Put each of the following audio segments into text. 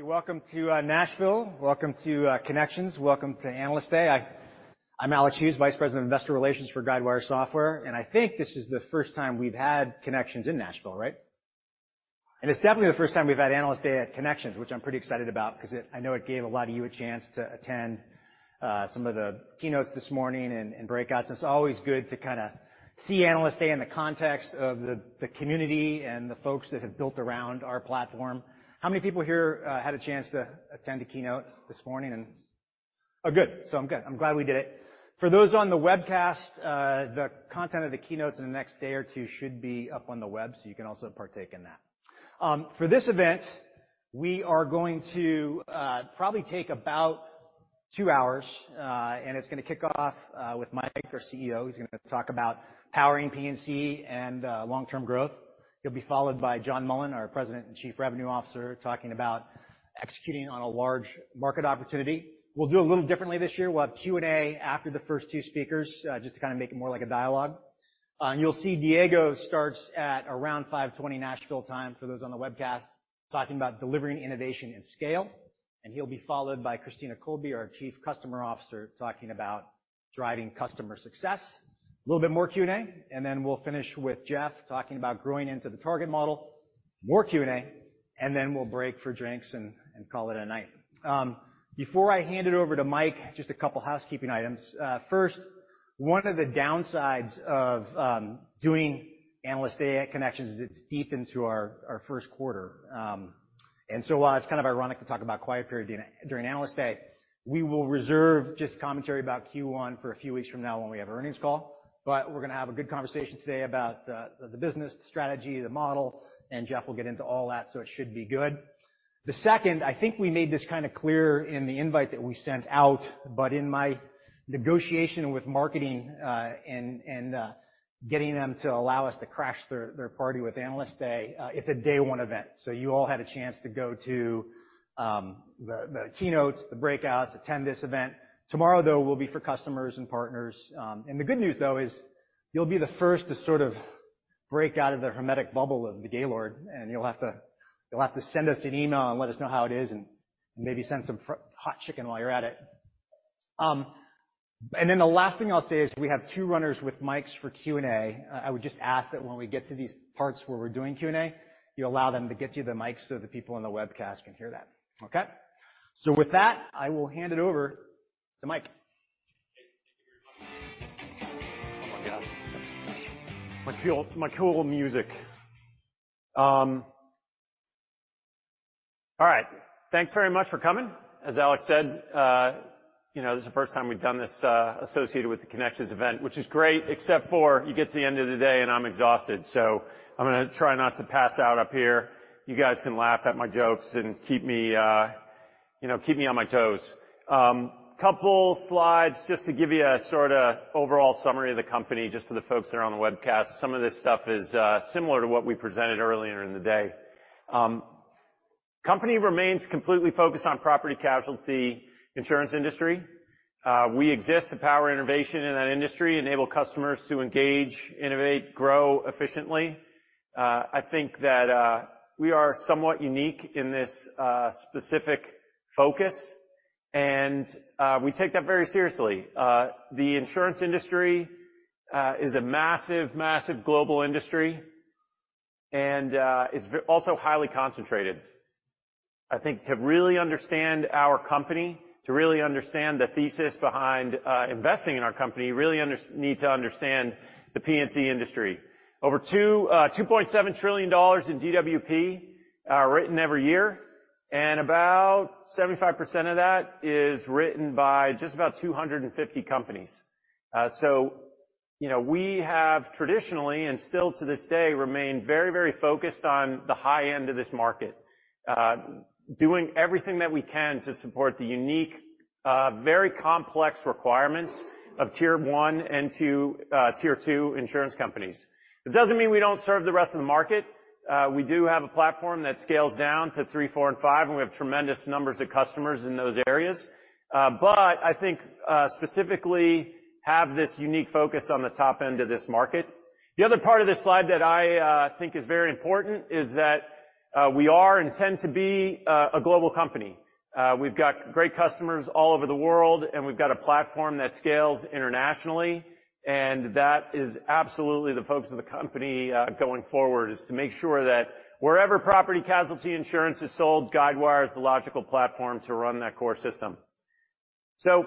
Welcome to Nashville. Welcome to Connections. Welcome to Analyst Day. I'm Alex Hughes, Vice President of Investor Relations for Guidewire Software, and I think this is the first time we've had Connections in Nashville, right? And it's definitely the first time we've had Analyst Day at Connections, which I'm pretty excited about because it. I know it gave a lot of you a chance to attend some of the keynotes this morning and breakouts. It's always good to kind of see Analyst Day in the context of the community and the folks that have built around our platform. How many people here had a chance to attend a keynote this morning? Oh, good. So I'm good. I'm glad we did it. For those on the webcast, the content of the keynotes in the next day or two should be up on the web, so you can also partake in that. For this event, we are going to probably take about two hours, and it's gonna kick off with Mike, our CEO. He's gonna talk about powering P&C and long-term growth. He'll be followed by John Mullen, our President and Chief Revenue Officer, talking about executing on a large market opportunity. We'll do it a little differently this year. We'll have Q&A after the first two speakers, just to kind of make it more like a dialogue. And you'll see Diego starts at around 5:20 P.M. Nashville time, for those on the webcast, talking about delivering innovation and scale. And he'll be followed by Christina Colby, our Chief Customer Officer, talking about driving customer success. A little bit more Q&A, and then we'll finish with Jeff talking about growing into the target model, more Q&A, and then we'll break for drinks and call it a night. Before I hand it over to Mike, just a couple of housekeeping items. First, one of the downsides of doing Analyst Day at Connections is it's deep into our first quarter. So while it's kind of ironic to talk about quiet period during Analyst Day, we will reserve just commentary about Q1 for a few weeks from now when we have earnings call. But we're going to have a good conversation today about the business strategy, the model, and Jeff will get into all that, so it should be good. The second, I think we made this kind of clear in the invite that we sent out, but in my negotiation with marketing, and getting them to allow us to crash their party with Analyst Day, it's a day one event. So you all had a chance to go to the keynotes, the breakouts, attend this event. Tomorrow, though, will be for customers and partners. And the good news, though, is you'll be the first to sort of break out of the hermetic bubble of the Gaylord, and you'll have to send us an email and let us know how it is and maybe send some hot chicken while you're at it. And then the last thing I'll say is we have two runners with mics for Q&A. I would just ask that when we get to these parts where we're doing Q&A, you allow them to get you the mic so the people on the webcast can hear that. Okay? So with that, I will hand it over to Mike. Thank you very much. Oh, my God. My cool, my cool music. All right. Thanks very much for coming. As Alex said, you know, this is the first time we've done this, associated with the Connections event, which is great, except for you get to the end of the day, and I'm exhausted. So I'm gonna try not to pass out up here. You guys can laugh at my jokes and keep me, you know, keep me on my toes. Couple slides, just to give you a sort of overall summary of the company, just for the folks that are on the webcast. Some of this stuff is similar to what we presented earlier in the day. Company remains completely focused on property casualty insurance industry. We exist to power innovation in that industry, enable customers to engage, innovate, grow efficiently. I think that we are somewhat unique in this specific focus, and we take that very seriously. The insurance industry is a massive, massive global industry, and it's also highly concentrated. I think to really understand our company, to really understand the thesis behind investing in our company, you really need to understand the P&C industry. Over $2.7 trillion in DWP written every year, and about 75% of that is written by just about 250 companies. So you know, we have traditionally and still to this day remain very, very focused on the high end of this market, doing everything that we can to support the unique, very complex requirements of Tier 1 and Tier 2 insurance companies. It doesn't mean we don't serve the rest of the market. We do have a platform that scales down to three, four, and five, and we have tremendous numbers of customers in those areas. But I think, specifically have this unique focus on the top end of this market. The other part of this slide that I, think is very important is that, we are and intend to be, a global company. We've got great customers all over the world, and we've got a platform that scales internationally, and that is absolutely the focus of the company, going forward, is to make sure that wherever property casualty insurance is sold, Guidewire is the logical platform to run that core system. So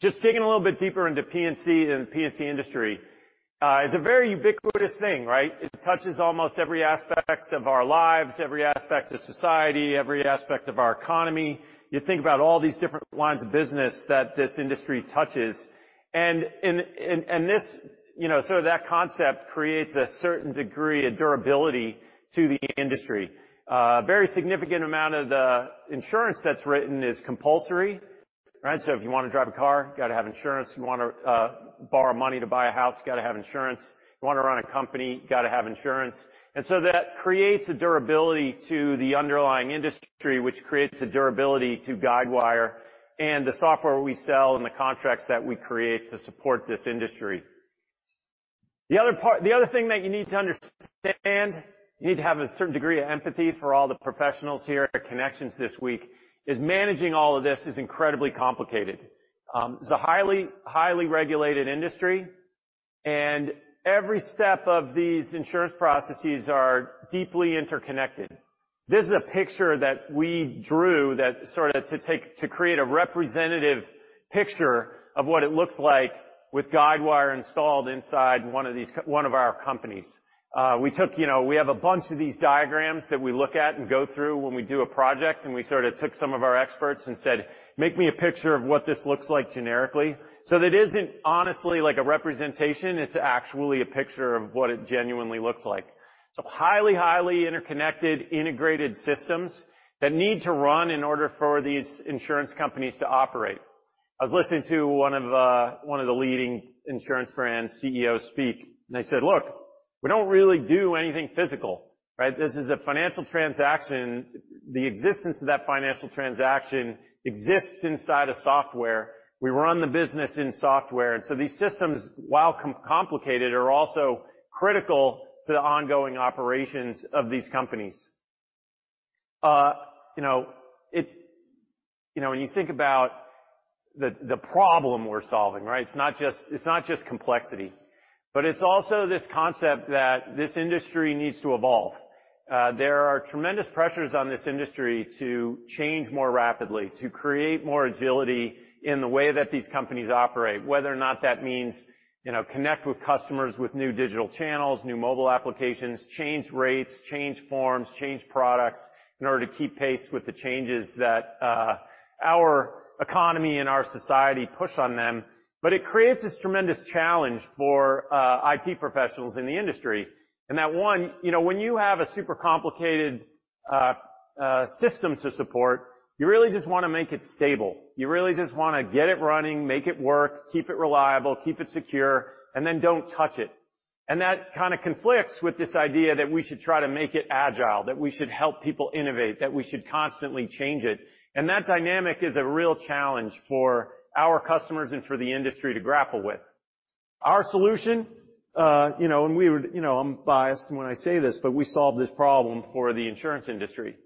just digging a little bit deeper into P&C and P&C industry, is a very ubiquitous thing, right? It touches almost every aspect of our lives, every aspect of society, every aspect of our economy. You think about all these different lines of business that this industry touches, you know, so that concept creates a certain degree of durability to the industry. A very significant amount of the insurance that's written is compulsory, right? So if you want to drive a car, you got to have insurance. You want to borrow money to buy a house, you got to have insurance. You want to run a company, you got to have insurance. And so that creates a durability to the underlying industry, which creates a durability to Guidewire and the software we sell and the contracts that we create to support this industry. The other part, the other thing that you need to understand, you need to have a certain degree of empathy for all the professionals here at Connections this week, is managing all of this is incredibly complicated. It's a highly, highly regulated industry, and every step of these insurance processes are deeply interconnected. This is a picture that we drew that sort of to create a representative picture of what it looks like with Guidewire installed inside one of our companies. We took, you know, we have a bunch of these diagrams that we look at and go through when we do a project, and we sort of took some of our experts and said, "Make me a picture of what this looks like generically." So that isn't honestly like a representation, it's actually a picture of what it genuinely looks like. So highly, highly interconnected, integrated systems that need to run in order for these insurance companies to operate. I was listening to one of, one of the leading insurance brand's CEO speak, and they said, "Look, we don't really do anything physical," right? This is a financial transaction. The existence of that financial transaction exists inside of software. We run the business in software, and so these systems, while complicated, are also critical to the ongoing operations of these companies. You know, it. You know, when you think about the problem we're solving, right? It's not just, it's not just complexity, but it's also this concept that this industry needs to evolve. There are tremendous pressures on this industry to change more rapidly, to create more agility in the way that these companies operate, whether or not that means, you know, connect with customers with new digital channels, new mobile applications, change rates, change forms, change products, in order to keep pace with the changes that our economy and our society push on them. But it creates this tremendous challenge for IT professionals in the industry. And that, you know, when you have a super complicated system to support, you really just want to make it stable. You really just want to get it running, make it work, keep it reliable, keep it secure, and then don't touch it. And that kind of conflicts with this idea that we should try to make it agile, that we should help people innovate, that we should constantly change it. And that dynamic is a real challenge for our customers and for the industry to grapple with. Our solution, you know, and we would, you know, I'm biased when I say this, but we solve this problem for the insurance industry,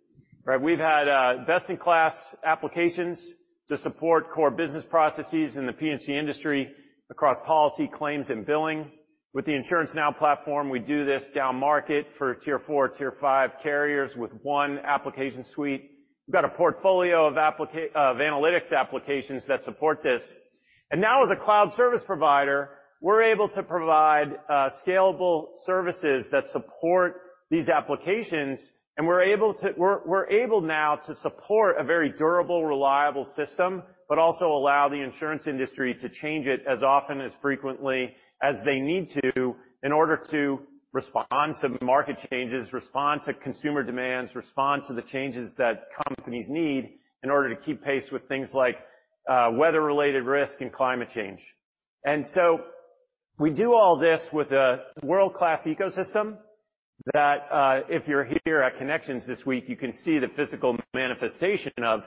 right? We've had best-in-class applications to support core business processes in the P&C industry across policy, claims, and billing. With the InsuranceNow platform, we do this downmarket for Tier 4, Tier 5 carriers with one application suite. We've got a portfolio of analytics applications that support this. Now as a cloud service provider, we're able to provide scalable services that support these applications, and we're able to-- We're able now to support a very durable, reliable system, but also allow the insurance industry to change it as often, as frequently as they need to, in order to respond to market changes, respond to consumer demands, respond to the changes that companies need in order to keep pace with things like weather-related risk and climate change. And so we do all this with a world-class ecosystem that if you're here at Connections this week, you can see the physical manifestation of,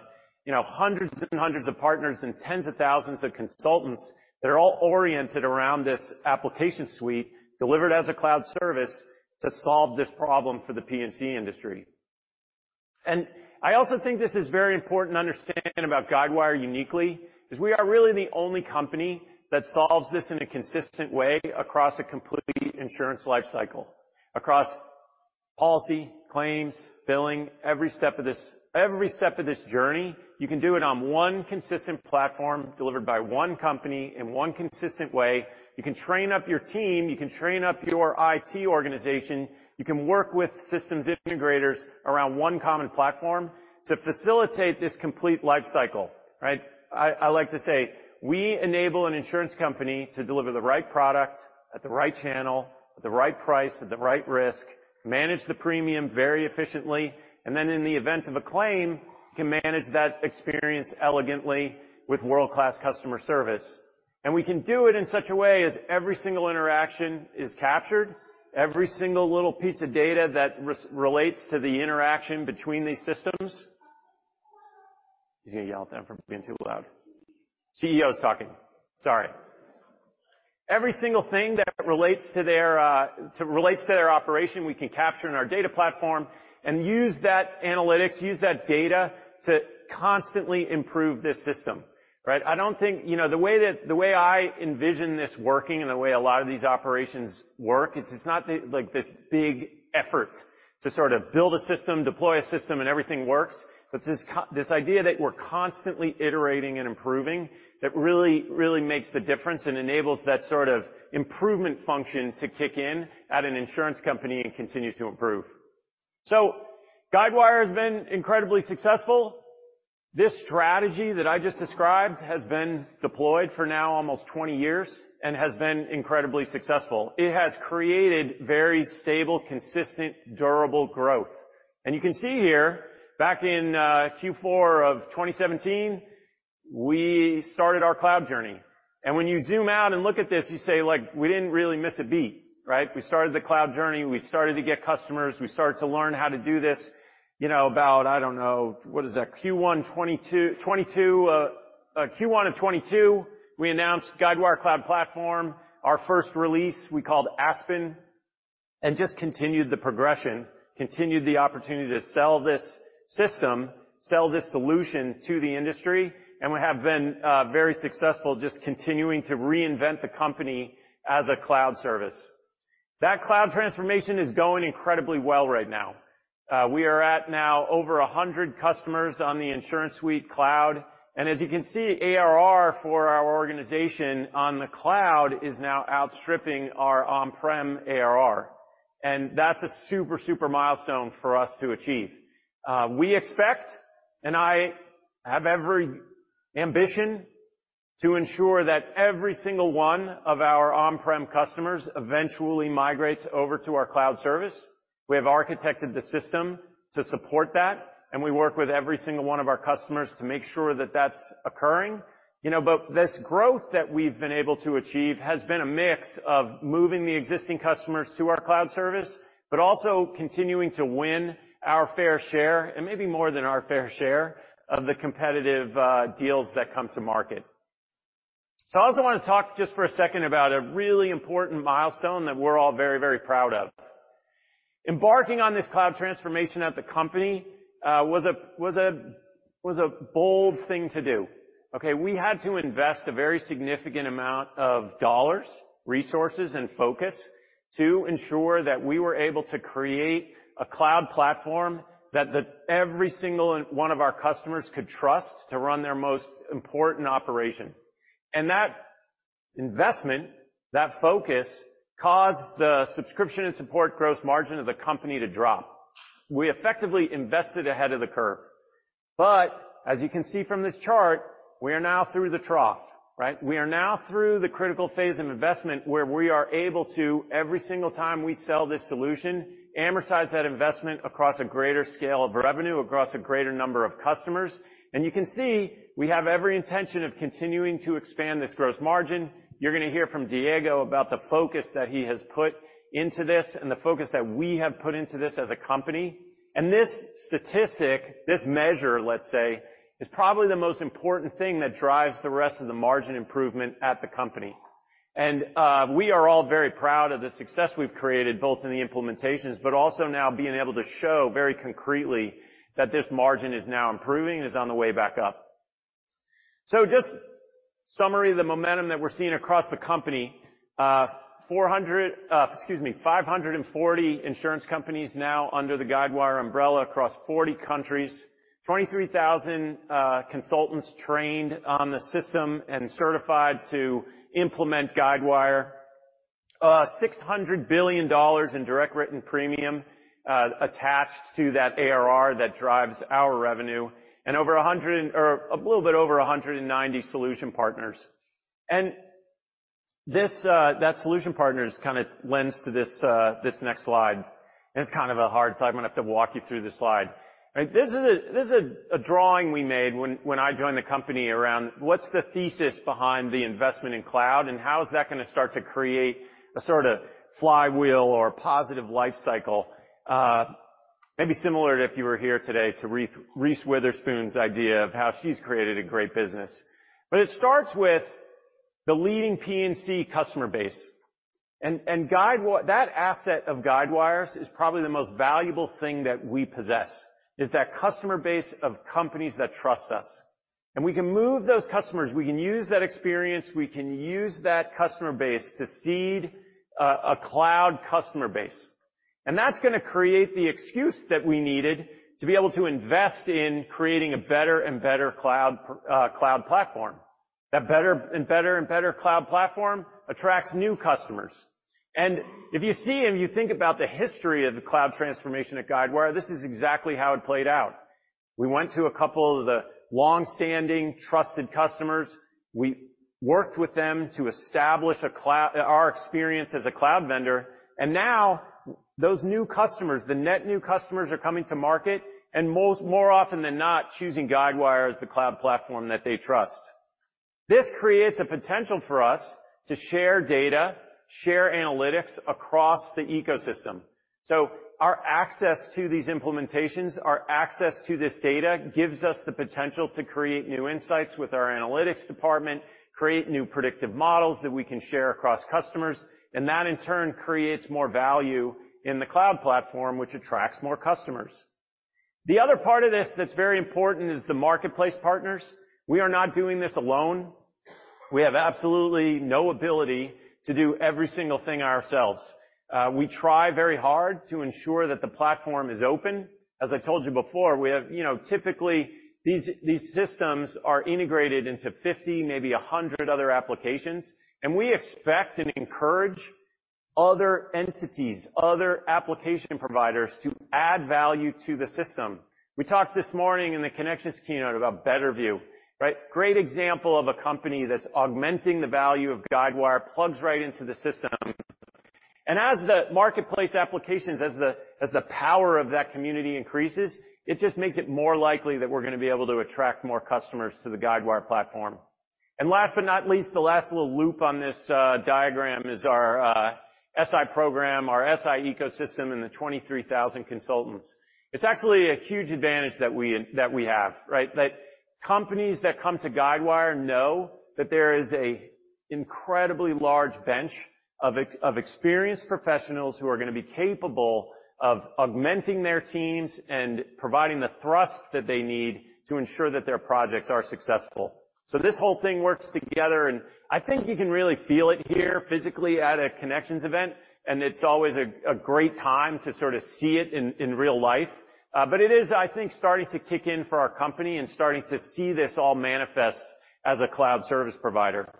you know, hundreds and hundreds of partners and tens of thousands of consultants that are all oriented around this application suite, delivered as a cloud service to solve this problem for the P&C industry. I also think this is very important to understand about Guidewire uniquely, is we are really the only company that solves this in a consistent way across a complete insurance life cycle, across policy, claims, billing, every step of this, every step of this journey, you can do it on one consistent platform, delivered by one company in one consistent way. You can train up your team, you can train up your IT organization, you can work with systems integrators around one common platform to facilitate this complete life cycle, right? I, I like to say we enable an insurance company to deliver the right product, at the right channel, at the right price, at the right risk, manage the premium very efficiently, and then in the event of a claim, can manage that experience elegantly with world-class customer service. And we can do it in such a way as every single interaction is captured, every single little piece of data that relates to the interaction between these systems. He's going to yell at them for being too loud. CEO's talking. Sorry. Every single thing that relates to their operation, we can capture in our Data Platform and use that analytics, use that data to constantly improve this system, right? I don't think. You know, the way I envision this working and the way a lot of these operations work is it's not the, like, this big effort to sort of build a system, deploy a system, and everything works, but this idea that we're constantly iterating and improving, that really, really makes the difference and enables that sort of improvement function to kick in at an insurance company and continue to improve. So Guidewire has been incredibly successful. This strategy that I just described has been deployed for now almost 20 years and has been incredibly successful. It has created very stable, consistent, durable growth. And you can see here, back in Q4 of 2017, we started our cloud journey. And when you zoom out and look at this, you say, like, we didn't really miss a beat, right? We started the cloud journey. We started to get customers. We started to learn how to do this, you know, about, I don't know, what is that? Q1 2022, we announced Guidewire Cloud Platform, our first release we called Aspen, and just continued the progression, continued the opportunity to sell this system, sell this solution to the industry, and we have been very successful just continuing to reinvent the company as a cloud service. That cloud transformation is going incredibly well right now. We are at now over 100 customers on the InsuranceSuite Cloud, and as you can see, ARR for our organization on the cloud is now outstripping our on-prem ARR. That's a super, super milestone for us to achieve. We expect, and I have every ambition, to ensure that every single one of our on-prem customers eventually migrates over to our cloud service. We have architected the system to support that, and we work with every single one of our customers to make sure that that's occurring. You know, but this growth that we've been able to achieve has been a mix of moving the existing customers to our cloud service, but also continuing to win our fair share, and maybe more than our fair share, of the competitive, deals that come to market. So I also want to talk just for a second about a really important milestone that we're all very, very proud of. Embarking on this cloud transformation at the company, was a bold thing to do, okay? We had to invest a very significant amount of dollars, resources, and focus to ensure that we were able to create a cloud platform that every single one of our customers could trust to run their most important operation. And that investment, that focus, caused the subscription and support gross margin of the company to drop. We effectively invested ahead of the curve. But as you can see from this chart, we are now through the trough, right? We are now through the critical phase of investment, where we are able to, every single time we sell this solution, amortize that investment across a greater scale of revenue, across a greater number of customers. And you can see, we have every intention of continuing to expand this gross margin. You're going to hear from Diego about the focus that he has put into this and the focus that we have put into this as a company. And this statistic, this measure, let's say, is probably the most important thing that drives the rest of the margin improvement at the company. And, we are all very proud of the success we've created, both in the implementations, but also now being able to show very concretely that this margin is now improving and is on the way back up. So just summary of the momentum that we're seeing across the company. 400, excuse me, 540 insurance companies now under the Guidewire umbrella across 40 countries, 23,000 consultants trained on the system and certified to implement Guidewire, $600 billion in direct written premium attached to that ARR that drives our revenue, and over 100, or a little bit over 190 solution partners. And this, that solution partner kind of lends to this, this next slide. And it's kind of a hard slide. I'm going to have to walk you through this slide. Right? This is a, this is a, a drawing we made when, when I joined the company around what's the thesis behind the investment in cloud, and how is that going to start to create a sort of flywheel or a positive life cycle? Maybe similar to, if you were here today, to Reese Witherspoon's idea of how she's created a great business. But it starts with the leading P&C customer base. And Guidewire, that asset of Guidewire's is probably the most valuable thing that we possess, is that customer base of companies that trust us. And we can move those customers. We can use that experience, we can use that customer base to seed a cloud customer base. And that's going to create the excuse that we needed to be able to invest in creating a better and better cloud platform. That better and better and better cloud platform attracts new customers. And if you see and you think about the history of the cloud transformation at Guidewire, this is exactly how it played out. We went to a couple of the long-standing, trusted customers. We worked with them to establish a cloud, our experience as a cloud vendor, and now those new customers, the net new customers, are coming to market, and more often than not, choosing Guidewire as the cloud platform that they trust. This creates a potential for us to share data, share analytics across the ecosystem. So our access to these implementations, our access to this data, gives us the potential to create new insights with our analytics department, create new predictive models that we can share across customers, and that, in turn, creates more value in the cloud platform, which attracts more customers. The other part of this that's very important is the Marketplace partners. We are not doing this alone. We have absolutely no ability to do every single thing ourselves. We try very hard to ensure that the platform is open. As I told you before, we have-- You know, typically, these systems are integrated into 50, maybe 100 other applications, and we expect and encourage other entities, other application providers, to add value to the system. We talked this morning in the Connections keynote about Betterview, right? Great example of a company that's augmenting the value of Guidewire, plugs right into the system. And as the Marketplace applications, as the power of that community increases, it just makes it more likely that we're going to be able to attract more customers to the Guidewire platform. And last but not least, the last little loop on this diagram is our SI program, our SI ecosystem, and the 23,000 consultants. It's actually a huge advantage that we, that we have, right? That companies that come to Guidewire know that there is an incredibly large bench of experienced professionals who are going to be capable of augmenting their teams and providing the thrust that they need to ensure that their projects are successful. So this whole thing works together, and I think you can really feel it here physically at a Connections event, and it's always a great time to sort of see it in real life. But it is, I think, starting to kick in for our company and starting to see this all manifest as a cloud service provider.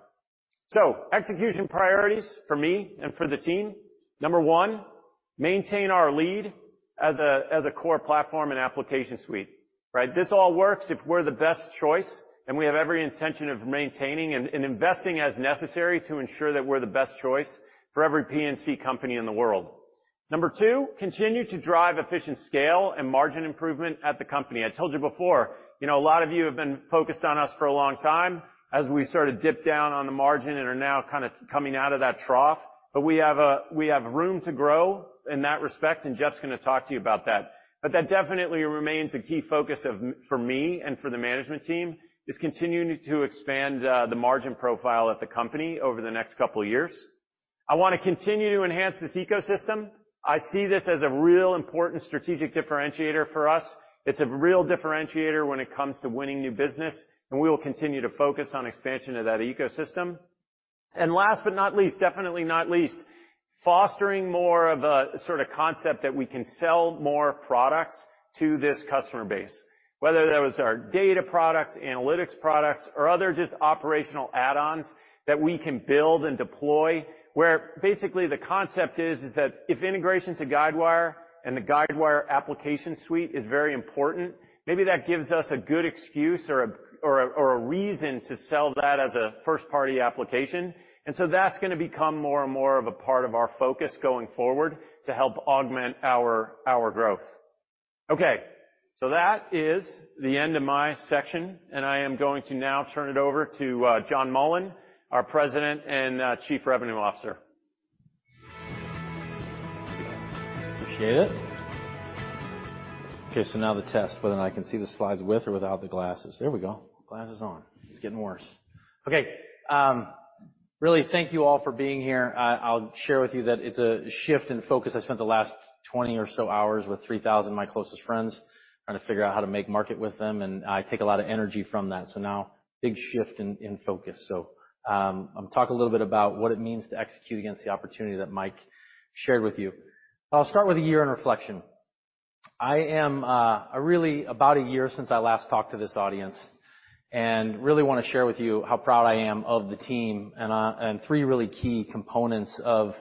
So execution priorities for me and for the team. Number one, maintain our lead as a core platform and application suite, right? This all works if we're the best choice, and we have every intention of maintaining and investing as necessary to ensure that we're the best choice for every P&C company in the world. Number two, continue to drive efficient scale and margin improvement at the company. I told you before, you know, a lot of you have been focused on us for a long time as we sort of dip down on the margin and are now kind of coming out of that trough. But we have room to grow in that respect, and Jeff's going to talk to you about that. But that definitely remains a key focus of, for me and for the management team, is continuing to expand the margin profile at the company over the next couple of years. I want to continue to enhance this ecosystem. I see this as a real important strategic differentiator for us. It's a real differentiator when it comes to winning new business, and we will continue to focus on expansion of that ecosystem. Last but not least, definitely not least, fostering more of a sort of concept that we can sell more products to this customer base, whether that was our data products, analytics products, or other just operational add-ons that we can build and deploy. Where basically the concept is that if integration to Guidewire and the Guidewire application suite is very important, maybe that gives us a good excuse or a reason to sell that as a first-party application. So that's going to become more and more of a part of our focus going forward to help augment our growth. Okay, so that is the end of my section, and I am going to now turn it over to John Mullen, our President and Chief Revenue Officer. Appreciate it. Okay, so now the test, whether I can see the slides with or without the glasses. There we go. Glasses on. It's getting worse. Okay, really, thank you all for being here. I'll share with you that it's a shift in focus. I spent the last 20 or so hours with 3,000 of my closest friends trying to figure out how to make market with them, and I take a lot of energy from that. So now big shift in focus. So, I'll talk a little bit about what it means to execute against the opportunity that Mike shared with you. I'll start with a year in reflection. I am really about a year since I last talked to this audience, and really want to share with you how proud I am of the team and three really key components of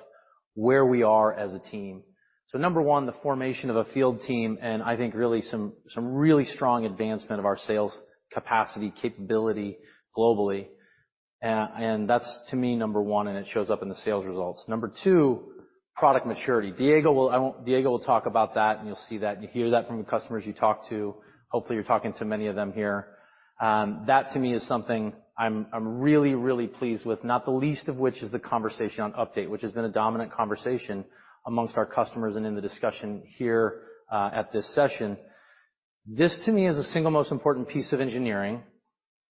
where we are as a team. So number one, the formation of a field team, and I think really some really strong advancement of our sales capacity capability globally. And that's, to me, number one, and it shows up in the sales results. Number two, product maturity. Diego will-- I won't-- Diego will talk about that, and you'll see that, and you hear that from the customers you talk to. Hopefully, you're talking to many of them here. That, to me, is something I'm, I'm really, really pleased with, not the least of which is the conversation on update, which has been a dominant conversation among our customers and in the discussion here at this session. This, to me, is the single most important piece of engineering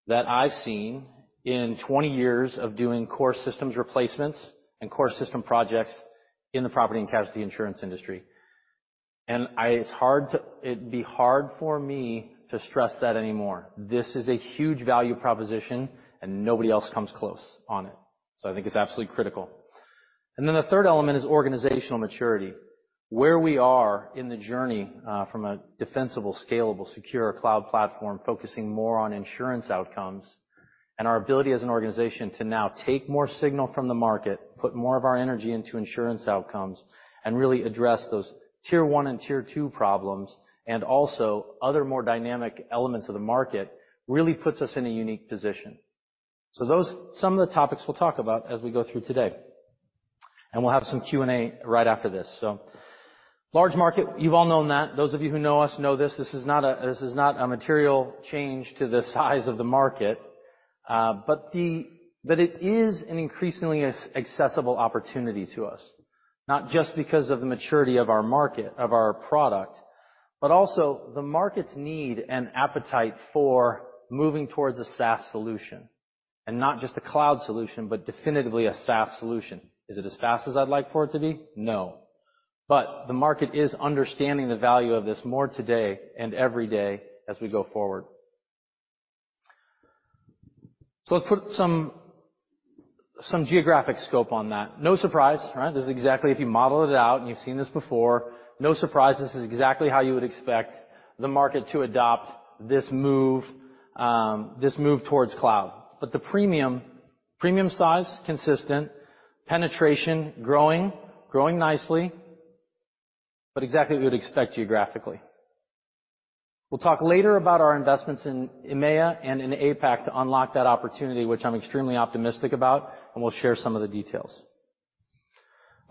that I've seen in 20 years of doing core systems replacements and core system projects in the property and casualty insurance industry. It's hard to-- It'd be hard for me to stress that anymore. This is a huge value proposition, and nobody else comes close on it. So I think it's absolutely critical. And then the third element is organizational maturity. Where we are in the journey from a defensible, scalable, secure cloud platform, focusing more on insurance outcomes, and our ability as an organization to now take more signal from the market, put more of our energy into insurance outcomes, and really address those Tier 1 and Tier 2 problems, and also other more dynamic elements of the market, really puts us in a unique position. So those, some of the topics we'll talk about as we go through today. And we'll have some Q&A right after this. So large market, you've all known that. Those of you who know us know this, this is not a this is not a material change to the size of the market, but the but it is an increasingly accessible opportunity to us, not just because of the maturity of our market, of our product, but also the market's need and appetite for moving towards a SaaS solution, and not just a cloud solution, but definitively a SaaS solution. Is it as fast as I'd like for it to be? No. But the market is understanding the value of this more today and every day as we go forward. So let's put some geographic scope on that. No surprise, right? This is exactly, if you model it out, and you've seen this before, no surprise, this is exactly how you would expect the market to adopt this move, this move towards cloud. But the premium premium size, consistent penetration, growing, growing nicely, but exactly what you would expect geographically. We'll talk later about our investments in EMEA and in APAC to unlock that opportunity, which I'm extremely optimistic about, and we'll share some of the details.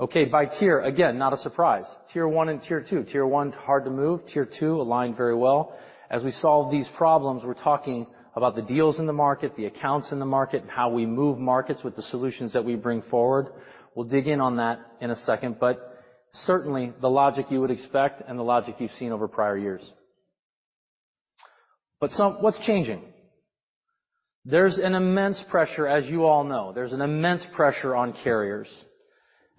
Okay, by tier, again, not a surprise. Tier 1 and Tier 2. Tier 1, hard to move. Tier 2, aligned very well. As we solve these problems, we're talking about the deals in the market, the accounts in the market, and how we move markets with the solutions that we bring forward. We'll dig in on that in a second, but certainly, the logic you would expect and the logic you've seen over prior years. But some—what's changing? There's an immense pressure, as you all know, there's an immense pressure on carriers,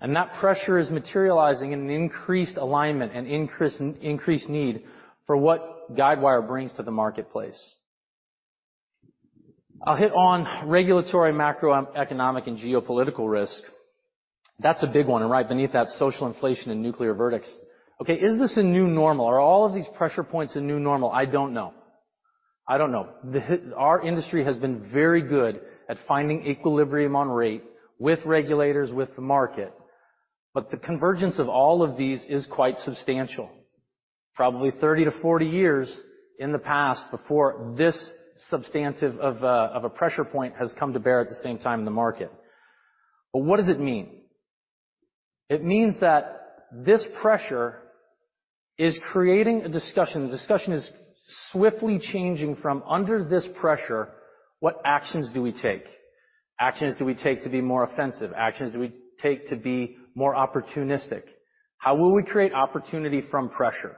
and that pressure is materializing in an increased alignment and increase, increased need for what Guidewire brings to the marketplace. I'll hit on regulatory, macroeconomic, and geopolitical risk. That's a big one, and right beneath that, social inflation and nuclear verdicts. Okay, is this a new normal? Are all of these pressure points a new normal? I don't know. I don't know. Our industry has been very good at finding equilibrium on rate with regulators, with the market, but the convergence of all of these is quite substantial. Probably 30-40 years in the past before this substantive of a pressure point has come to bear at the same time in the market. But what does it mean? It means that this pressure is creating a discussion. The discussion is swiftly changing from under this pressure, what actions do we take? Actions do we take to be more offensive, actions do we take to be more opportunistic? How will we create opportunity from pressure?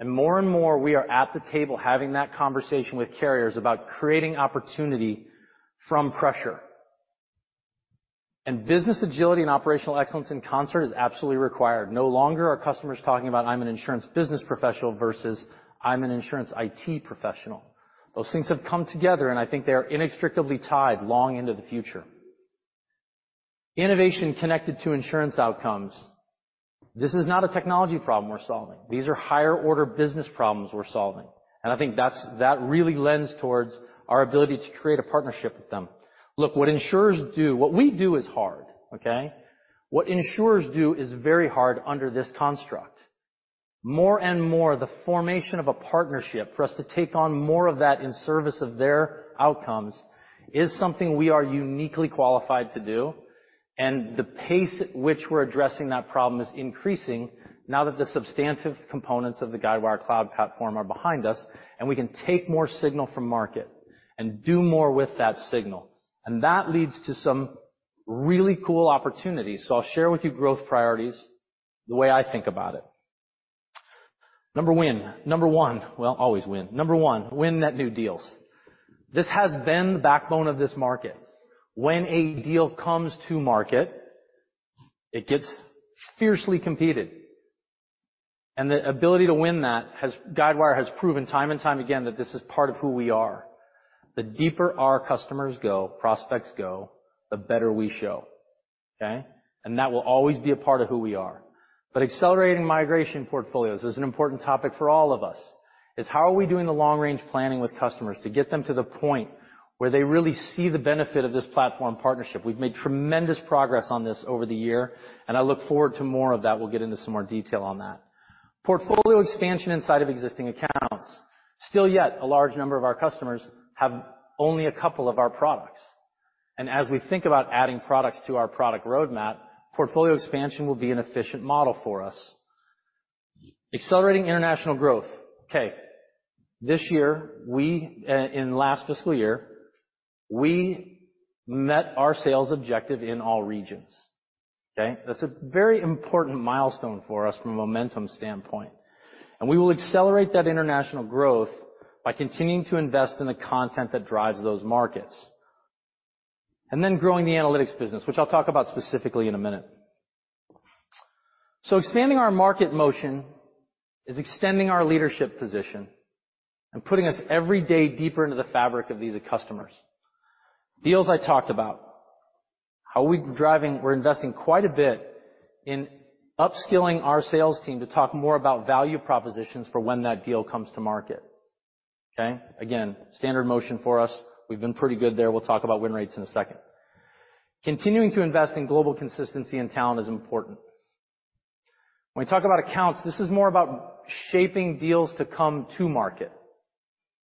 More and more, we are at the table having that conversation with carriers about creating opportunity from pressure. Business agility and operational excellence in concert is absolutely required. No longer are customers talking about, "I'm an insurance business professional," versus, "I'm an insurance IT professional." Those things have come together, and I think they are inextricably tied long into the future. Innovation connected to insurance outcomes. This is not a technology problem we're solving. These are higher order business problems we're solving, and I think that's, that really lends towards our ability to create a partnership with them. Look, what insurers do. What we do is hard, okay? What insurers do is very hard under this construct. More and more, the formation of a partnership for us to take on more of that in service of their outcomes is something we are uniquely qualified to do, and the pace at which we're addressing that problem is increasing now that the substantive components of the Guidewire Cloud Platform are behind us, and we can take more signal from market and do more with that signal. And that leads to some really cool opportunities. So I'll share with you growth priorities, the way I think about it. Number one-- Well, always win. Number one, win net new deals. This has been the backbone of this market. When a deal comes to market, it gets fiercely competed, and the ability to win that has, Guidewire has proven time and time again that this is part of who we are. The deeper our customers go, prospects go, the better we show, okay? And that will always be a part of who we are. But accelerating migration portfolios is an important topic for all of us, is how are we doing the long-range planning with customers to get them to the point where they really see the benefit of this platform partnership? We've made tremendous progress on this over the year, and I look forward to more of that. We'll get into some more detail on that. Portfolio expansion inside of existing accounts. Still, yet, a large number of our customers have only a couple of our products, and as we think about adding products to our product roadmap, portfolio expansion will be an efficient model for us. Accelerating international growth. Okay, this year, we, in last fiscal year, we met our sales objective in all regions, okay? That's a very important milestone for us from a momentum standpoint. We will accelerate that international growth by continuing to invest in the content that drives those markets. Then growing the analytics business, which I'll talk about specifically in a minute. Extending our market motion is extending our leadership position and putting us every day deeper into the fabric of these customers. Deals I talked about. We're investing quite a bit in upskilling our sales team to talk more about value propositions for when that deal comes to market, okay? Again, standard motion for us. We've been pretty good there. We'll talk about win rates in a second. Continuing to invest in global consistency and talent is important. When we talk about accounts, this is more about shaping deals to come to market,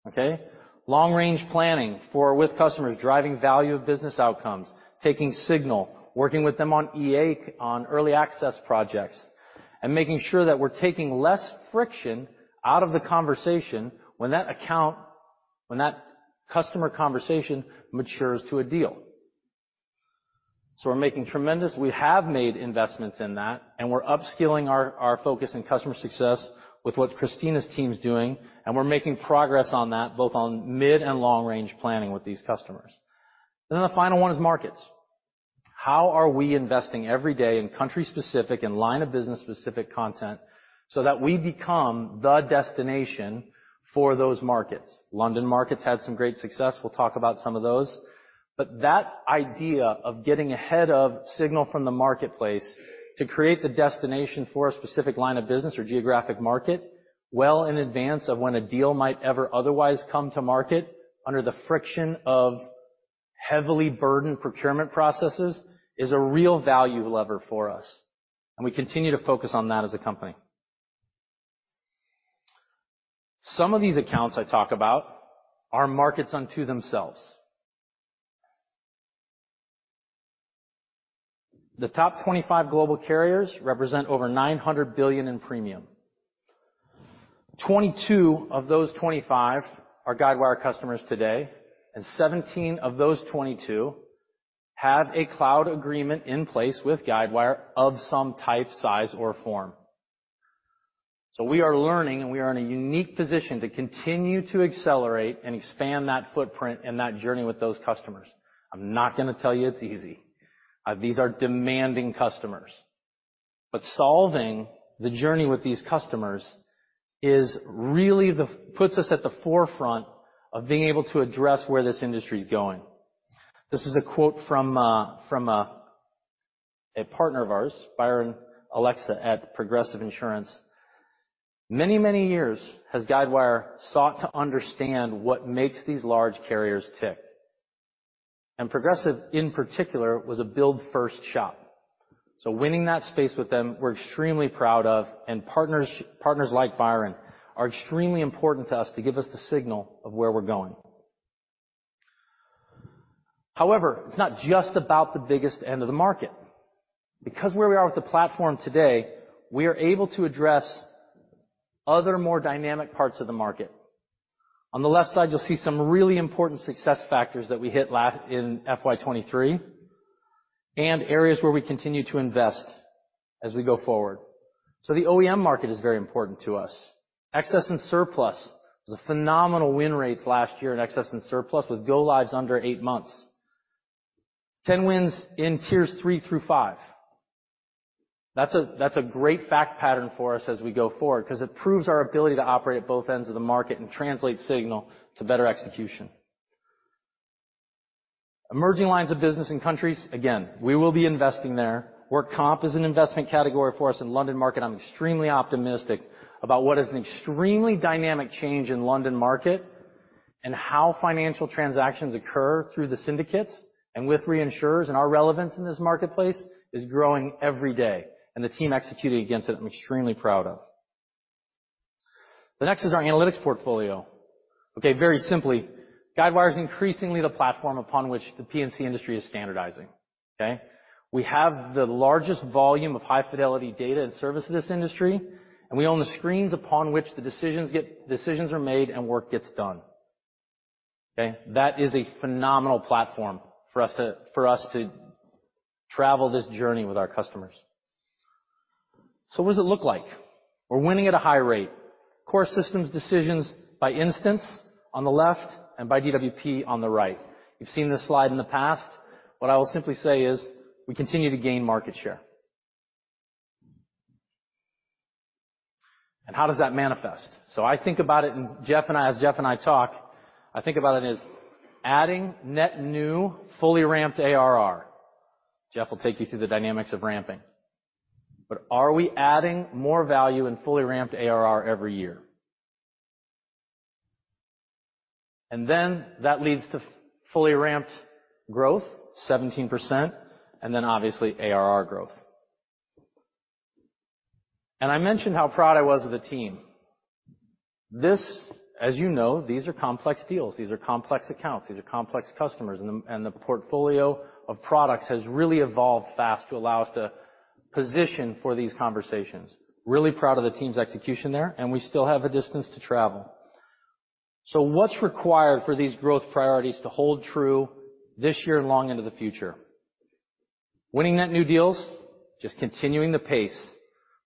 okay? Long-range planning with customers, driving value of business outcomes, taking signal, working with them on EA, on early access projects, and making sure that we're taking less friction out of the conversation when that account, when that customer conversation matures to a deal. So we're making tremendous. We have made investments in that, and we're upskilling our focus and customer success with what Christina's team is doing, and we're making progress on that, both on mid- and long-range planning with these customers. Then the final one is markets. How are we investing every day in country-specific and line of business-specific content so that we become the destination for those markets? London Market had some great success. We'll talk about some of those. But that idea of getting ahead of signal from the marketplace to create the destination for a specific line of business or geographic market well in advance of when a deal might ever otherwise come to market under the friction of heavily burdened procurement processes, is a real value lever for us, and we continue to focus on that as a company. Some of these accounts I talk about are markets unto themselves. The top 25 global carriers represent over $900 billion in premium. 22 of those 25 are Guidewire customers today, and 17 of those 22 have a cloud agreement in place with Guidewire of some type, size, or form. So we are learning, and we are in a unique position to continue to accelerate and expand that footprint and that journey with those customers. I'm not going to tell you it's easy. These are demanding customers, but solving the journey with these customers is really puts us at the forefront of being able to address where this industry is going. This is a quote from a partner of ours, Byron, Alex, at Progressive Insurance. Many, many years has Guidewire sought to understand what makes these large carriers tick. Progressive, in particular, was a build-first shop. So winning that space with them, we're extremely proud of, and partners like Byron are extremely important to us to give us the signal of where we're going. However, it's not just about the biggest end of the market. Because where we are with the platform today, we are able to address other, more dynamic parts of the market. On the left side, you'll see some really important success factors that we hit last in FY 2023 and areas where we continue to invest as we go forward. So the OEM market is very important to us. Excess and Surplus. The phenomenal win rates last year in Excess and Surplus with go-lives under eight months. 10 wins in Tiers 3 through 5. That's a, that's a great fact pattern for us as we go forward 'cause it proves our ability to operate at both ends of the market and translate signal to better execution. Emerging lines of business and countries, again, we will be investing there, where Complex is an investment category for us in London Market. I'm extremely optimistic about what is an extremely dynamic change in London Market and how financial transactions occur through the syndicates and with reinsurers. And our relevance in this marketplace is growing every day, and the team executing against it. I'm extremely proud of. The next is our analytics portfolio. Okay, very simply, Guidewire is increasingly the platform upon which the P&C industry is standardizing, okay? We have the largest volume of high-fidelity data and service in this industry, and we own the screens upon which the decisions get-- decisions are made and work gets done. Okay? That is a phenomenal platform for us to, for us to travel this journey with our customers. So what does it look like? We're winning at a high rate. Core systems decisions by instance on the left and by DWP on the right. You've seen this slide in the past. What I will simply say is we continue to gain market share. And how does that manifest? So I think about it, and as Jeff and I talk, I think about it as adding net new, fully ramped ARR. Jeff will take you through the dynamics of ramping. But are we adding more value in fully ramped ARR every year? And then that leads to fully ramped growth, 17%, and then obviously, ARR growth. And I mentioned how proud I was of the team. This, as you know, these are complex deals, these are complex accounts, these are complex customers, and the portfolio of products has really evolved fast to allow us to position for these conversations. Really proud of the team's execution there, and we still have a distance to travel. So what's required for these growth priorities to hold true this year and long into the future? Winning net new deals, just continuing the pace,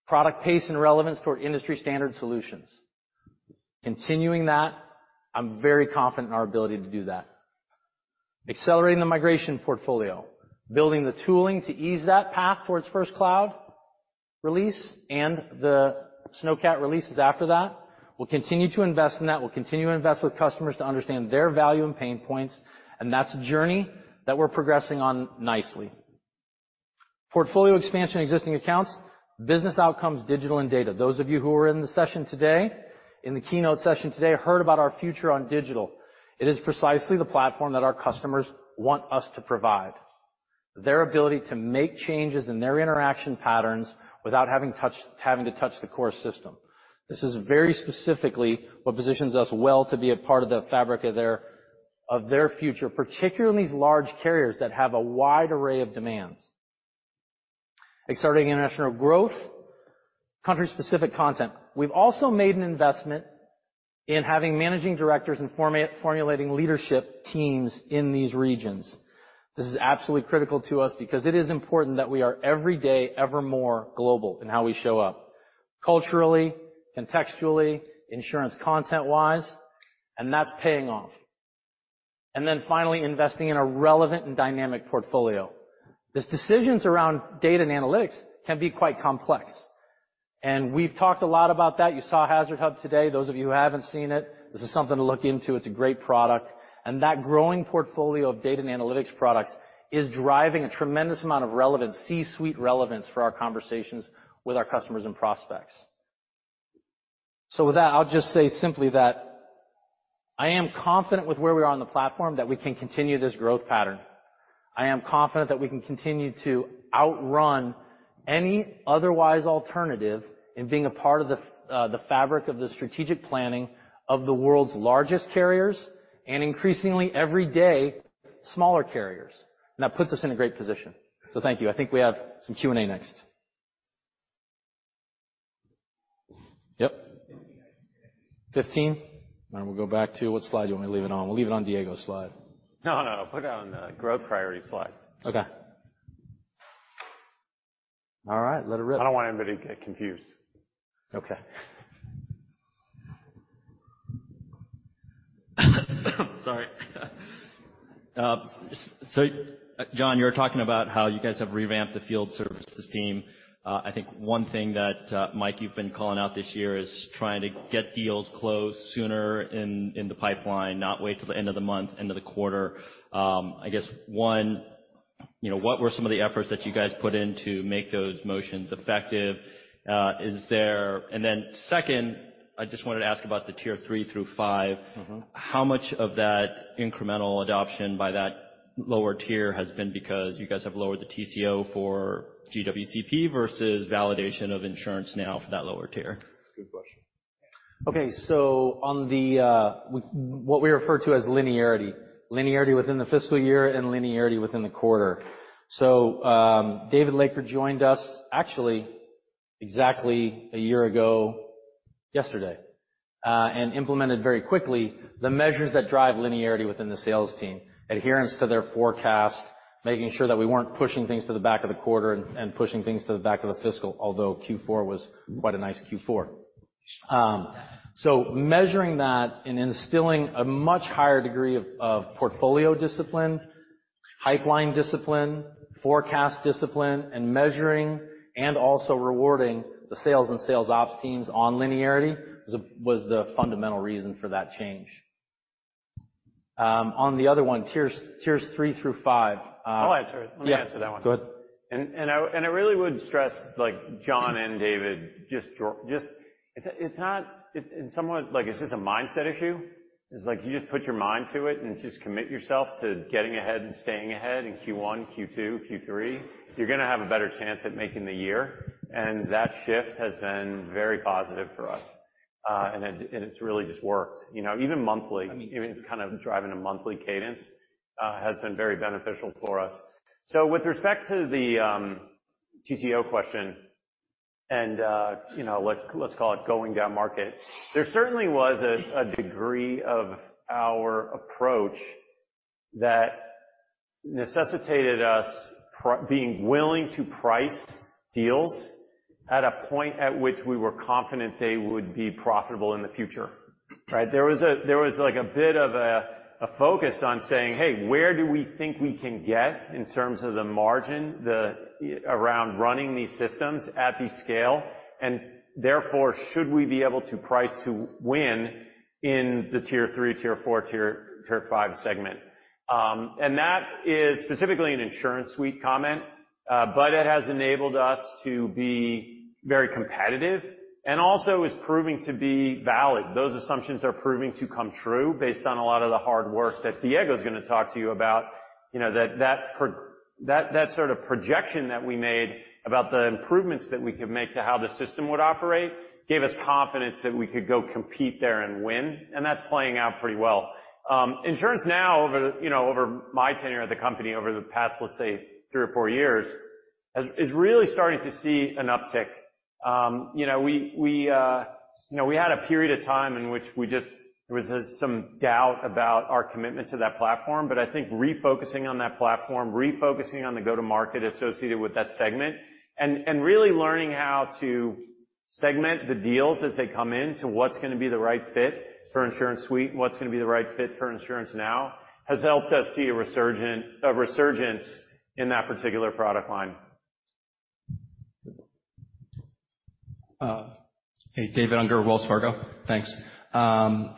product pace and relevance toward industry-standard solutions. Continuing that, I'm very confident in our ability to do that. Accelerating the migration portfolio, building the tooling to ease that path for its first cloud release and the Snowcat releases after that. We'll continue to invest in that. We'll continue to invest with customers to understand their value and pain points, and that's a journey that we're progressing on nicely. Portfolio expansion, existing accounts, business outcomes, digital and data. Those of you who were in the session today, in the keynote session today, heard about our future on digital. It is precisely the platform that our customers want us to provide. Their ability to make changes in their interaction patterns without having to touch the core system. This is very specifically what positions us well to be a part of the fabric of their, of their future, particularly in these large carriers that have a wide array of demands. Accelerating international growth, country-specific content. We've also made an investment in having managing directors and formulating leadership teams in these regions. This is absolutely critical to us because it is important that we are every day, ever more global in how we show up, culturally, contextually, insurance content-wise, and that's paying off. And then finally, investing in a relevant and dynamic portfolio. These decisions around data and analytics can be quite complex, and we've talked a lot about that. You saw HazardHub today. Those of you who haven't seen it, this is something to look into. It's a great product, and that growing portfolio of data and analytics products is driving a tremendous amount of relevance, C-suite relevance for our conversations with our customers and prospects. So with that, I'll just say simply that-- I am confident with where we are on the platform, that we can continue this growth pattern. I am confident that we can continue to outrun any otherwise alternative in being a part of the, the fabric of the strategic planning of the world's largest carriers, and increasingly every day, smaller carriers. And that puts us in a great position. So thank you. I think we have some Q&A next. Yep. 15? Then we'll go back to, what slide you want me to leave it on? We'll leave it on Diego's slide. No, no, put it on the growth priority slide. Okay. All right, let it rip. I don't want anybody to get confused. Okay. Sorry. So, John, you were talking about how you guys have revamped the field services team. I think one thing that, Mike, you've been calling out this year is trying to get deals closed sooner in the pipeline, not wait till the end of the month, end of the quarter. I guess, one, you know, what were some of the efforts that you guys put in to make those motions effective? Is there? And then second, I just wanted to ask about the Tier 3 through 5. How much of that incremental adoption by that lower tier has been because you guys have lowered the TCO for GWCP versus validation of InsuranceNow for that lower tier? Good question. Okay, so on the, what we refer to as linearity, linearity within the fiscal year and linearity within the quarter. So, David Laker joined us, actually, exactly a year ago yesterday, and implemented very quickly the measures that drive linearity within the sales team, adherence to their forecast, making sure that we weren't pushing things to the back of the quarter and, and pushing things to the back of the fiscal, although Q4 was quite a nice Q4. So measuring that and instilling a much higher degree of portfolio discipline, pipeline discipline, forecast discipline, and measuring, and also rewarding the sales and sales ops teams on linearity, was the fundamental reason for that change. On the other one, Tiers 3 through 5. I'll answer it. Yeah. Let me answer that one. Go ahead. I really would stress, like John and David, just. It's not, it's just a mindset issue. It's like you just put your mind to it, and just commit yourself to getting ahead and staying ahead in Q1, Q2, Q3, you're going to have a better chance at making the year, and that shift has been very positive for us. And it's really just worked. You know, even monthly, I mean, even kind of driving a monthly cadence, has been very beneficial for us. So with respect to the TCO question, and you know, let's call it going down market. There certainly was a degree of our approach that necessitated us being willing to price deals at a point at which we were confident they would be profitable in the future, right? There was, like, a bit of a focus on saying, "Hey, where do we think we can get in terms of the margin around running these systems at the scale? And therefore, should we be able to price to win in the Tier 3, Tier 4, Tier 5 segment?" And that is specifically an InsuranceSuite comment, but it has enabled us to be very competitive and also is proving to be valid. Those assumptions are proving to come true based on a lot of the hard work that Diego is going to talk to you about, you know, that sort of projection that we made about the improvements that we could make to how the system would operate, gave us confidence that we could go compete there and win, and that's playing out pretty well. InsuranceNow over, you know, over my tenure at the company, over the past, let's say, three or four years, is really starting to see an uptick. You know, we had a period of time in which we just, there was just some doubt about our commitment to that platform, but I think refocusing on that platform, refocusing on the go-to-market associated with that segment, and really learning how to segment the deals as they come in to what's going to be the right fit for InsuranceSuite, and what's going to be the right fit for InsuranceNow, has helped us see a resurgence in that particular product line. Hey, David Unger, Wells Fargo. Thanks.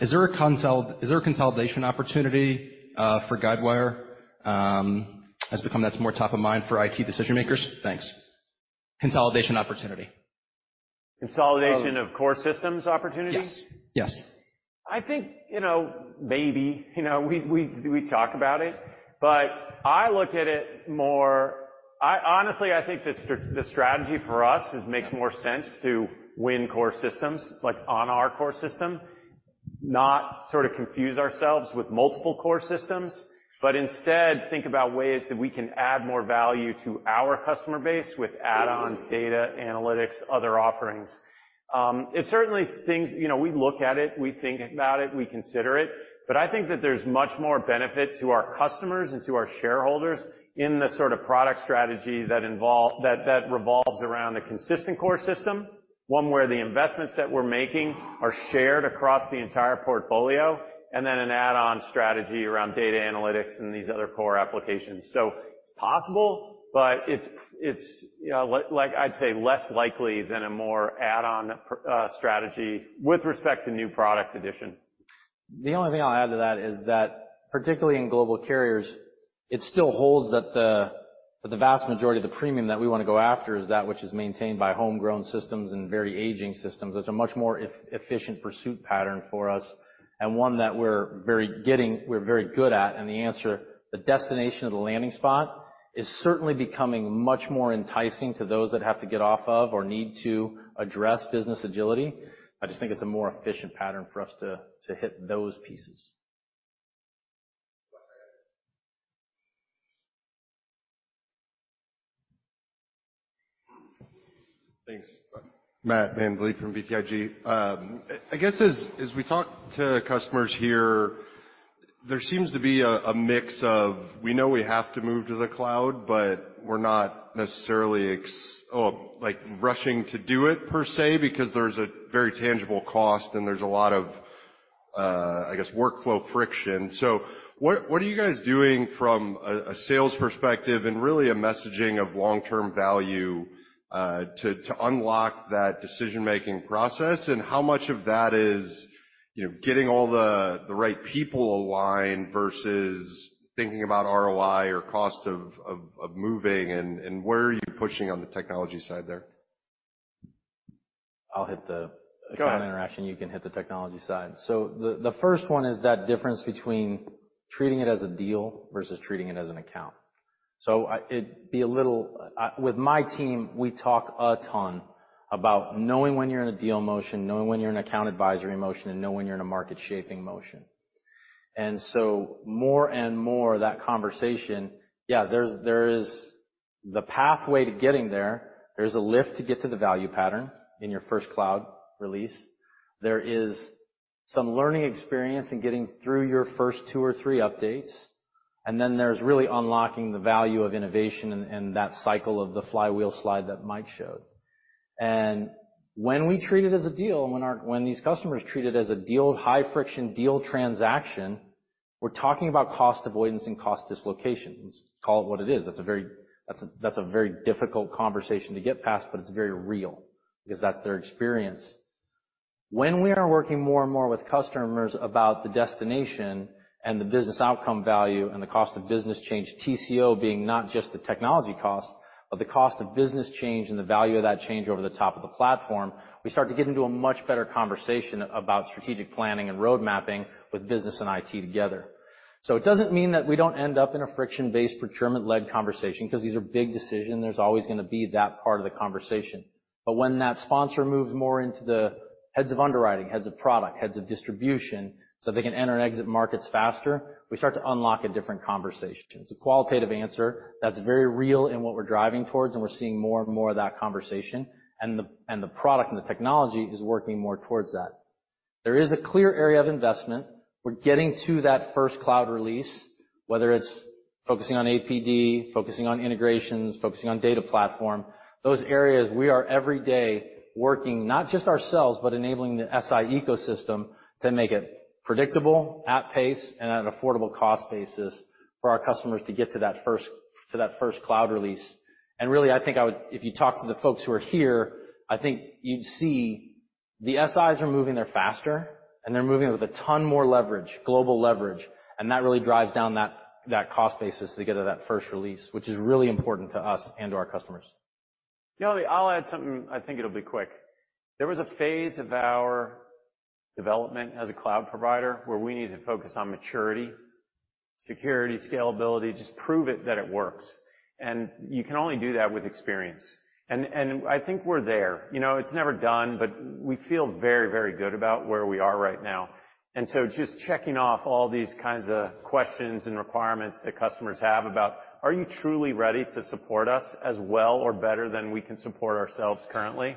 Is there a consolidation opportunity for Guidewire as become that's more top of mind for IT decision makers? Thanks. Consolidation opportunity. Consolidation of core systems opportunity? Yes. Yes. I think, you know, maybe we talk about it, but I look at it more-- I honestly think the strategy for us makes more sense to win core systems, like, on our core system, not sort of confuse ourselves with multiple core systems, but instead think about ways that we can add more value to our customer base with add-ons, data, analytics, other offerings. It's certainly things, you know, we look at it, we think about it, we consider it, but I think that there's much more benefit to our customers and to our shareholders in the sort of product strategy that that revolves around a consistent core system, one where the investments that we're making are shared across the entire portfolio, and then an add-on strategy around data analytics and these other core applications. So it's possible, but it's like I'd say, less likely than a more add-on strategy with respect to new product addition. The only thing I'll add to that is that, particularly in global carriers, it still holds that. But the vast majority of the premium that we want to go after is that which is maintained by homegrown systems and very aging systems. It's a much more efficient pursuit pattern for us and one that we're very good at. And the answer, the destination of the landing spot, is certainly becoming much more enticing to those that have to get off of or need to address business agility. I just think it's a more efficient pattern for us to hit those pieces. Thanks. Matt VanVliet from BTIG. I guess, as we talk to customers here, there seems to be a mix of we know we have to move to the cloud, but we're not necessarily, like, rushing to do it, per se, because there's a very tangible cost, and there's a lot of, I guess, workflow friction. So what are you guys doing from a sales perspective and really a messaging of long-term value to unlock that decision-making process? And how much of that is, you know, getting all the right people aligned versus thinking about ROI or cost of moving, and where are you pushing on the technology side there? I'll hit the-- Go ahead. Cloud interaction. You can hit the technology side. So the first one is that difference between treating it as a deal versus treating it as an account. With my team, we talk a ton about knowing when you're in a deal motion, knowing when you're in an account advisory motion, and knowing you're in a market-shaping motion. And so more and more, that conversation, yeah, there is the pathway to getting there. There's a lift to get to the value pattern in your first cloud release. There is some learning experience in getting through your first two or three updates, and then there's really unlocking the value of innovation and that cycle of the flywheel slide that Mike showed. When we treat it as a deal, when these customers treat it as a deal, high-friction deal transaction, we're talking about cost avoidance and cost dislocations. Call it what it is. That's a very difficult conversation to get past, but it's very real because that's their experience. When we are working more and more with customers about the destination and the business outcome value and the cost of business change, TCO being not just the technology cost, but the cost of business change and the value of that change over the top of the platform, we start to get into a much better conversation about strategic planning and road mapping with business and IT together. So it doesn't mean that we don't end up in a friction-based, procurement-led conversation, 'cause these are big decisions. There's always going to be that part of the conversation. But when that sponsor moves more into the heads of underwriting, heads of product, heads of distribution, so they can enter and exit markets faster, we start to unlock a different conversation. It's a qualitative answer that's very real in what we're driving towards, and we're seeing more and more of that conversation, and the product and the technology is working more towards that. There is a clear area of investment. We're getting to that first cloud release, whether it's focusing on APD, focusing on integrations, focusing on Data Platform. Those areas, we are every day working, not just ourselves, but enabling the SI ecosystem to make it predictable, at pace, and at an affordable cost basis for our customers to get to that first, to that first cloud release. Really, I think I would, if you talk to the folks who are here, I think you'd see the SIs are moving there faster, and they're moving it with a ton more leverage, global leverage, and that really drives down that cost basis to get to that first release, which is really important to us and to our customers. You know, I'll add something. I think it'll be quick. There was a phase of our development as a cloud provider, where we needed to focus on maturity, security, scalability, just prove it, that it works. And you can only do that with experience. And I think we're there. You know, it's never done, but we feel very, very good about where we are right now. And so just checking off all these kinds of questions and requirements that customers have about: Are you truly ready to support us as well or better than we can support ourselves currently?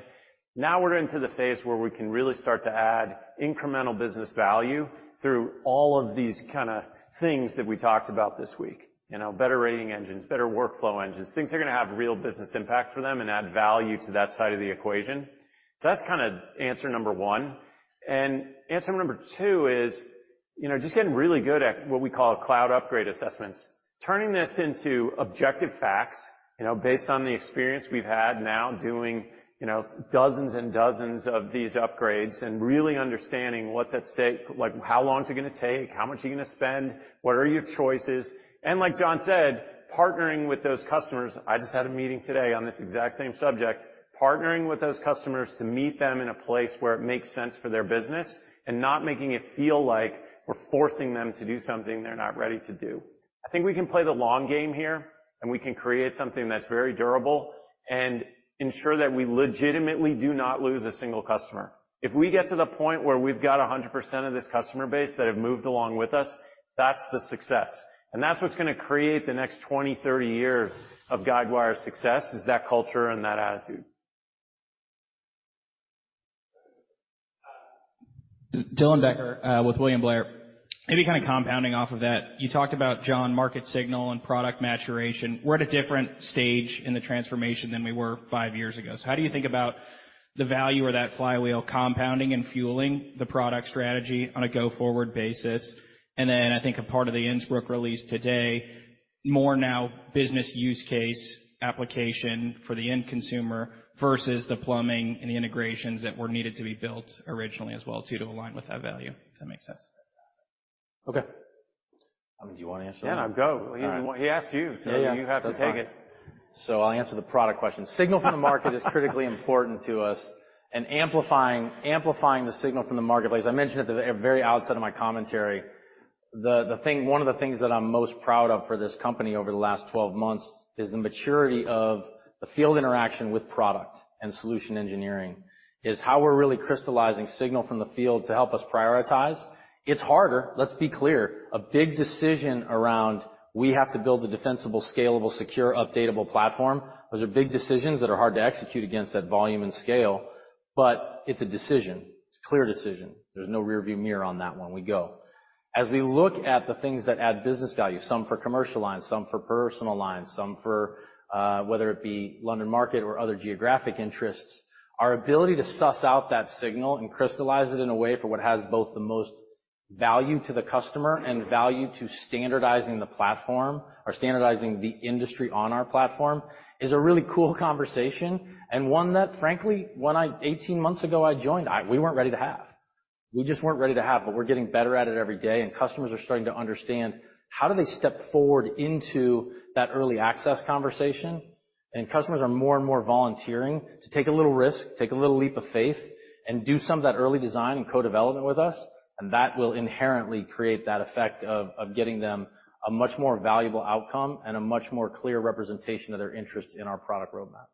Now we're into the phase where we can really start to add incremental business value through all of these kind of things that we talked about this week. You know, better rating engines, better workflow engines, things that are going to have real business impact for them and add value to that side of the equation. So that's kind of answer number one. And answer number two is, you know, just getting really good at what we call cloud upgrade assessments. Turning this into objective facts, you know, based on the experience we've had now doing, you know, dozens and dozens of these upgrades and really understanding what's at stake, like, how long is it going to take? How much are you going to spend? What are your choices? Like John said, partnering with those customers, I just had a meeting today on this exact same subject, partnering with those customers to meet them in a place where it makes sense for their business and not making it feel like we're forcing them to do something they're not ready to do. I think we can play the long game here, and we can create something that's very durable and ensure that we legitimately do not lose a single customer. If we get to the point where we've got 100% of this customer base that have moved along with us, that's the success, and that's what's going to create the next 20, 30 years of Guidewire's success, is that culture and that attitude. Dylan Becker with William Blair. Maybe kind of compounding off of that, you talked about, John, market signal and product maturation. We're at a different stage in the transformation than we were five years ago. So how do you think about the value or that flywheel compounding and fueling the product strategy on a go-forward basis? And then I think a part of the Innsbruck release today, more now business use case application for the end consumer versus the plumbing and the integrations that were needed to be built originally as well, too, to align with that value, if that makes sense. Okay. I mean, do you want to answer that? Yeah, no, go. All right. He asked you, so you have to take it. So I'll answer the product question. Signal from the market is critically important to us, and amplifying, amplifying the signal from the marketplace. I mentioned at the very outset of my commentary, the thing, one of the things that I'm most proud of for this company over the last 12 months, is the maturity of the field interaction with product and solution engineering, is how we're really crystallizing signal from the field to help us prioritize. It's harder, let's be clear, a big decision around, we have to build a defensible, scalable, secure, updatable platform. Those are big decisions that are hard to execute against that volume and scale, but it's a decision. It's a clear decision. There's no rearview mirror on that one. We go. As we look at the things that add business value, some for commercial lines, some for personal lines, some for whether it be London Market or other geographic interests, our ability to suss out that signal and crystallize it in a way for what has both the most value to the customer and value to standardizing the platform or standardizing the industry on our platform, is a really cool conversation, and one that, frankly, when I 18 months ago, I joined, we weren't ready to have. We just weren't ready to have, but we're getting better at it every day, and customers are starting to understand how do they step forward into that early access conversation. Customers are more and more volunteering to take a little risk, take a little leap of faith, and do some of that early design and co-development with us, and that will inherently create that effect of getting them a much more valuable outcome and a much more clear representation of their interest in our product roadmap.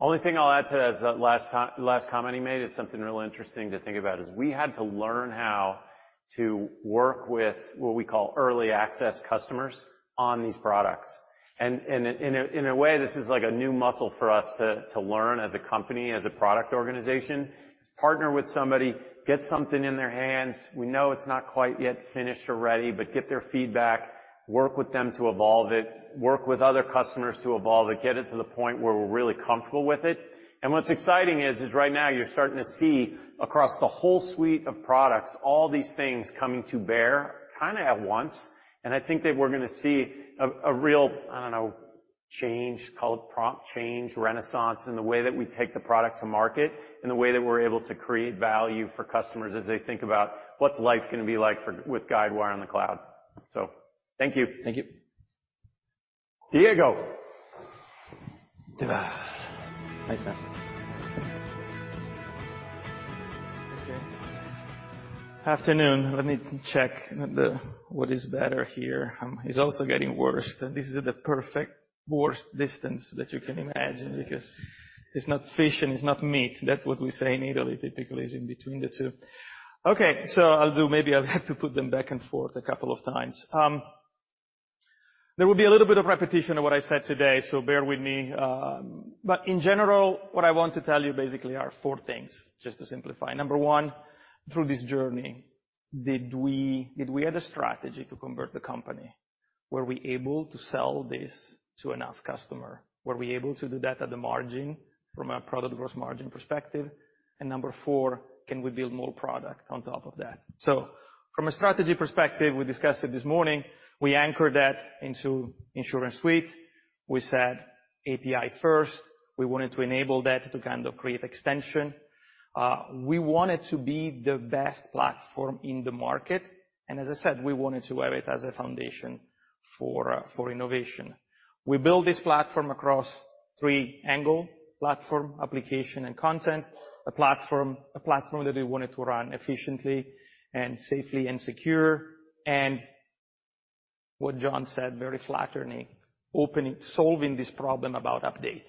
Only thing I'll add to that is, last comment he made, is something real interesting to think about, is we had to learn how to work with what we call early access customers on these products. And in a way, this is like a new muscle for us to learn as a company, as a product organization. Partner with somebody, get something in their hands. We know it's not quite yet finished or ready, but get their feedback, work with them to evolve it, work with other customers to evolve it, get it to the point where we're really comfortable with it. And what's exciting is, right now you're starting to see across the whole suite of products, all these things coming to bear kind of at once. I think that we're going to see a real, I don't know, change, call it prompt change, renaissance in the way that we take the product to market and the way that we're able to create value for customers as they think about what's life going to be like for, with Guidewire on the cloud. So thank you. Thank you. Diego! Nice, man. Afternoon. Let me check what is better here. It's also getting worse, and this is the perfect worst distance that you can imagine, because it's not fish and it's not meat. That's what we say in Italy, typically, is in between the two. Okay, so I'll do-- Maybe I'll have to put them back and forth a couple of times. There will be a little bit of repetition of what I said today, so bear with me. But in general, what I want to tell you basically are four things, just to simplify. Number one, through this journey, did we, did we have the strategy to convert the company? Were we able to sell this to enough customer? Were we able to do that at the margin from a product gross margin perspective? And number four, can we build more product on top of that? So from a strategy perspective, we discussed it this morning, we anchored that into InsuranceSuite. We said API first. We wanted to enable that to kind of create extension. We wanted to be the best platform in the market, and as I said, we wanted to have it as a foundation for for innovation. We built this platform across three angles: platform, application, and content. A platform, a platform that we wanted to run efficiently and safely and securely. And what John said, very flatteringly, opening, solving this problem about update.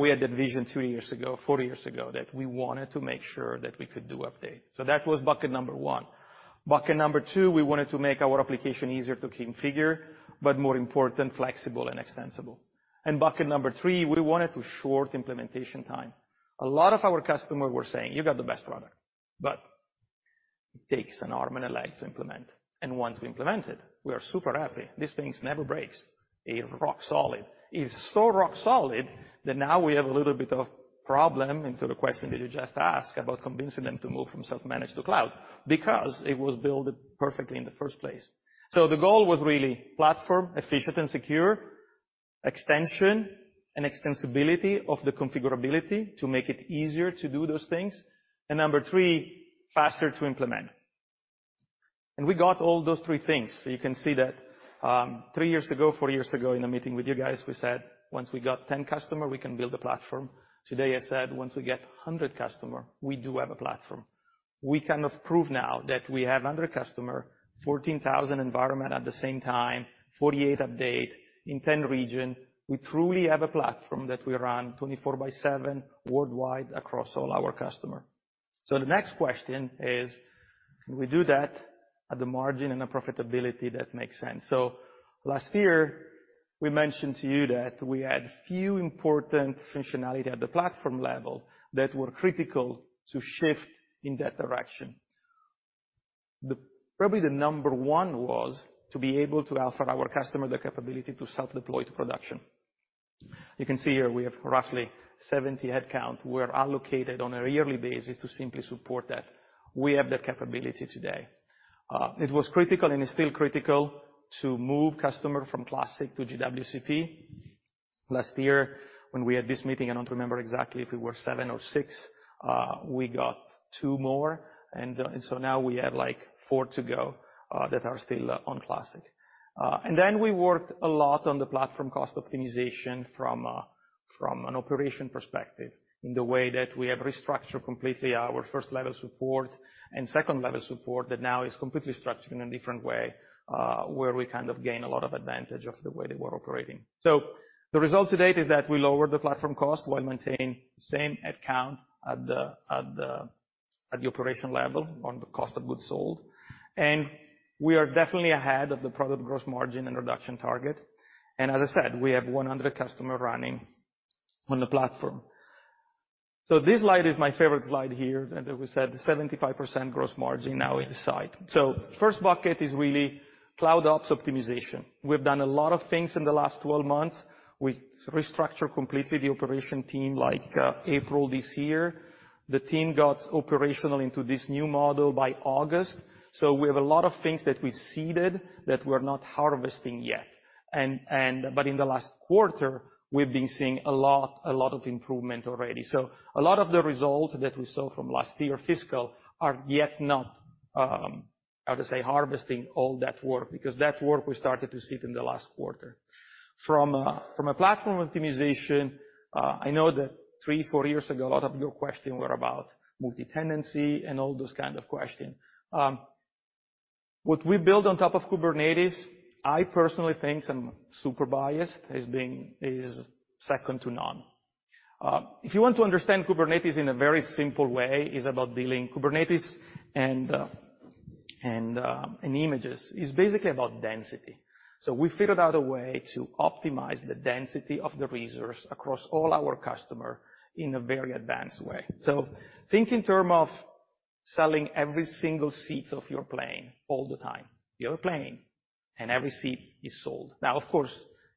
We had the vision two years ago, four years ago, that we wanted to make sure that we could do update. So that was bucket number one. Bucket number two, we wanted to make our application easier to configure, but more important, flexible and extensible. And bucket number three, we wanted to shorten implementation time. A lot of our customers were saying: "You got the best product, but it takes an arm and a leg to implement." Once we implement it, we are super happy. These things never breaks. A rock solid. It's so rock solid, that now we have a little bit of problem into the question that you just asked about convincing them to move from self-managed to cloud, because it was built perfectly in the first place. The goal was really platform, efficient and secure, extension and extensibility of the configurability to make it easier to do those things, and number three, faster to implement. We got all those three things. So you can see that, three years ago, four years ago, in a meeting with you guys, we said, "Once we got 10 customer, we can build a platform." Today, I said, "Once we get 100 customer, we do have a platform." We kind of prove now that we have 100 customer, 14,000 environment at the same time, 48 update in 10 region. We truly have a platform that we run 24/7 worldwide across all our customer. So the next question is, can we do that at the margin and a profitability that makes sense? So last year, we mentioned to you that we had few important functionality at the platform level that were critical to shift in that direction. Probably, the number one was to be able to offer our customer the capability to self-deploy to production. You can see here we have roughly 70 headcount. We're allocated on a yearly basis to simply support that. We have that capability today. It was critical and is still critical to move customer from Classic to GWCP. Last year, when we had this meeting, I don't remember exactly if we were seven or six, we got two more, and so now we have, like, four to go that are still on Classic. And then we worked a lot on the platform cost optimization from an operation perspective, in the way that we have restructured completely our first-level support and second-level support, that now is completely structured in a different way, where we kind of gain a lot of advantage of the way that we're operating. So the result to date is that we lowered the platform cost while maintaining the same head count at the operation level, on the cost of goods sold. And we are definitely ahead of the product gross margin and reduction target, and as I said, we have 100 customer running on the platform. So this slide is my favorite slide here, that we said 75% gross margin now inside. So first bucket is really cloud ops optimization. We've done a lot of things in the last 12 months. We restructure completely the operation team, like, April this year. The team got operational into this new model by August. So we have a lot of things that we seeded, that we're not harvesting yet. But in the last quarter, we've been seeing a lot, a lot of improvement already. So a lot of the results that we saw from last year fiscal are yet not, how to say, harvesting all that work, because that work we started to see it in the last quarter. From a platform optimization, I know that three, four years ago, a lot of your question were about multi-tenancy and all those kind of question. What we built on top of Kubernetes, I personally think, I'm super biased, is second to none. If you want to understand Kubernetes in a very simple way, is about dealing Kubernetes and images. It is basically about density. So we figured out a way to optimize the density of the resource across all our customer in a very advanced way. So think in terms of selling every single seat of your plane all the time, your plane, and every seat is sold. Now, of course,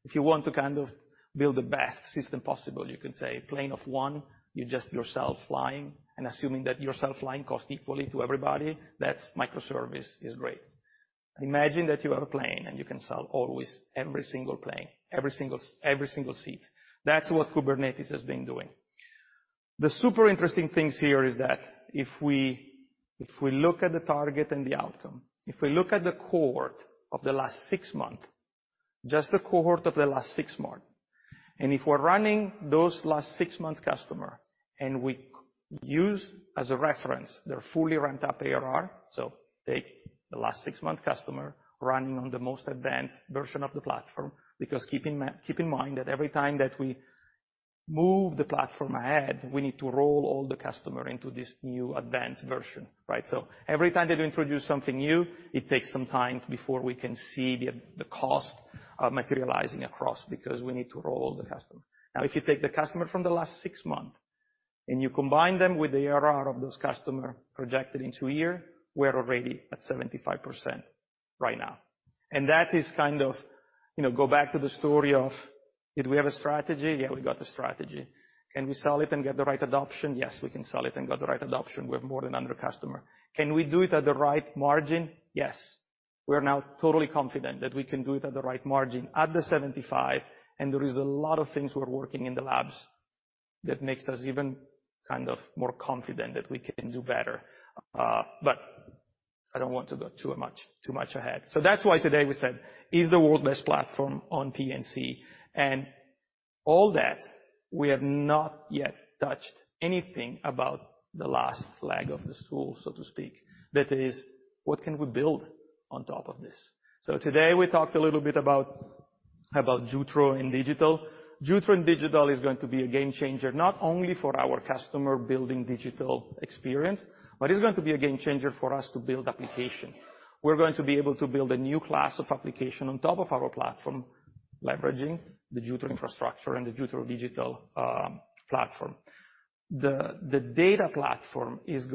if you want to kind of build the best system possible, you can say plane of one, you're just yourself flying, and assuming that yourself flying costs equally to everybody, that's microservice is great. Imagine that you have a plane, and you can sell always every single seat. That's what Kubernetes has been doing. The super interesting thing here is that if we look at the target and the outcome, if we look at the cohort of the last six months, just the cohort of the last six months, and if we're running those last six months customers, and we use as a reference their fully ramped-up ARR. So take the last six months customer, running on the most advanced version of the platform, because keep in mind that every time that we move the platform ahead, we need to roll all the customer into this new advanced version, right? So every time that you introduce something new, it takes some time before we can see the cost of materializing across, because we need to roll all the customer. Now, if you take the customer from the last six months, and you combine them with the ARR of those customer projected into a year, we're already at 75% right now. And that is kind of, you know, go back to the story of: did we have a strategy? Yeah, we got a strategy. Can we sell it and get the right adoption? Yes, we can sell it and got the right adoption. We have more than another customer. Can we do it at the right margin? Yes. We are now totally confident that we can do it at the right margin, at the 75%, and there is a lot of things we're working in the labs that makes us even kind of more confident that we can do better. But I don't want to go too much, too much ahead. So that's why today we said, is the world's best platform on P&C. And all that, we have not yet touched anything about the last leg of the stool, so to speak. That is, what can we build on top of this? So today we talked a little bit about, about Jutro in Digital. Jutro in Digital is going to be a game changer, not only for our customer building digital experience, but it's going to be a game changer for us to build application. We're going to be able to build a new class of application on top of our platform, leveraging the Jutro infrastructure and the Jutro Digital Platform. The Data Platform is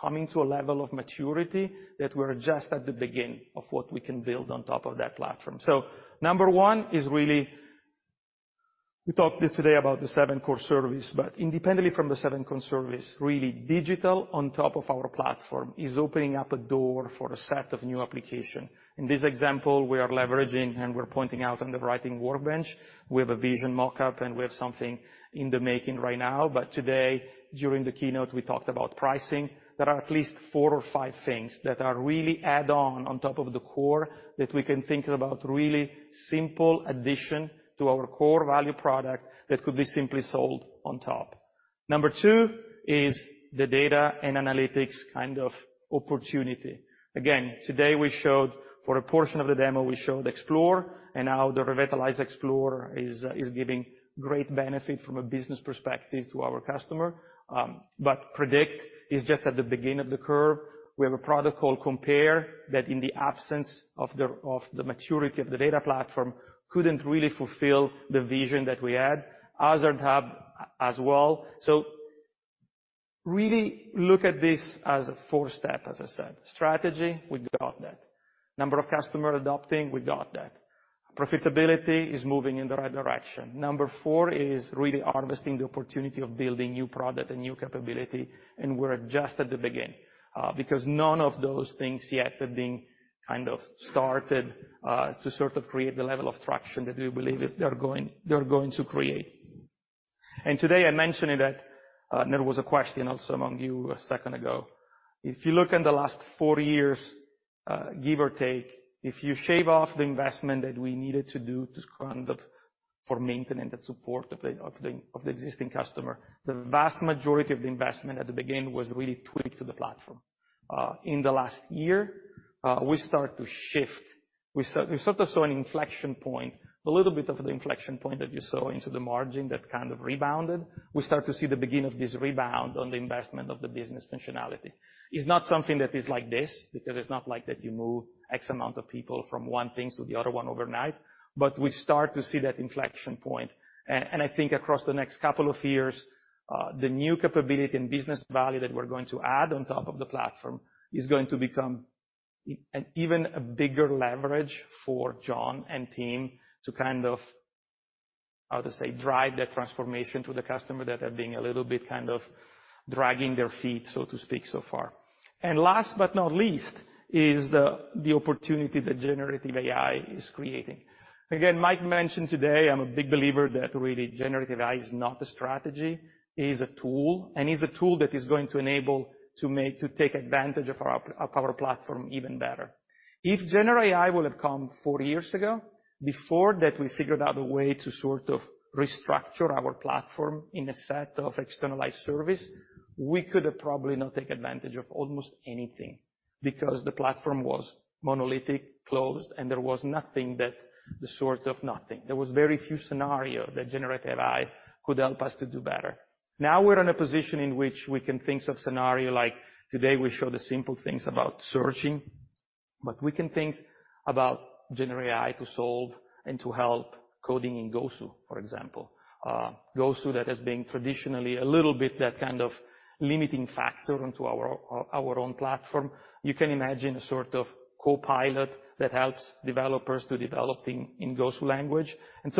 coming to a level of maturity that we're just at the beginning of what we can build on top of that platform. So number one is really-- We talked today about the seven core service, but independently from the seven core service, really, Digital on top of our platform is opening up a door for a set of new application. In this example, we are leveraging and we're pointing out on the writing workbench. We have a vision mock-up, and we have something in the making right now, but today, during the keynote, we talked about pricing. There are at least four or five things that are really add-on on top of the core that we can think about really simple addition to our core value product that could be simply sold on top. Number two is the data and analytics kind of opportunity. Again, today we showed, for a portion of the demo, we showed Explore, and now the revitalized Explore is, is giving great benefit from a business perspective to our customer. But Predict is just at the beginning of the curve. We have a product called Compare that in the absence of the maturity of the Data Platform couldn't really fulfill the vision that we had, other than as well. So really look at this as a four-step, as I said. Strategy, we got that. Number of customers adopting, we got that. Profitability is moving in the right direction. Number four is really harvesting the opportunity of building new product and new capability, and we're just at the beginning, because none of those things yet have been kind of started to sort of create the level of traction that we believe they're going, they're going to create. And today I mentioned that there was a question also among you a second ago. If you look in the last four years, give or take, if you shave off the investment that we needed to do to kind of for maintenance and support of the existing customer, the vast majority of the investment at the beginning was really tweaked to the platform. In the last year, we started to shift. We sort of saw an inflection point, a little bit of the inflection point that you saw into the margin that kind of rebounded. We start to see the beginning of this rebound on the investment of the business functionality. It's not something that is like this, because it's not like that you move X amount of people from one thing to the other one overnight, but we start to see that inflection point. And I think across the next couple of years, the new capability and business value that we're going to add on top of the platform is going to become an even bigger leverage for John and team to kind of, how to say, drive that transformation to the customer that are being a little bit kind of dragging their feet, so to speak, so far. And last but not least, is the opportunity that generative AI is creating. Again, Mike mentioned today, I'm a big believer that really generative AI is not a strategy, it is a tool, and is a tool that is going to enable to make to take advantage of our platform even better. If generative AI had come four years ago, before that we figured out a way to sort of restructure our platform into a set of externalized services, we could have probably not taken advantage of almost anything because the platform was monolithic, closed, and there was sort of nothing. There were very few scenarios that generative AI could help us to do better. Now we're in a position in which we can think of scenarios like today we show the simple things about searching, but we can think about generative AI to solve and to help coding in Gosu, for example. Gosu that has been traditionally a little bit that kind of limiting factor in our own platform. You can imagine a sort of copilot that helps developers to develop in Gosu language. And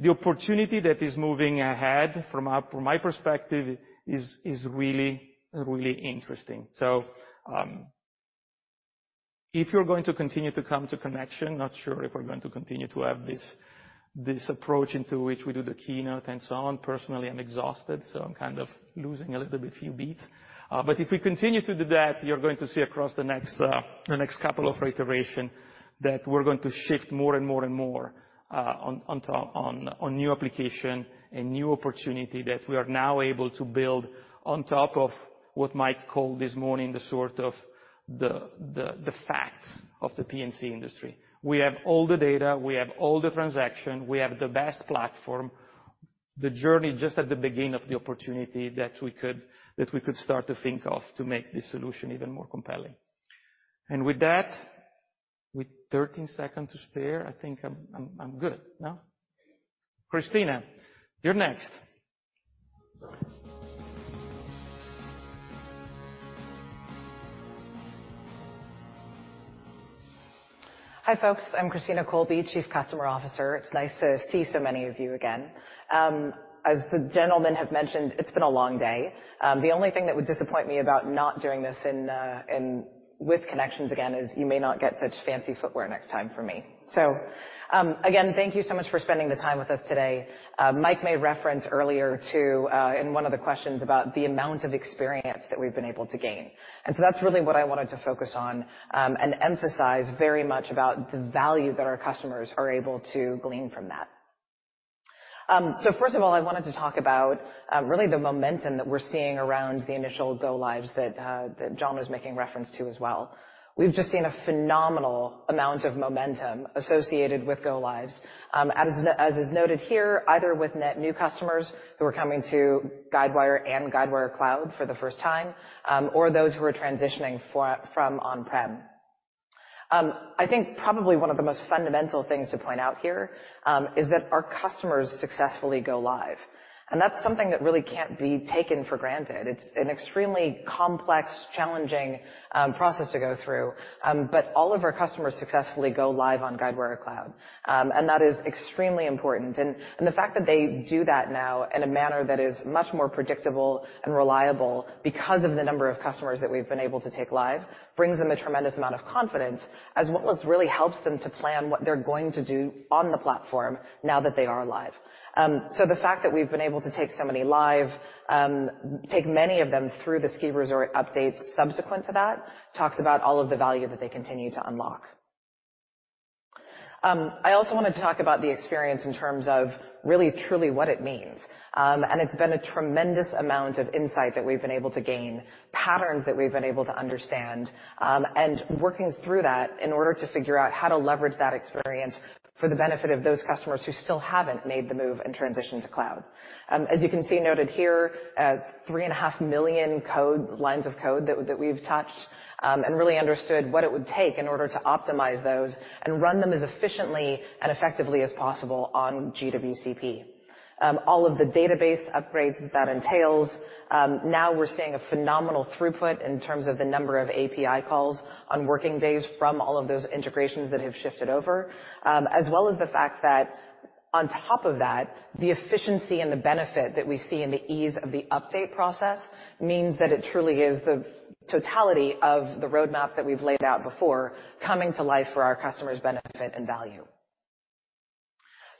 so the opportunity that is moving ahead from my perspective is really, really interesting. So, if you're going to continue to come to Connections, not sure if we're going to continue to have this approach into which we do the keynote and so on. Personally, I'm exhausted, so I'm kind of losing a little bit few beats. But if we continue to do that, you're going to see across the next, the next couple of iteration, that we're going to shift more and more and more on, on top, on new application and new opportunity that we are now able to build on top of what Mike called this morning, the sort of the facts of the P&C industry. We have all the data, we have all the transaction, we have the best platform, the journey just at the beginning of the opportunity that we could, that we could start to think of to make this solution even more compelling. And with that, with 13 seconds to spare, I think I'm good, no? Christina, you're next. Hi, folks, I'm Christina Colby, Chief Customer Officer. It's nice to see so many of you again. As the gentlemen have mentioned, it's been a long day. The only thing that would disappoint me about not doing this in with Connections again is you may not get such fancy footwear next time for me. So, again, thank you so much for spending the time with us today. Mike made reference earlier to in one of the questions about the amount of experience that we've been able to gain. And so that's really what I wanted to focus on and emphasize very much about the value that our customers are able to glean from that. So first of all, I wanted to talk about really the momentum that we're seeing around the initial go lives that John was making reference to as well. We've just seen a phenomenal amount of momentum associated with go lives. As is noted here, either with net new customers who are coming to Guidewire and Guidewire Cloud for the first time, or those who are transitioning from on-prem. I think probably one of the most fundamental things to point out here is that our customers successfully go live, and that's something that really can't be taken for granted. It's an extremely complex, challenging process to go through. But all of our customers successfully go live on Guidewire Cloud. And that is extremely important. The fact that they do that now in a manner that is much more predictable and reliable because of the number of customers that we've been able to take live brings them a tremendous amount of confidence as well as really helps them to plan what they're going to do on the platform now that they are live. So the fact that we've been able to take so many live, take many of them through the ski resort updates subsequent to that talks about all of the value that they continue to unlock. I also wanted to talk about the experience in terms of really, truly what it means. And it's been a tremendous amount of insight that we've been able to gain, patterns that we've been able to understand, and working through that in order to figure out how to leverage that experience for the benefit of those customers who still haven't made the move and transitioned to cloud. As you can see, noted here, 3.5 million lines of code that we've touched, and really understood what it would take in order to optimize those and run them as efficiently and effectively as possible on GWCP. All of the database upgrades that entails. Now we're seeing a phenomenal throughput in terms of the number of API calls on working days from all of those integrations that have shifted over. As well as the fact that on top of that, the efficiency and the benefit that we see in the ease of the update process means that it truly is the totality of the roadmap that we've laid out before coming to life for our customers' benefit and value.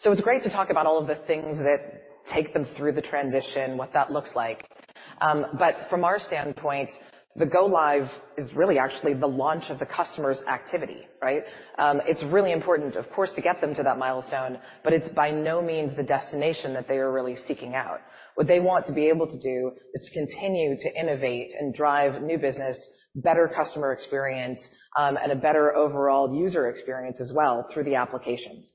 So it's great to talk about all of the things that take them through the transition, what that looks like. But from our standpoint, the go-live is really actually the launch of the customer's activity, right? It's really important, of course, to get them to that milestone, but it's by no means the destination that they are really seeking out. What they want to be able to do is to continue to innovate and drive new business, better customer experience, and a better overall user experience as well through the applications.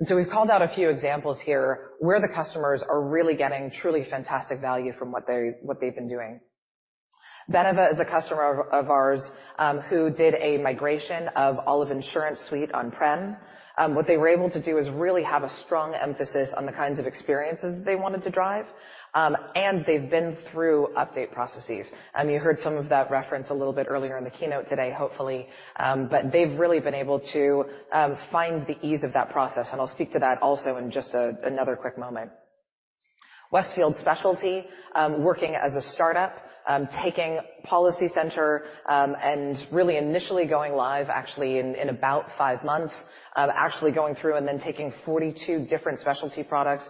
We've called out a few examples here where the customers are really getting truly fantastic value from what they, what they've been doing. Beneva is a customer of ours who did a migration of all of InsuranceSuite on-prem. What they were able to do is really have a strong emphasis on the kinds of experiences they wanted to drive. And they've been through update processes. You heard some of that referenced a little bit earlier in the keynote today, hopefully. But they've really been able to find the ease of that process, and I'll speak to that also in just another quick moment. Westfield Specialty, working as a startup, taking PolicyCenter, and really initially going live actually in about five months. Actually going through and then taking 42 different specialty products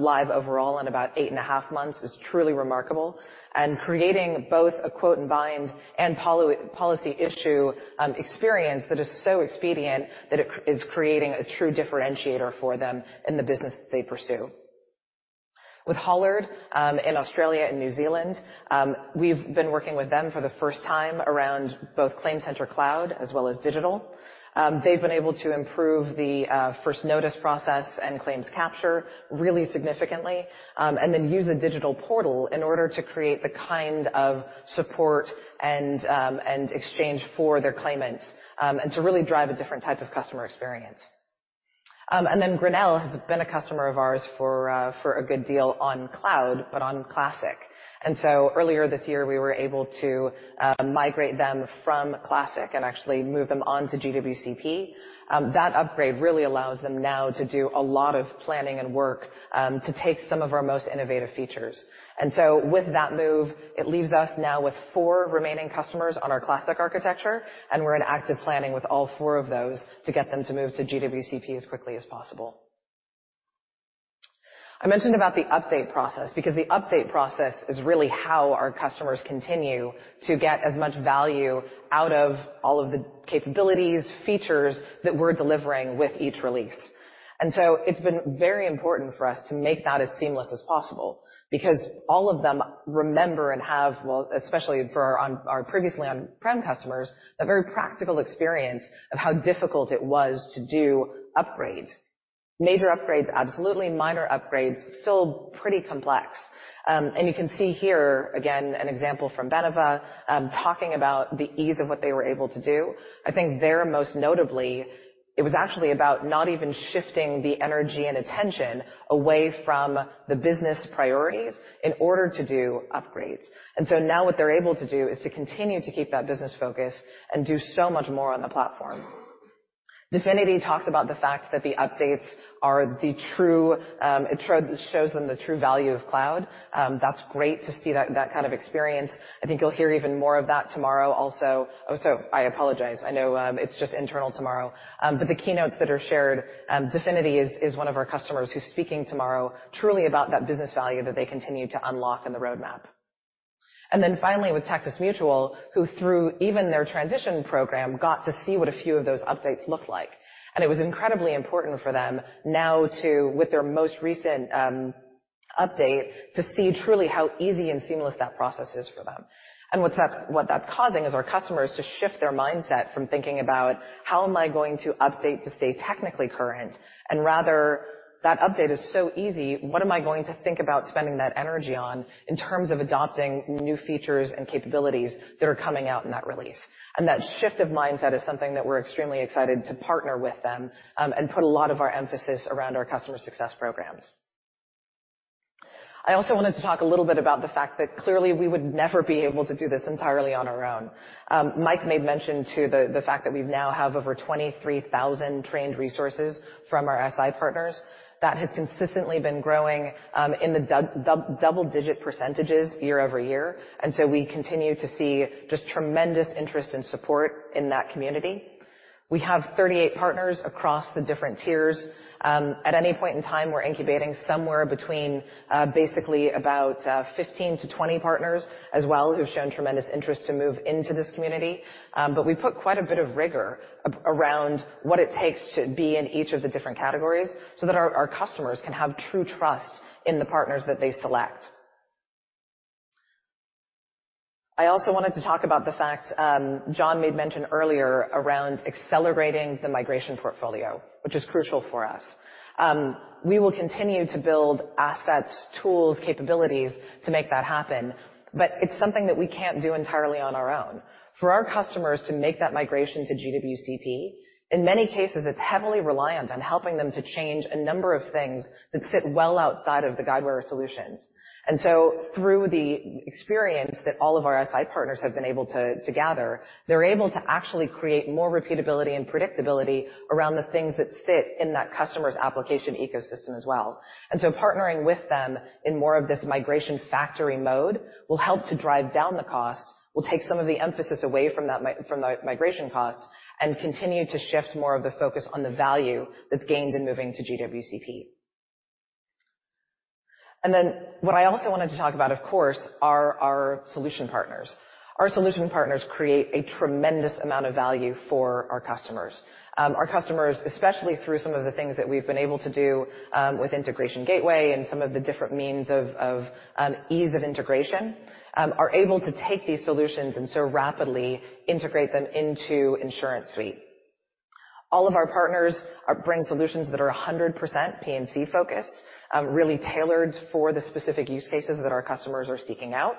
live overall in about 8.5 months is truly remarkable. And creating both a quote and bind and policy issue experience that is so expedient that it is creating a true differentiator for them in the business they pursue. With Hollard in Australia and New Zealand, we've been working with them for the first time around both ClaimCenter Cloud as well as Digital. They've been able to improve the first notice process and claims capture really significantly, and then use a digital portal in order to create the kind of support and exchange for their claimants, and to really drive a different type of customer experience. And then Grinnell has been a customer of ours for a good deal on cloud, but on Classic. And so earlier this year, we were able to migrate them from Classic and actually move them on to GWCP. That upgrade really allows them now to do a lot of planning and work to take some of our most innovative features. And so with that move, it leaves us now with four remaining customers on our Classic architecture, and we're in active planning with all four of those to get them to move to GWCP as quickly as possible. I mentioned about the update process because the update process is really how our customers continue to get as much value out of all of the capabilities, features that we're delivering with each release. So it's been very important for us to make that as seamless as possible because all of them remember and have, well, especially for our previously on-prem customers, a very practical experience of how difficult it was to do upgrades. Major upgrades, absolutely. Minor upgrades, still pretty complex. And you can see here, again, an example from Beneva, talking about the ease of what they were able to do. I think there, most notably, it was actually about not even shifting the energy and attention away from the business priorities in order to do upgrades. And so now what they're able to do is to continue to keep that business focus and do so much more on the platform. Definity talks about the fact that the updates are the true, it shows them the true value of cloud. That's great to see that, that kind of experience. I think you'll hear even more of that tomorrow also. Oh, so I apologize. I know, it's just internal tomorrow, but the keynotes that are shared, Definity is, is one of our customers who's speaking tomorrow, truly about that business value that they continue to unlock in the roadmap. And then finally, with Texas Mutual, who through even their transition program, got to see what a few of those updates looked like. And it was incredibly important for them now to, with their most recent, update, to see truly how easy and seamless that process is for them. What that's causing is our customers to shift their mindset from thinking about, "How am I going to update to stay technically current?" Rather, "That update is so easy, what am I going to think about spending that energy on in terms of adopting new features and capabilities that are coming out in that release?" That shift of mindset is something that we're extremely excited to partner with them and put a lot of our emphasis around our customer success programs. I also wanted to talk a little bit about the fact that clearly we would never be able to do this entirely on our own. Mike made mention to the fact that we've now have over 23,000 trained resources from our SI partners. That has consistently been growing, in the double-digit percentages year-over-year, and so we continue to see just tremendous interest and support in that community. We have 38 partners across the different tiers. At any point in time, we're incubating somewhere between, basically about, 15-20 partners as well, who've shown tremendous interest to move into this community. But we put quite a bit of rigor around what it takes to be in each of the different categories so that our customers can have true trust in the partners that they select. I also wanted to talk about the fact, John made mention earlier around accelerating the migration portfolio, which is crucial for us. We will continue to build assets, tools, capabilities to make that happen, but it's something that we can't do entirely on our own. For our customers to make that migration to GWCP, in many cases, it's heavily reliant on helping them to change a number of things that sit well outside of the Guidewire solutions. And so through the experience that all of our SI partners have been able to gather, they're able to actually create more repeatability and predictability around the things that fit in that customer's application ecosystem as well. And so partnering with them in more of this migration factory mode will help to drive down the cost, will take some of the emphasis away from the migration costs, and continue to shift more of the focus on the value that's gained in moving to GWCP. And then what I also wanted to talk about, of course, are our solution partners. Our solution partners create a tremendous amount of value for our customers. Our customers, especially through some of the things that we've been able to do, with Integration Gateway and some of the different means of ease of integration, are able to take these solutions and so rapidly integrate them into InsuranceSuite. All of our partners bring solutions that are 100% P&C focused, really tailored for the specific use cases that our customers are seeking out.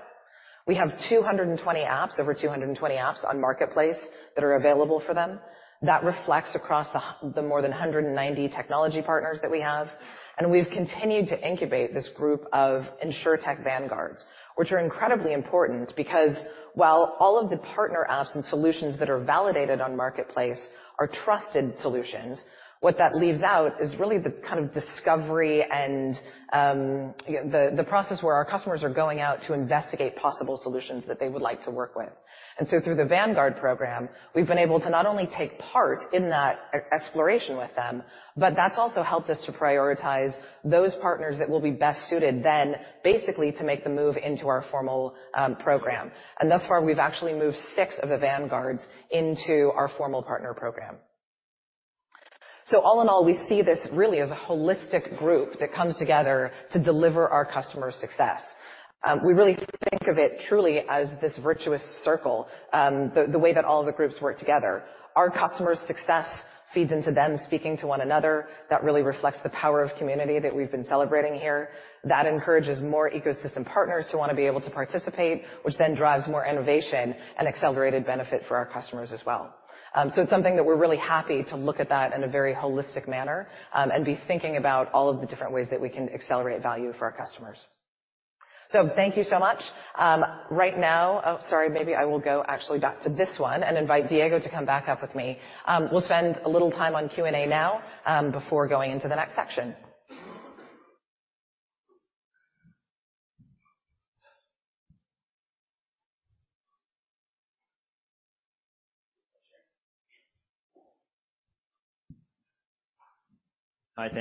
We have 220 apps, over 220 apps on Marketplace that are available for them. That reflects across the more than 190 technology partners that we have, and we've continued to incubate this group of Insurtech Vanguards, which are incredibly important because while all of the partner apps and solutions that are validated on Marketplace are trusted solutions, what that leaves out is really the kind of discovery and, you know, the process where our customers are going out to investigate possible solutions that they would like to work with. And so through the Vanguard program, we've been able to not only take part in that exploration with them, but that's also helped us to prioritize those partners that will be best suited then basically to make the move into our formal program. And thus far, we've actually moved six of the Vanguards into our formal partner program. So all in all, we see this really as a holistic group that comes together to deliver our customer success. We really think of it truly as this virtuous circle, the way that all of the groups work together. Our customers' success feeds into them speaking to one another. That really reflects the power of community that we've been celebrating here. That encourages more ecosystem partners who want to be able to participate, which then drives more innovation and accelerated benefit for our customers as well. So it's something that we're really happy to look at that in a very holistic manner, and be thinking about all of the different ways that we can accelerate value for our customers. So thank you so much. Right now. Oh, sorry, maybe I will go actually back to this one and invite Diego to come back up with me. We'll spend a little time on Q&A now, before going into the next section. Hi, is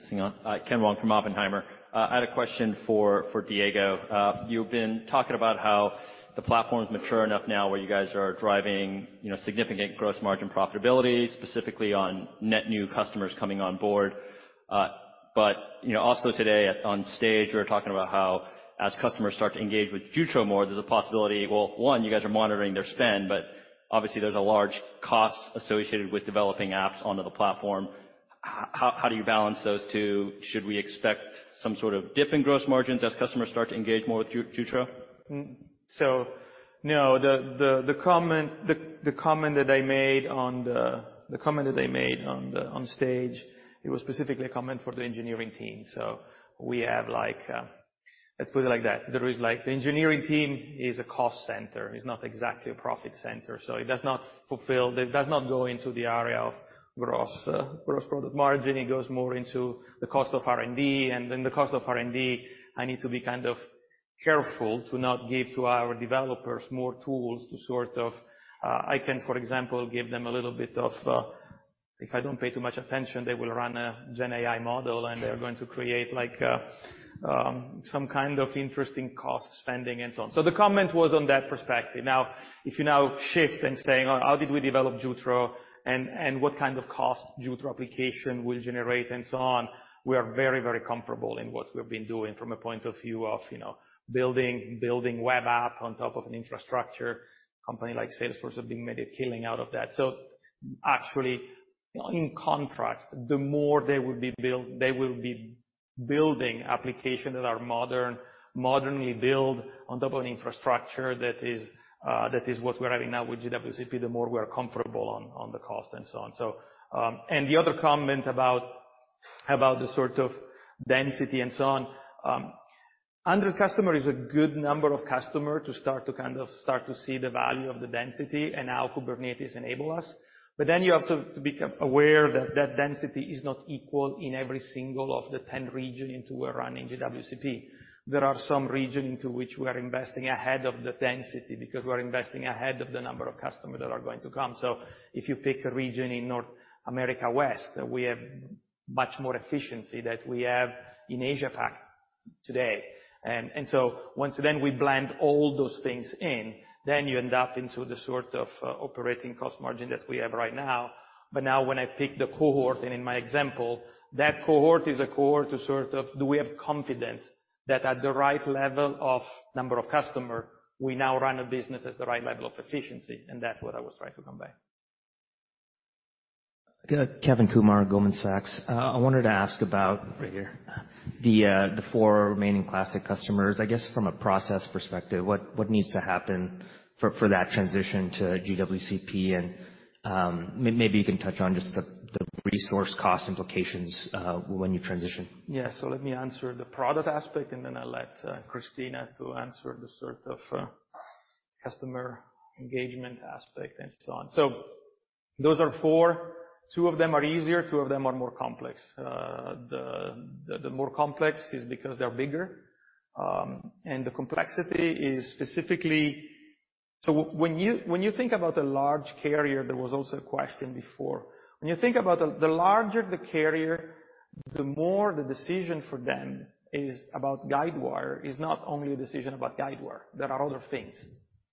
this thing on? Hi, Ken Wong from Oppenheimer. I had a question for Diego. You've been talking about how the platform's mature enough now, where you guys are driving, you know, significant gross margin profitability, specifically on net new customers coming on board. But, you know, also today on stage, you were talking about how as customers start to engage with Jutro more, there's a possibility. Well, one, you guys are monitoring their spend, but obviously there's a large cost associated with developing apps onto the platform. How do you balance those two? Should we expect some sort of dip in gross margins as customers start to engage more with Jutro? No, the comment that I made on stage was specifically a comment for the engineering team. So we have like, let's put it like that. There is like, the engineering team is a cost center. It's not exactly a profit center, so it does not go into the area of gross product margin. It goes more into the cost of R&D, and then the cost of R&D, I need to be kind of careful to not give to our developers more tools to sort of-- I can, for example, give them a little bit of, if I don't pay too much attention, they will run a Gen AI model, and they are going to create like, some kind of interesting cost spending and so on. So the comment was on that perspective. Now, if you now shift and saying, Oh, how did we develop Jutro? And, and what kind of cost Jutro application will generate and so on, we are very, very comfortable in what we've been doing from a point of view of, you know, building, building web app on top of an infrastructure. Company like Salesforce have been made a killing out of that. So actually, in contrast, the more they will be built, they will be building applications that are modern, modernly built on top of an infrastructure that is, that is what we're having now with GWCP, the more we're comfortable on, on the cost and so on. So, and the other comment about, about the sort of density and so on, 100 customers is a good number of customers to start to kind of start to see the value of the density and how Kubernetes enables us. But then you also have to become aware that that density is not equal in every single of the 10 regions in which we're running GWCP. There are some regions in which we are investing ahead of the density because we're investing ahead of the number of customers that are going to come. So if you pick a region in North America West, we have much more efficiency than we have in Asia Pac today. And so once then we blend all those things in, then you end up into the sort of operating cost margin that we have right now. But now when I pick the cohort, and in my example, that cohort is a cohort to sort of do we have confidence that at the right level of number of customer, we now run a business as the right level of efficiency, and that's what I was trying to convey. Got it. Kevin Kumar, Goldman Sachs. I wanted to ask about the four remaining Classic customers. I guess from a process perspective, what, what needs to happen for, for that transition to GWCP? And, maybe you can touch on just the, the resource cost implications, when you transition. Yeah. So let me answer the product aspect, and then I'll let Christina to answer the sort of customer engagement aspect and so on. So those are four. Two of them are easier, two of them are more complex. The more complex is because they're bigger, and the complexity is specifically. So when you think about a large carrier, there was also a question before. When you think about the larger the carrier, the more the decision for them is about Guidewire, is not only a decision about Guidewire. There are other things.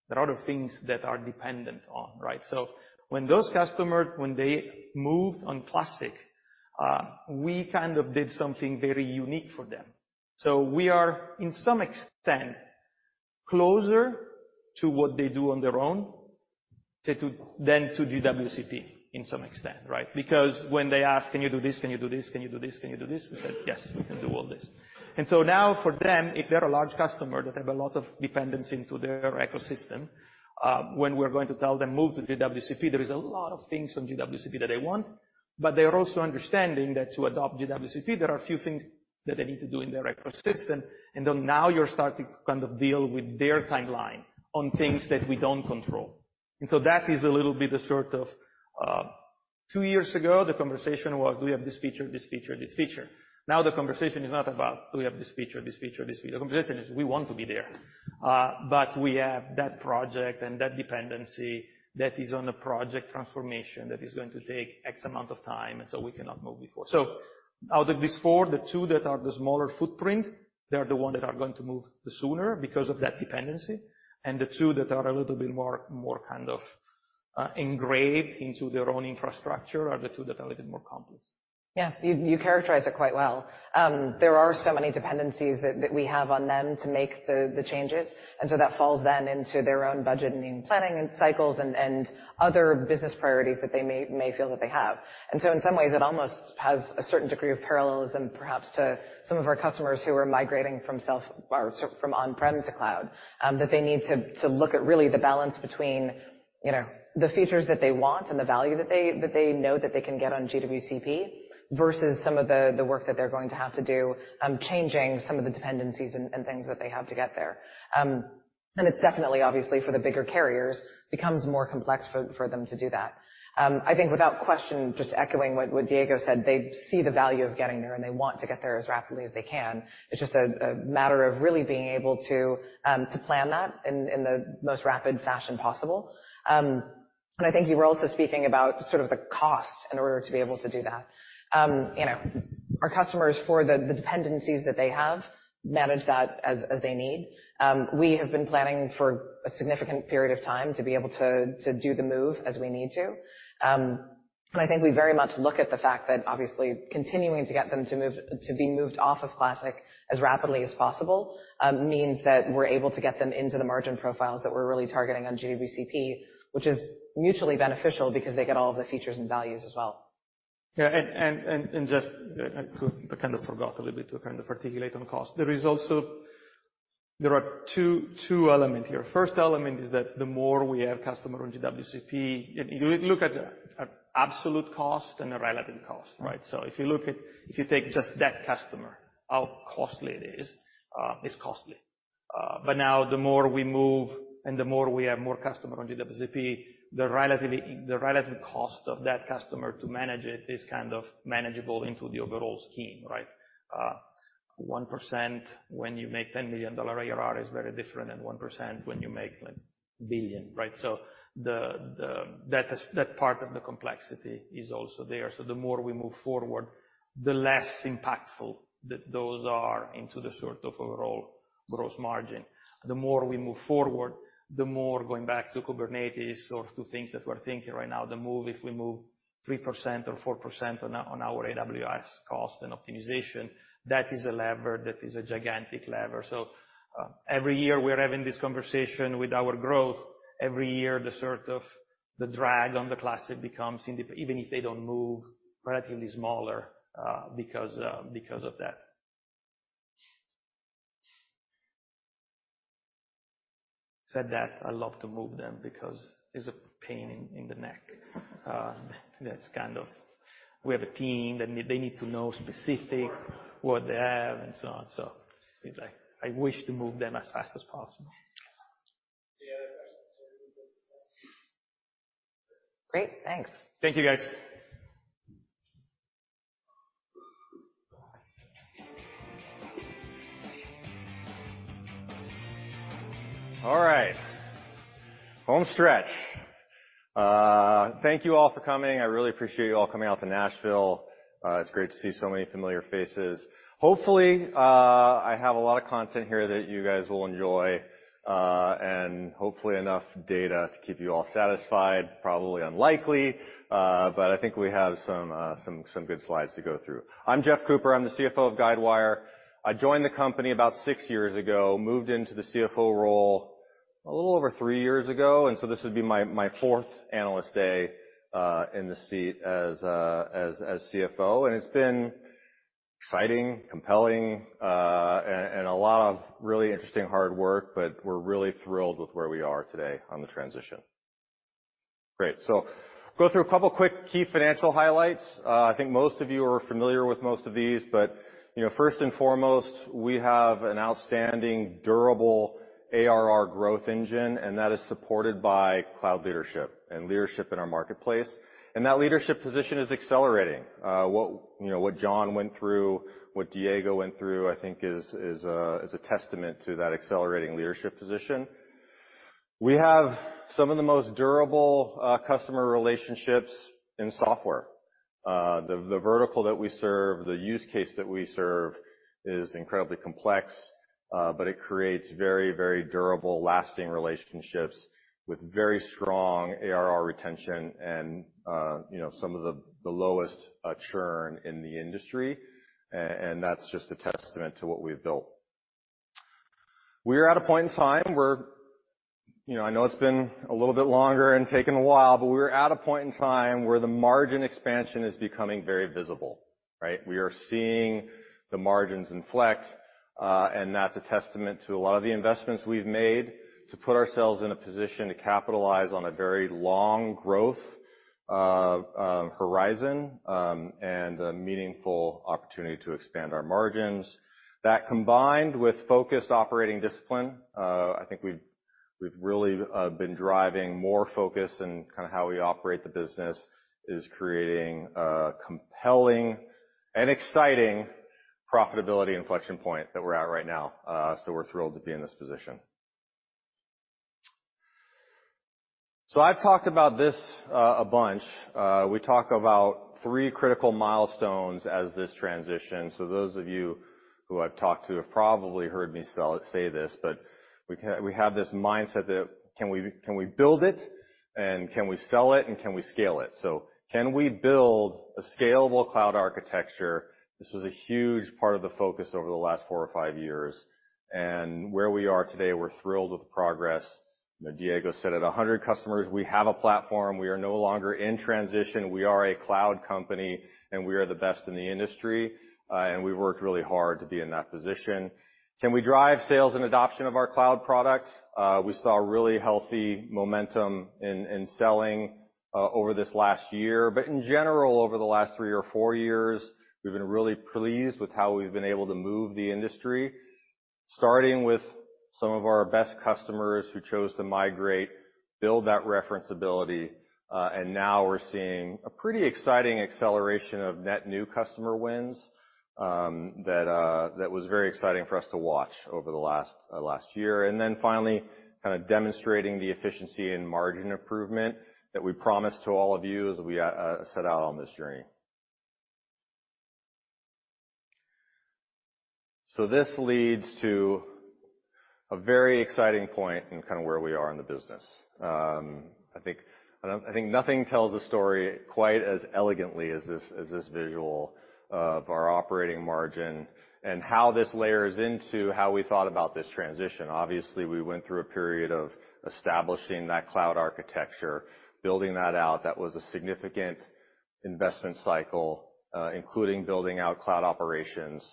There are other things that are dependent on, right? So when those customers, when they moved on Classic, we kind of did something very unique for them. So we are, in some extent, closer to what they do on their own than to GWCP in some extent, right? Because when they ask, "Can you do this? Can you do this? Can you do this? Can you do this?" We said, "Yes, we can do all this." And so now for them, if they're a large customer that have a lot of dependency into their ecosystem, when we're going to tell them, move to GWCP, there is a lot of things on GWCP that they want, but they are also understanding that to adopt GWCP, there are a few things that they need to do in their ecosystem, and then now you're starting to kind of deal with their timeline on things that we don't control. And so that is a little bit the sort of-- Two years ago, the conversation was, "Do we have this feature, this feature, this feature?" Now, the conversation is not about, do we have this feature, this feature, this feature. The conversation is, we want to be there, but we have that project and that dependency that is on a project transformation that is going to take X amount of time, and so we cannot move before. So out of these four, the two that are the smaller footprint, they are the one that are going to move the sooner because of that dependency. And the two that are a little bit more, more kind of, engraved into their own infrastructure, are the two that are a little bit more complex. Yeah, you characterized it quite well. There are so many dependencies that we have on them to make the changes, and so that falls then into their own budgeting, planning and cycles and other business priorities that they may feel that they have. And so in some ways, it almost has a certain degree of parallelism, perhaps, to some of our customers who are migrating from self or from on-prem to cloud, that they need to look at really the balance between, you know, the features that they want and the value that they know that they can get on GWCP versus some of the work that they're going to have to do, changing some of the dependencies and things that they have to get there. And it's definitely, obviously, for the bigger carriers, becomes more complex for them to do that. I think without question, just echoing what Diego said, they see the value of getting there, and they want to get there as rapidly as they can. It's just a matter of really being able to plan that in the most rapid fashion possible. I think you were also speaking about sort of the cost in order to be able to do that. You know, our customers, for the dependencies that they have, manage that as they need. We have been planning for a significant period of time to be able to do the move as we need to. I think we very much look at the fact that obviously continuing to get them to move to be moved off of Classic as rapidly as possible means that we're able to get them into the margin profiles that we're really targeting on GWCP, which is mutually beneficial because they get all of the features and values as well. Yeah, and just I kind of forgot a little bit to kind of articulate on cost. There is also-- There are two elements here. First element is that the more we have customer on GWCP, if you look at absolute cost and the relative cost, right? So if you take just that customer, how costly it is, it's costly. But now the more we move and the more we have more customer on GWCP, the relative cost of that customer to manage it is kind of manageable into the overall scheme, right? 1% when you make $10 million ARR is very different than 1% when you make, like, $1 billion, right? So the, that is, that part of the complexity is also there. So the more we move forward, the less impactful that those are into the sort of overall gross margin. The more we move forward, the more going back to Kubernetes or to things that we're thinking right now, the move, if we move 3% or 4% on our AWS cost and optimization, that is a lever. That is a gigantic lever. So, every year, we are having this conversation with our growth. Every year, the sort of the drag on the Classic becomes, even if they don't move, relatively smaller, because, because of that. That said, I love to move them because it's a pain in the neck. That's kind of-- We have a team, that they need to know specific what they have and so on. So it's like, I wish to move them as fast as possible. Any other questions? Great, thanks. Thank you, guys. All right. Home stretch. Thank you all for coming. I really appreciate you all coming out to Nashville. It's great to see so many familiar faces. Hopefully, I have a lot of content here that you guys will enjoy, and hopefully enough data to keep you all satisfied. Probably unlikely, but I think we have some good slides to go through. I'm Jeff Cooper. I'm the CFO of Guidewire. I joined the company about six years ago. Moved into the CFO role a little over three years ago, and so this would be my fourth Analyst Day in the seat as CFO. It's been exciting, compelling, and a lot of really interesting hard work, but we're really thrilled with where we are today on the transition. Great. So go through a couple quick key financial highlights. I think most of you are familiar with most of these, but, you know, first and foremost, we have an outstanding, durable ARR growth engine, and that is supported by cloud leadership and leadership in our marketplace. And that leadership position is accelerating. What, you know, what John went through, what Diego went through, I think is a testament to that accelerating leadership position. We have some of the most durable customer relationships in software. The vertical that we serve, the use case that we serve, is incredibly complex, but it creates very, very durable, lasting relationships with very strong ARR retention and, you know, some of the lowest churn in the industry. And that's just a testament to what we've built. We are at a point in time where, you know, I know it's been a little bit longer and taken a while, but we're at a point in time where the margin expansion is becoming very visible, right? We are seeing the margins inflect, and that's a testament to a lot of the investments we've made to put ourselves in a position to capitalize on a very long growth horizon, and a meaningful opportunity to expand our margins. That, combined with focused operating discipline, I think we've really been driving more focus in kind of how we operate the business, is creating a compelling and exciting profitability inflection point that we're at right now. So we're thrilled to be in this position. So I've talked about this a bunch. We talk about three critical milestones as this transition. So those of you who I've talked to have probably heard me say this, but we have this mindset that, can we build it, and can we sell it, and can we scale it? So can we build a scalable cloud architecture? This was a huge part of the focus over the last four or five years. And where we are today, we're thrilled with the progress. Diego said it, 100 customers, we have a platform, we are no longer in transition. We are a cloud company, and we are the best in the industry, and we've worked really hard to be in that position. Can we drive sales and adoption of our cloud product? We saw really healthy momentum in selling over this last year, but in general, over the last three or four years, we've been really pleased with how we've been able to move the industry, starting with some of our best customers who chose to migrate, build that reference ability, and now we're seeing a pretty exciting acceleration of net new customer wins, that was very exciting for us to watch over the last year. And then finally, kind of demonstrating the efficiency and margin improvement that we promised to all of you as we set out on this journey. So this leads to a very exciting point in kind of where we are in the business. I think nothing tells a story quite as elegantly as this, as this visual of our operating margin and how this layers into how we thought about this transition. Obviously, we went through a period of establishing that cloud architecture, building that out, that was a significant investment cycle, including building out Cloud Operations.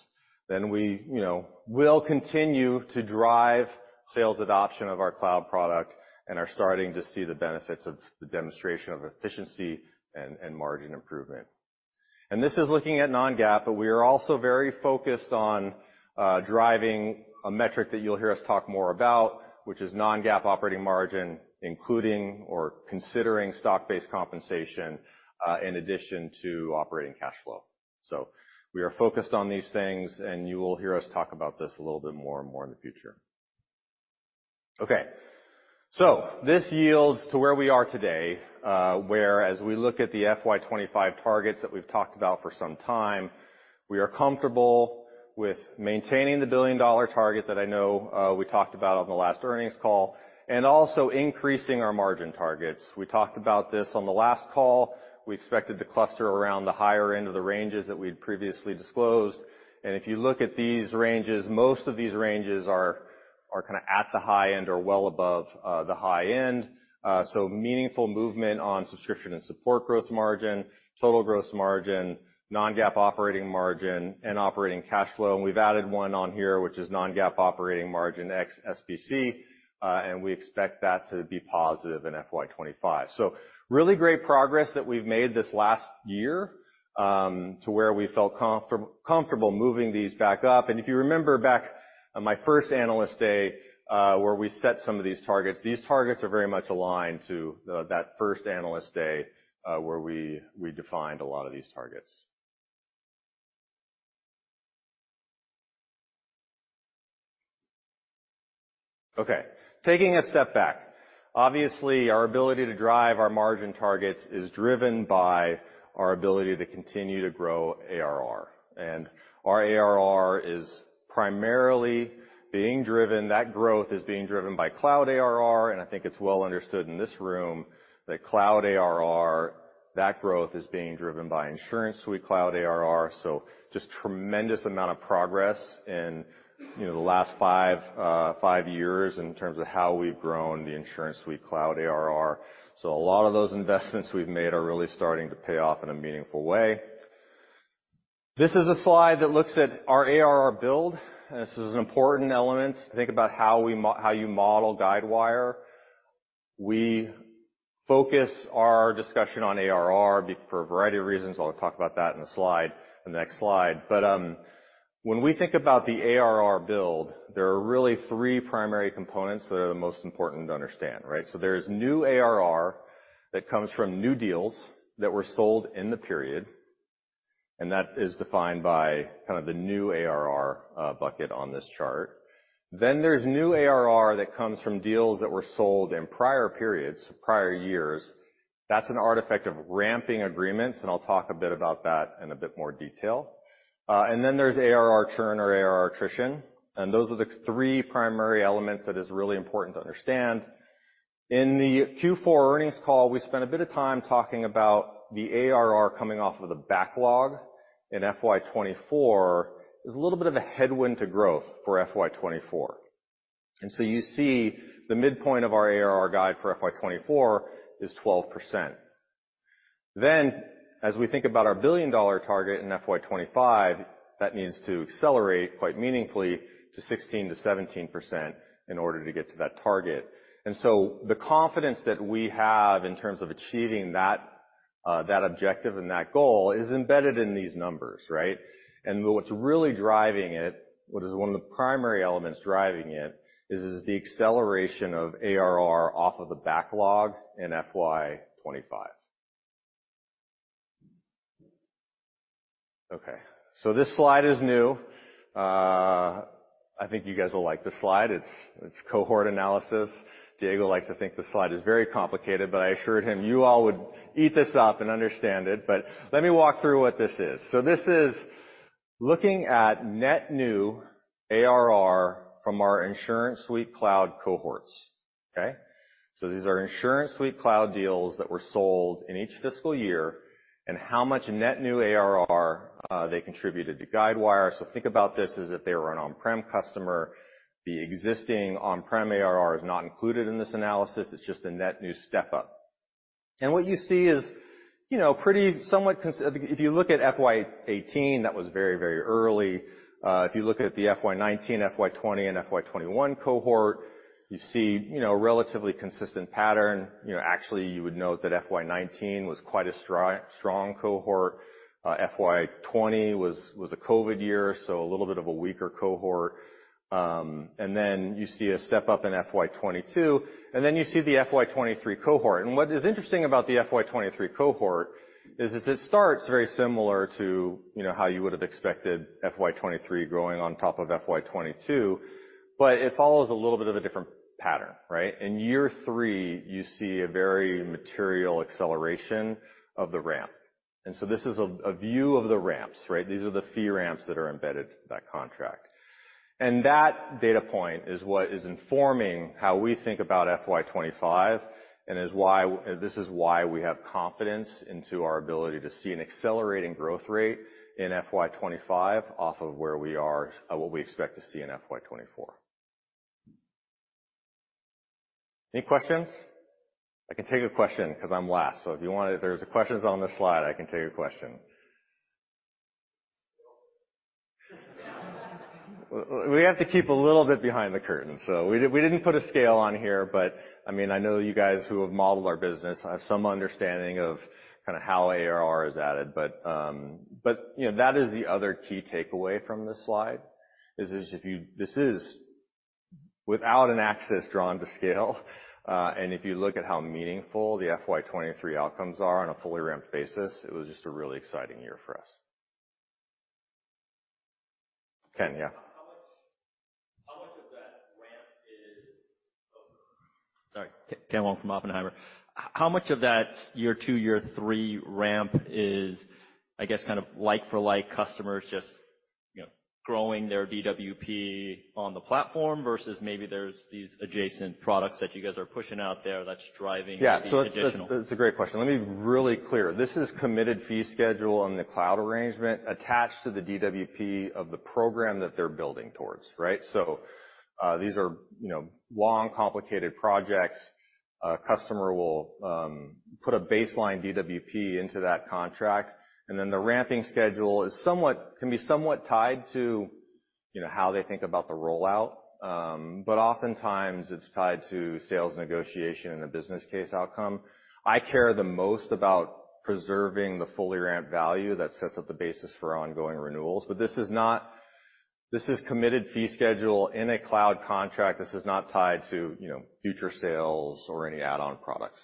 Then we, you know, will continue to drive sales adoption of our cloud product and are starting to see the benefits of the demonstration of efficiency and, and margin improvement. This is looking at non-GAAP, but we are also very focused on driving a metric that you'll hear us talk more about, which is non-GAAP operating margin, including or considering stock-based compensation, in addition to operating cash flow. So we are focused on these things, and you will hear us talk about this a little bit more and more in the future. Okay, so this yields to where we are today, where as we look at the FY 2025 targets that we've talked about for some time, we are comfortable with maintaining the $1 billion target that I know, we talked about on the last earnings call, and also increasing our margin targets. We talked about this on the last call. We expected to cluster around the higher end of the ranges that we'd previously disclosed. And if you look at these ranges, most of these ranges are, are kind of at the high end or well above, the high end. So meaningful movement on subscription and support gross margin, total gross margin, non-GAAP operating margin and operating cash flow. We've added one on here, which is non-GAAP operating margin ex SBC, and we expect that to be positive in FY 2025. So really great progress that we've made this last year, to where we felt comfortable moving these back up. And if you remember back on my first Analyst Day, where we set some of these targets, these targets are very much aligned to that first Analyst Day, where we defined a lot of these targets. Okay, taking a step back. Obviously, our ability to drive our margin targets is driven by our ability to continue to grow ARR, and our ARR is primarily being driven. That growth is being driven by cloud ARR, and I think it's well understood in this room that cloud ARR, that growth is being driven by InsuranceSuite Cloud ARR. So just tremendous amount of progress in, you know, the last five years in terms of how we've grown the InsuranceSuite Cloud ARR. So a lot of those investments we've made are really starting to pay off in a meaningful way. This is a slide that looks at our ARR build, and this is an important element to think about how you model Guidewire. We focus our discussion on ARR for a variety of reasons. I'll talk about that in the slide, in the next slide. But when we think about the ARR build, there are really three primary components that are the most important to understand, right? So there's new ARR that comes from new deals that were sold in the period-- And that is defined by kind of the new ARR bucket on this chart. Then there's new ARR that comes from deals that were sold in prior periods, prior years. That's an artifact of ramping agreements, and I'll talk a bit about that in a bit more detail. And then there's ARR churn or ARR attrition, and those are the three primary elements that is really important to understand. In the Q4 earnings call, we spent a bit of time talking about the ARR coming off of the backlog in FY 2024. There's a little bit of a headwind to growth for FY 2024. And so you see the midpoint of our ARR guide for FY 2024 is 12%. Then, as we think about our $1 billion target in FY 2025, that needs to accelerate quite meaningfully to 16%-17% in order to get to that target. So the confidence that we have in terms of achieving that, that objective and that goal is embedded in these numbers, right? What's really driving it, what is one of the primary elements driving it, is the acceleration of ARR off of the backlog in FY 2025. Okay, so this slide is new. I think you guys will like this slide. It's cohort analysis. Diego likes to think this slide is very complicated, but I assured him you all would eat this up and understand it. But let me walk through what this is. So this is looking at net new ARR from our InsuranceSuite Cloud cohorts, okay? So these are InsuranceSuite Cloud deals that were sold in each fiscal year, and how much net new ARR they contributed to Guidewire. So think about this as if they were an on-prem customer. The existing on-prem ARR is not included in this analysis. It's just a net new step up. What you see is, you know, pretty somewhat consistent. If you look at FY 2018, that was very, very early. If you look at the FY 2019, FY 2020, and FY 2021 cohort, you see, you know, a relatively consistent pattern. You know, actually, you would note that FY 2019 was quite a strong cohort. FY 2020 was a COVID year, so a little bit of a weaker cohort. And then you see a step up in FY 2022, and then you see the FY 2023 cohort. What is interesting about the FY 2023 cohort is, it starts very similar to, you know, how you would have expected FY 2023 growing on top of FY 2022, but it follows a little bit of a different pattern, right? In year three, you see a very material acceleration of the ramp. So this is a view of the ramps, right? These are the fee ramps that are embedded in that contract. And that data point is what is informing how we think about FY 2025 and is why—this is why we have confidence in our ability to see an accelerating growth rate in FY 2025 off of where we are, what we expect to see in FY 2024. Any questions? I can take a question because I'm last. So if you want to-- If there's questions on this slide, I can take a question. We have to keep a little bit behind the curtain, so we, we didn't put a scale on here, but, I mean, I know you guys who have modeled our business have some understanding of kind of how ARR is added. But, but, you know, that is the other key takeaway from this slide, is, is if you-- this is without an axis drawn to scale, and if you look at how meaningful the FY 2023 outcomes are on a fully ramped basis, it was just a really exciting year for us. Ken, yeah. How much of that ramp is-- Oh, sorry. Ken Wong from Oppenheimer. How much of that year two, year three ramp is, I guess, kind of like for like customers just, you know, growing their DWP on the platform versus maybe there's these adjacent products that you guys are pushing out there that's driving the additional? So it's a great question. Let me be really clear. This is committed fee schedule on the cloud arrangement attached to the DWP of the program that they're building towards, right? So, these are, you know, long, complicated projects. A customer will put a baseline DWP into that contract, and then the ramping schedule can be somewhat tied to, you know, how they think about the rollout. But oftentimes, it's tied to sales negotiation and the business case outcome. I care the most about preserving the fully ramped value that sets up the basis for ongoing renewals. But this is committed fee schedule in a cloud contract. This is not tied to, you know, future sales or any add-on products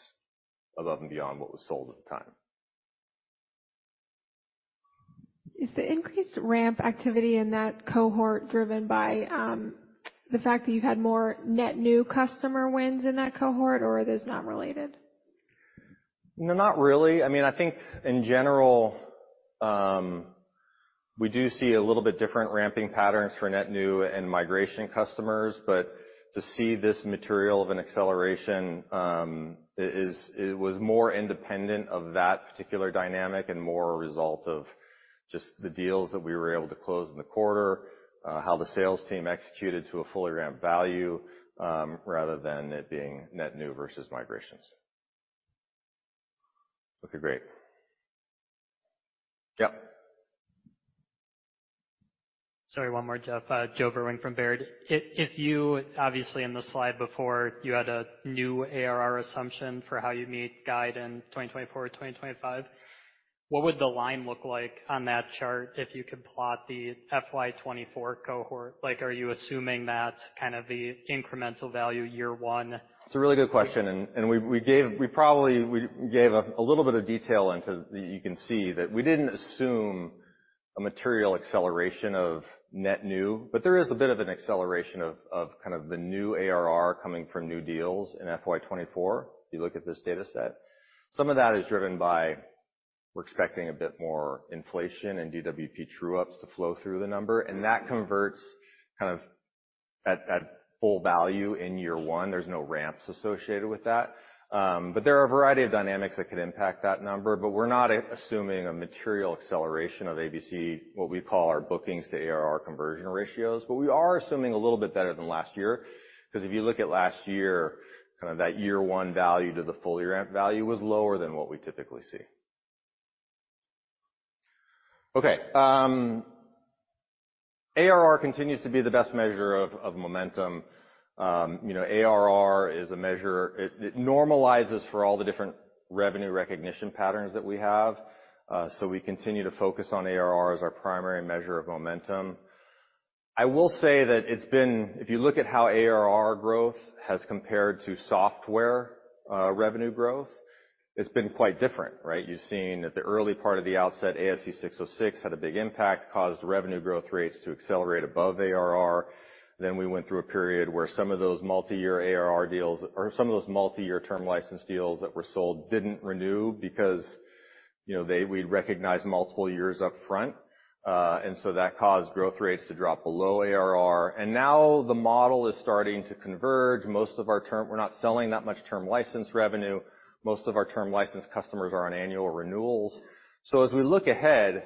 above and beyond what was sold at the time. Is the increased ramp activity in that cohort driven by the fact that you had more net new customer wins in that cohort, or it is not related? No, not really. I mean, I think in general, we do see a little bit different ramping patterns for net new and migration customers, but to see this material of an acceleration, it was more independent of that particular dynamic and more a result of just the deals that we were able to close in the quarter, how the sales team executed to a fully ramped value, rather than it being net new versus migrations. Okay, great. Yep. Sorry, one more, Jeff. Joe Vruwink from Baird. If you-- Obviously, in the slide before, you had a new ARR assumption for how you meet guidance in 2024, 2025, what would the line look like on that chart if you could plot the FY 2024 cohort? Like, are you assuming that's kind of the incremental value year one? It's a really good question, and we gave—we probably gave a little bit of detail into... You can see that we didn't assume—a material acceleration of net new, but there is a bit of an acceleration of kind of the new ARR coming from new deals in FY 2024, if you look at this data set. Some of that is driven by we're expecting a bit more inflation and DWP true ups to flow through the number, and that converts kind of at full value in year one. There's no ramps associated with that. But there are a variety of dynamics that could impact that number, but we're not assuming a material acceleration of BAC, what we call our bookings to ARR conversion ratios. But we are assuming a little bit better than last year, 'cause if you look at last year, kind of that year one value to the full year ramp value was lower than what we typically see. Okay, ARR continues to be the best measure of momentum. You know, ARR is a measure-- It normalizes for all the different revenue recognition patterns that we have. So we continue to focus on ARR as our primary measure of momentum. I will say that it's been, if you look at how ARR growth has compared to software revenue growth, it's been quite different, right? You've seen at the early part of the outset, ASC 606 had a big impact, caused revenue growth rates to accelerate above ARR. Then we went through a period where some of those multi-year ARR deals, or some of those multi-year term license deals that were sold, didn't renew because, you know, we'd recognize multiple years up front. And so that caused growth rates to drop below ARR. And now the model is starting to converge. Most of our term—we're not selling that much term license revenue. Most of our term license customers are on annual renewals. So as we look ahead,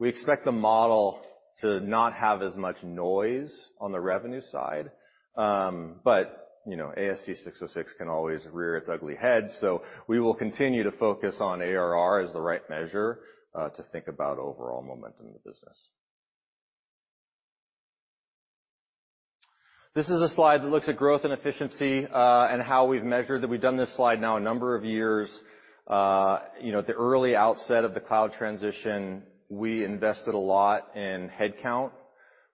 we expect the model to not have as much noise on the revenue side. But, you know, ASC 606 can always rear its ugly head, so we will continue to focus on ARR as the right measure to think about overall momentum in the business. This is a slide that looks at growth and efficiency, and how we've measured that. We've done this slide now a number of years. You know, at the early outset of the cloud transition, we invested a lot in headcount,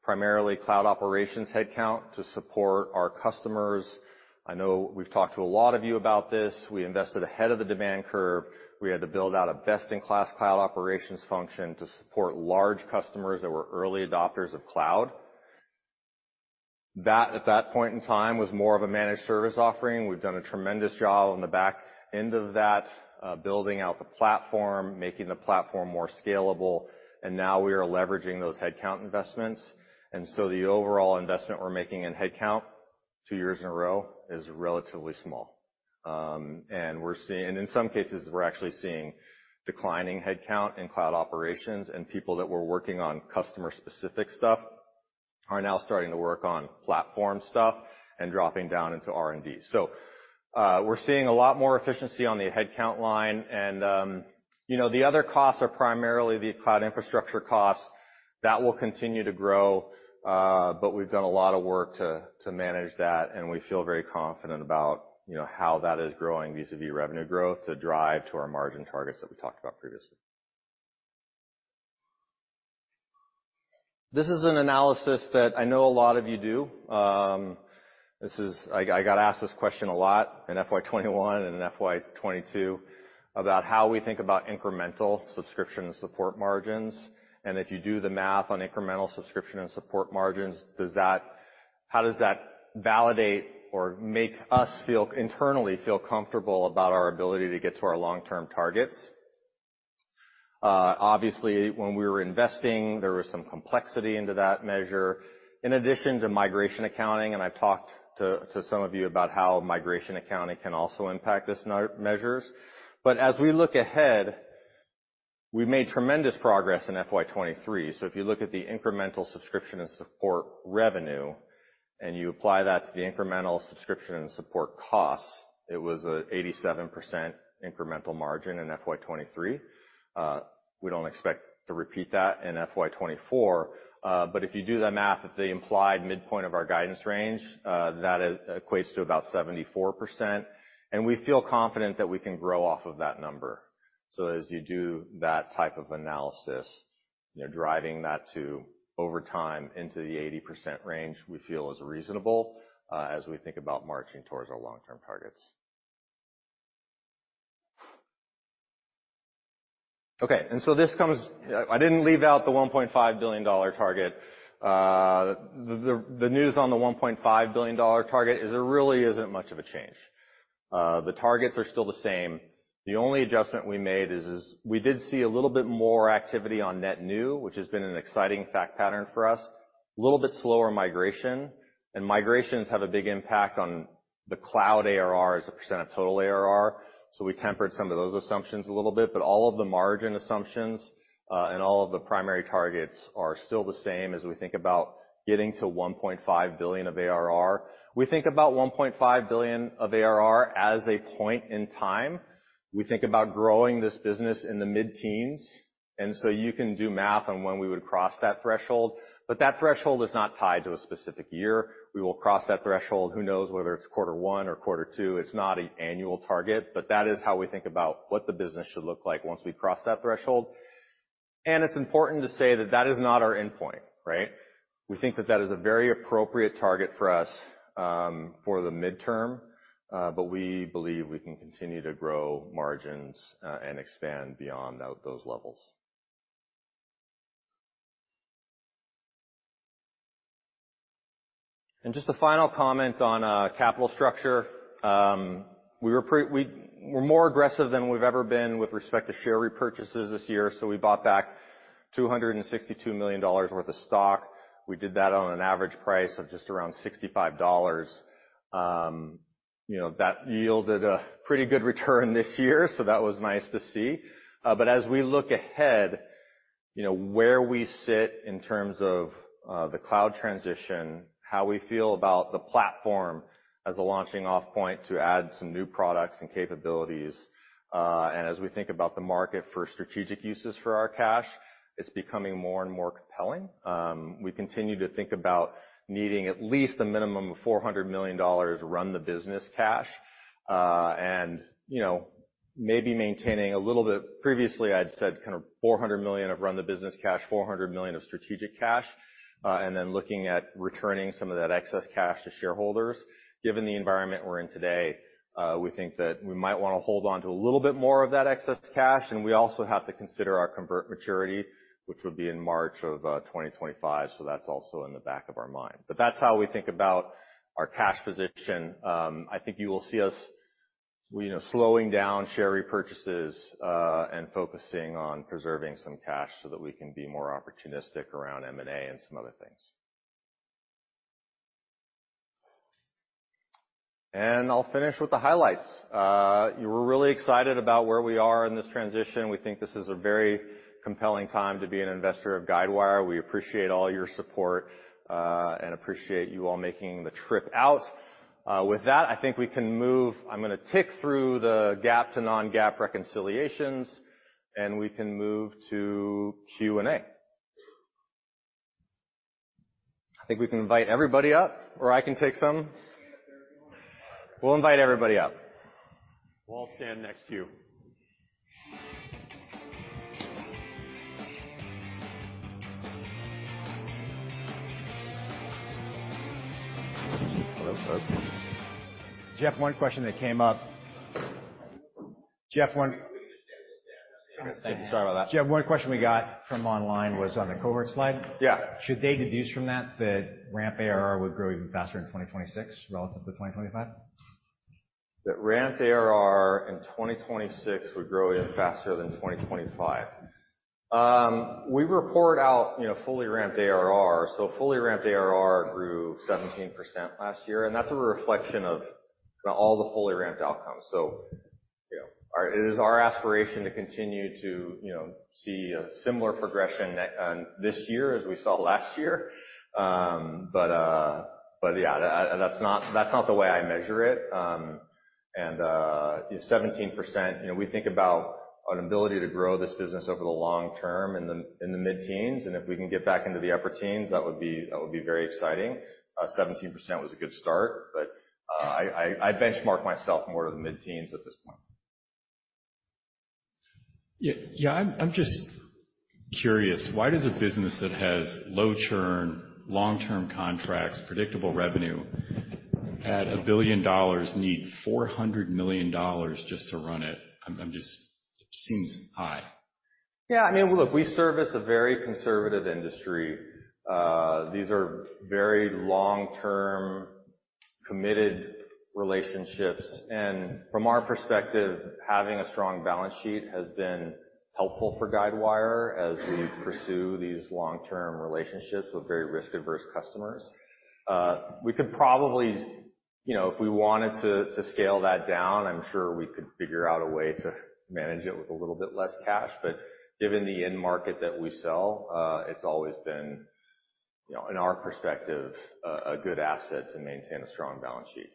primarily Cloud Operations headcount, to support our customers. I know we've talked to a lot of you about this. We invested ahead of the demand curve. We had to build out a best-in-class Cloud Operations function to support large customers that were early adopters of cloud. That, at that point in time, was more of a managed service offering. We've done a tremendous job on the back end of that, building out the platform, making the platform more scalable, and now we are leveraging those headcount investments. And so the overall investment we're making in headcount two years in a row is relatively small. And we're seeing-- In some cases, we're actually seeing declining headcount in Cloud Operations, and people that were working on customer-specific stuff are now starting to work on platform stuff and dropping down into R&D. So, we're seeing a lot more efficiency on the headcount line and, you know, the other costs are primarily the cloud infrastructure costs. That will continue to grow, but we've done a lot of work to manage that, and we feel very confident about, you know, how that is growing vis-à-vis revenue growth to drive to our margin targets that we talked about previously. This is an analysis that I know a lot of you do. I got asked this question a lot in FY 2021 and in FY 2022, about how we think about incremental subscription and support margins. If you do the math on incremental subscription and support margins, how does that validate or make us feel, internally feel comfortable about our ability to get to our long-term targets? Obviously, when we were investing, there was some complexity into that measure. In addition to migration accounting, and I've talked to some of you about how migration accounting can also impact this measures. But as we look ahead, we've made tremendous progress in FY 2023. So if you look at the incremental subscription and support revenue, and you apply that to the incremental subscription and support costs, it was an 87% incremental margin in FY 2023. We don't expect to repeat that in FY 2024. But if you do the math, at the implied midpoint of our guidance range, that equates to about 74%, and we feel confident that we can grow off of that number. So as you do that type of analysis, you know, driving that to, over time, into the 80% range, we feel is reasonable, as we think about marching towards our long-term targets. Okay, and so this comes. I didn't leave out the $1.5 billion target. The news on the $1.5 billion target is there really isn't much of a change. The targets are still the same. The only adjustment we made is we did see a little bit more activity on net new, which has been an exciting fact pattern for us. A little bit slower migration, and migrations have a big impact on the cloud ARR as a percent of total ARR, so we tempered some of those assumptions a little bit. But all of the margin assumptions, and all of the primary targets are still the same as we think about getting to $1.5 billion of ARR. We think about $1.5 billion of ARR as a point in time. We think about growing this business in the mid-teens, and so you can do math on when we would cross that threshold, but that threshold is not tied to a specific year. We will cross that threshold, who knows whether it's quarter one or quarter two? It's not an annual target, but that is how we think about what the business should look like once we cross that threshold. It's important to say that that is not our endpoint, right? We think that that is a very appropriate target for us, for the midterm, but we believe we can continue to grow margins, and expand beyond those levels. Just a final comment on capital structure. We were more aggressive than we've ever been with respect to share repurchases this year, so we bought back $262 million worth of stock. We did that on an average price of just around $65. You know, that yielded a pretty good return this year, so that was nice to see. But as we look ahead, you know, where we sit in terms of the cloud transition, how we feel about the platform as a launching off point to add some new products and capabilities, and as we think about the market for strategic uses for our cash, it's becoming more and more compelling. We continue to think about needing at least a minimum of $400 million run the business cash, and, you know, maybe maintaining a little bit. Previously, I'd said kind of $400 million of run the business cash, $400 million of strategic cash, and then looking at returning some of that excess cash to shareholders. Given the environment we're in today, we think that we might want to hold on to a little bit more of that excess cash, and we also have to consider our convert maturity, which would be in March of 2025, so that's also in the back of our mind. But that's how we think about our cash position. I think you will see us, you know, slowing down share repurchases, and focusing on preserving some cash so that we can be more opportunistic around M&A and some other things. And I'll finish with the highlights. We're really excited about where we are in this transition. We think this is a very compelling time to be an investor of Guidewire. We appreciate all your support, and appreciate you all making the trip out. With that, I think we can move. I'm going to walk through the GAAP to non-GAAP reconciliations, and we can move to Q&A. I think we can invite everybody up, or I can take some. We'll invite everybody up. Well, I'll stand next to you. Jeff, one question that came up. Sorry about that. Jeff, one question we got from online was on the cohort slide. Yeah. Should they deduce from that, that ramp ARR would grow even faster in 2026 relative to 2025? That ramp ARR in 2026 would grow even faster than 2025. We report out, you know, fully ramped ARR. So fully ramped ARR grew 17% last year, and that's a reflection of, kind of, all the fully ramped outcomes. So, you know, our-- it is our aspiration to continue to, you know, see a similar progression this year as we saw last year. But, yeah, that's not, that's not the way I measure it. And, 17%, you know, we think about an ability to grow this business over the long term in the, in the mid-teens, and if we can get back into the upper teens, that would be, that would be very exciting. 17% was a good start, but I benchmark myself more to the mid-teens at this point. Yeah, yeah, I'm just curious, why does a business that has low churn, long-term contracts, predictable revenue at $1 billion, need $400 million just to run it? I'm just--seems high. Yeah, I mean, look, we service a very conservative industry. These are very long-term, committed relationships, and from our perspective, having a strong balance sheet has been helpful for Guidewire as we pursue these long-term relationships with very risk-averse customers. We could probably, you know, if we wanted to, scale that down. I'm sure we could figure out a way to manage it with a little bit less cash. But given the end market that we sell, it's always been, you know, in our perspective, a good asset to maintain a strong balance sheet.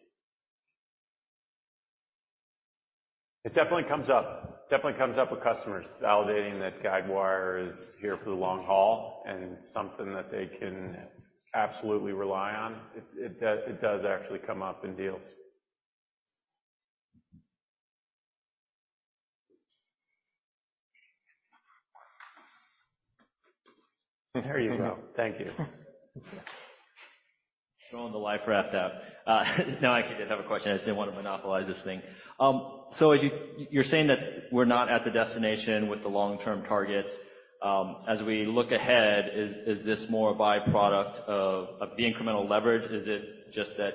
It definitely comes up, definitely comes up with customers, validating that Guidewire is here for the long haul and something that they can absolutely rely on. It does actually come up in deals. There you go. Thank you. Throwing the life raft out. No, I did have a question. I just didn't want to monopolize this thing. So as you- you're saying that we're not at the destination with the long-term targets. As we look ahead, is this more a by-product of the incremental leverage? Is it just that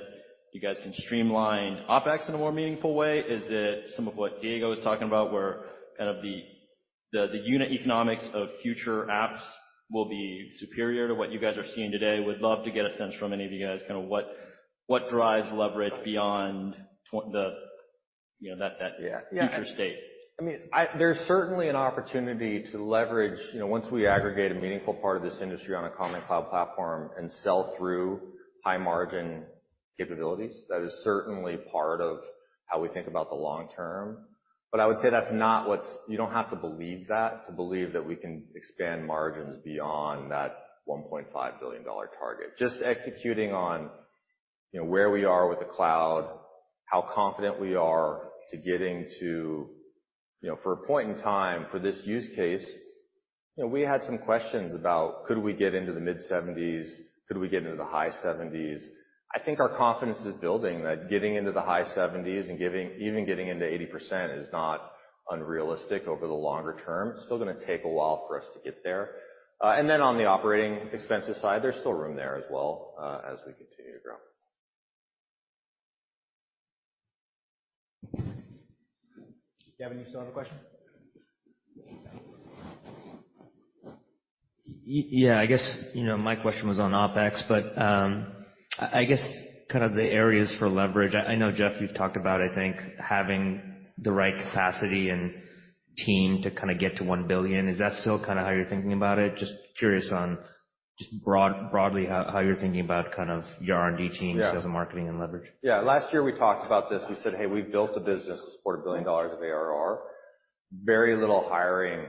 you guys can streamline OpEx in a more meaningful way? Is it some of what Diego is talking about, where kind of the unit economics of future apps will be superior to what you guys are seeing today? Would love to get a sense from any of you guys, kind of, what drives leverage beyond the you know, that future state? I mean, there's certainly an opportunity to leverage, you know, once we aggregate a meaningful part of this industry on a common cloud platform and sell through high-margin capabilities. That is certainly part of how we think about the long term. But I would say that's not what's. You don't have to believe that, to believe that we can expand margins beyond that $1.5 billion target. Just executing on, you know, where we are with the cloud, how confident we are to getting to, you know, for a point in time for this use case, you know, we had some questions about could we get into the mid-70s? Could we get into the high 70s? I think our confidence is building, that getting into the high 70s and even getting into 80% is not unrealistic over the longer term. It's still gonna take a while for us to get there. And then on the operating expenses side, there's still room there as well, as we continue to grow. Kevin, you still have a question? Yeah, I guess, you know, my question was on OpEx, but I guess kind of the areas for leverage. I know, Jeff, you've talked about, I think, having the right capacity and team to kind of get to $1 billion. Is that still kind of how you're thinking about it? Just curious on just broadly, how you're thinking about kind of your R&D teams sales and marketing and leverage. Yeah, last year we talked about this. We said, "Hey, we've built a business for $1 billion of ARR." Very little hiring,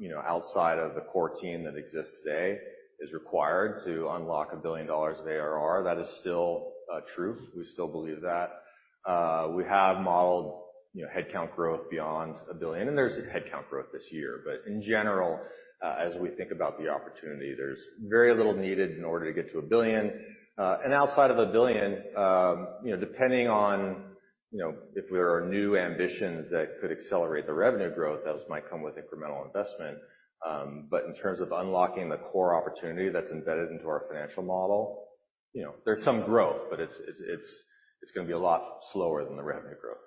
you know, outside of the core team that exists today, is required to unlock $1 billion of ARR. That is still true. We still believe that. We have modeled, you know, headcount growth beyond $1 billion, and there's headcount growth this year. But in general, as we think about the opportunity, there's very little needed in order to get to $1 billion. And outside of $1 billion, you know, depending on, you know, if there are new ambitions that could accelerate the revenue growth, those might come with incremental investment. But in terms of unlocking the core opportunity that's embedded into our financial model, you know, there's some growth, but it's gonna be a lot slower than the revenue growth.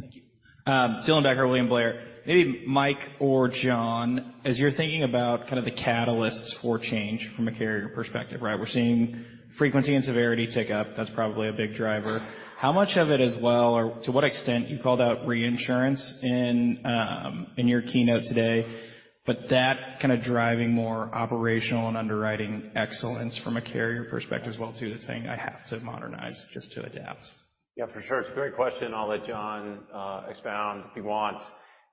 Thank you. Dylan Becker, William Blair. Maybe Mike or John, as you're thinking about kind of the catalysts for change from a carrier perspective, right? We're seeing frequency and severity tick up. That's probably a big driver. How much of it as well, or to what extent you called out reinsurance in, in your keynote today, but that kind of driving more operational and underwriting excellence from a carrier perspective as well too, that's saying, "I have to modernize just to adapt? Yeah, for sure. It's a great question, and I'll let John expound if he wants.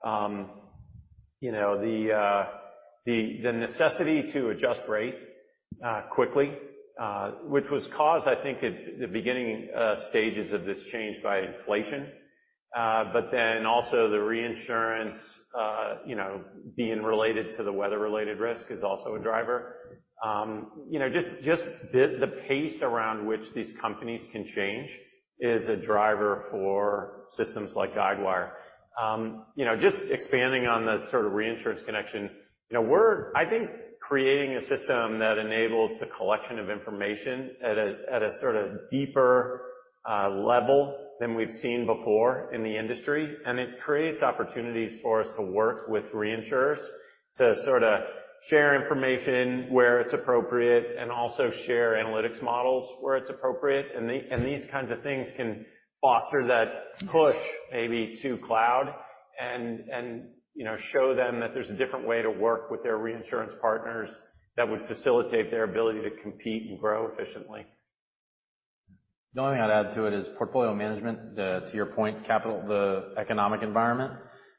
You know, the necessity to adjust rate quickly, which was caused, I think, at the beginning stages of this change by inflation. But then also the reinsurance, you know, being related to the weather-related risk is also a driver. You know, the pace around which these companies can change is a driver for systems like Guidewire. You know, just expanding on the sort of reinsurance connection. You know, we're, I think, creating a system that enables the collection of information at a, at a sort of deeper level than we've seen before in the industry, and it creates opportunities for us to work with reinsurers to sorta share information where it's appropriate and also share analytics models where it's appropriate. And these kinds of things can foster that push, maybe to cloud and, you know, show them that there's a different way to work with their reinsurance partners that would facilitate their ability to compete and grow efficiently. The only thing I'd add to it is portfolio management. To your point, capital, the economic environment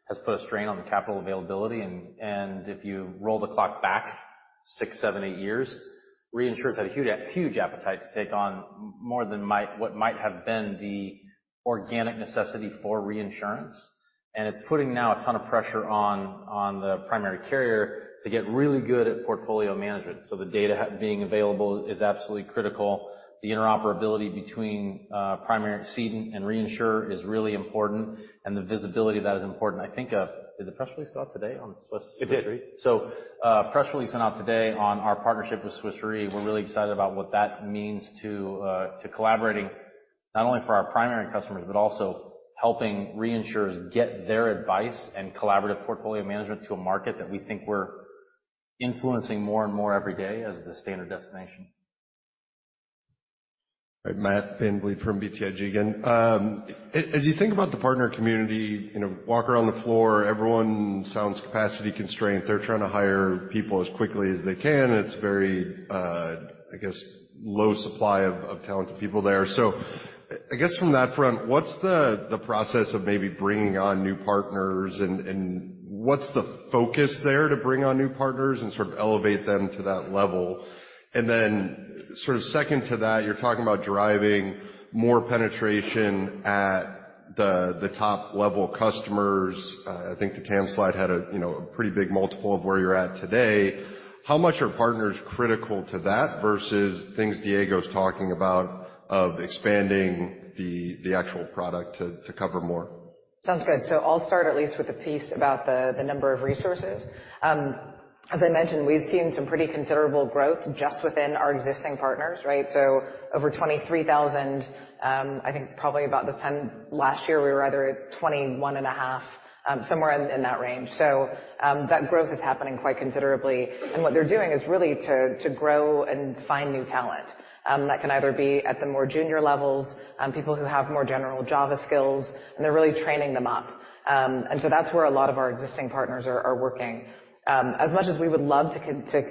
has put a strain on the capital availability, and, and if you roll the clock back six, seven, eight years, reinsurers had a huge, huge appetite to take on more than what might have been the organic necessity for reinsurance. And it's putting now a ton of pressure on, on the primary carrier to get really good at portfolio management. So the data being available is absolutely critical. The interoperability between, primary, cedent and reinsurer is really important, and the visibility of that is important. I think, did the press release go out today on Swiss Re? It did. Press release went out today on our partnership with Swiss Re. We're really excited about what that means to collaborating not only for our primary customers, but also helping reinsurers get their advice and collaborative portfolio management to a market that we think we're influencing more and more every day as the standard destination. Matt VanVliet from BTIG again. As you think about the partner community, you know, walk around the floor, everyone sounds capacity constrained. They're trying to hire people as quickly as they can. It's very, I guess, low supply of talented people there. So I guess from that front, what's the process of maybe bringing on new partners and what's the focus there to bring on new partners and sort of elevate them to that level? And then sort of second to that, you're talking about driving more penetration at the top-level customers. I think the TAM slide had a, you know, a pretty big multiple of where you're at today. How much are partners critical to that versus things Diego's talking about, of expanding the actual product to cover more? Sounds good. So I'll start at least with the piece about the number of resources. As I mentioned, we've seen some pretty considerable growth just within our existing partners, right? So over 23,000, I think probably about this time last year, we were either at 21.5%, somewhere in that range. So that growth is happening quite considerably, and what they're doing is really to grow and find new talent. That can either be at the more junior levels, people who have more general Java skills, and they're really training them up. And so that's where a lot of our existing partners are working. As much as we would love to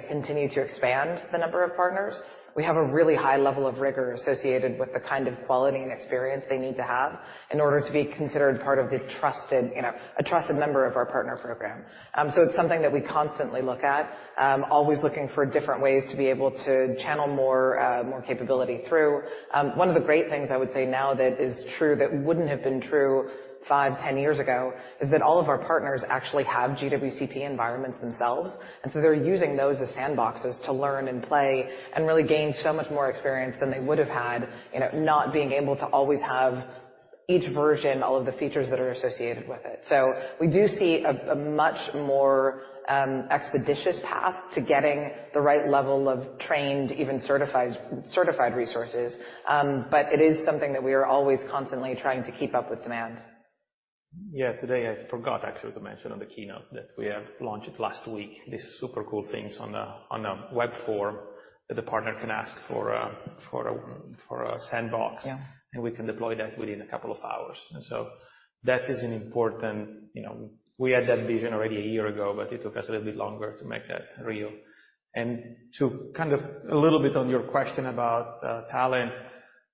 continue to expand the number of partners, we have a really high level of rigor associated with the kind of quality and experience they need to have in order to be considered part of the trusted, you know, a trusted member of our partner program. So it's something that we constantly look at, always looking for different ways to be able to channel more, more capability through. One of the great things I would say now that is true, that wouldn't have been true 5, 10 years ago, is that all of our partners actually have GWCP environments themselves, and so they're using those as sandboxes to learn and play and really gain so much more experience than they would have had, you know, not being able to always have each version, all of the features that are associated with it. So we do see a much more expeditious path to getting the right level of trained, even certified resources. But it is something that we are always constantly trying to keep up with demand. Yeah, today I forgot actually to mention on the keynote that we have launched last week these super cool things on a web form that the partner can ask for a sandbox and we can deploy that within a couple of hours. And so that is an important, you know, we had that vision already a year ago, but it took us a little bit longer to make that real. And to kind of a little bit on your question about, talent,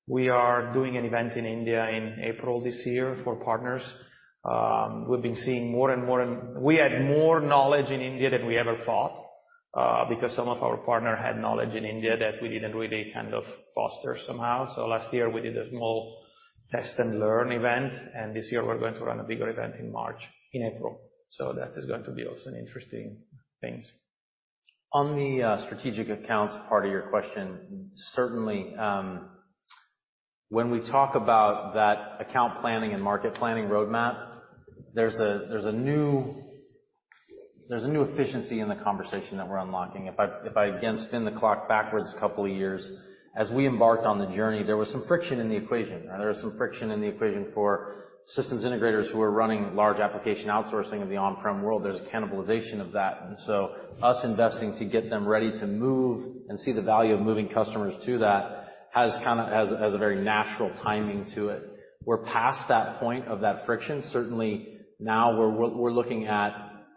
we are doing an event in India in April this year for partners. We've been seeing more and more, and we had more knowledge in India than we ever thought, because some of our partner had knowledge in India that we didn't really kind of foster somehow. So last year, we did a small test and learn event, and this year we're going to run a bigger event in March, in April. So that is going to be also an interesting things. On the strategic accounts part of your question, certainly, when we talk about that account planning and market planning roadmap, there's a new efficiency in the conversation that we're unlocking. If I again spin the clock backwards a couple of years, as we embarked on the journey, there was some friction in the equation. There was some friction in the equation for systems integrators who are running large application outsourcing of the on-prem world. There's a cannibalization of that, and so us investing to get them ready to move and see the value of moving customers to that has kind of a very natural timing to it. We're past that point of that friction. Certainly now we're looking at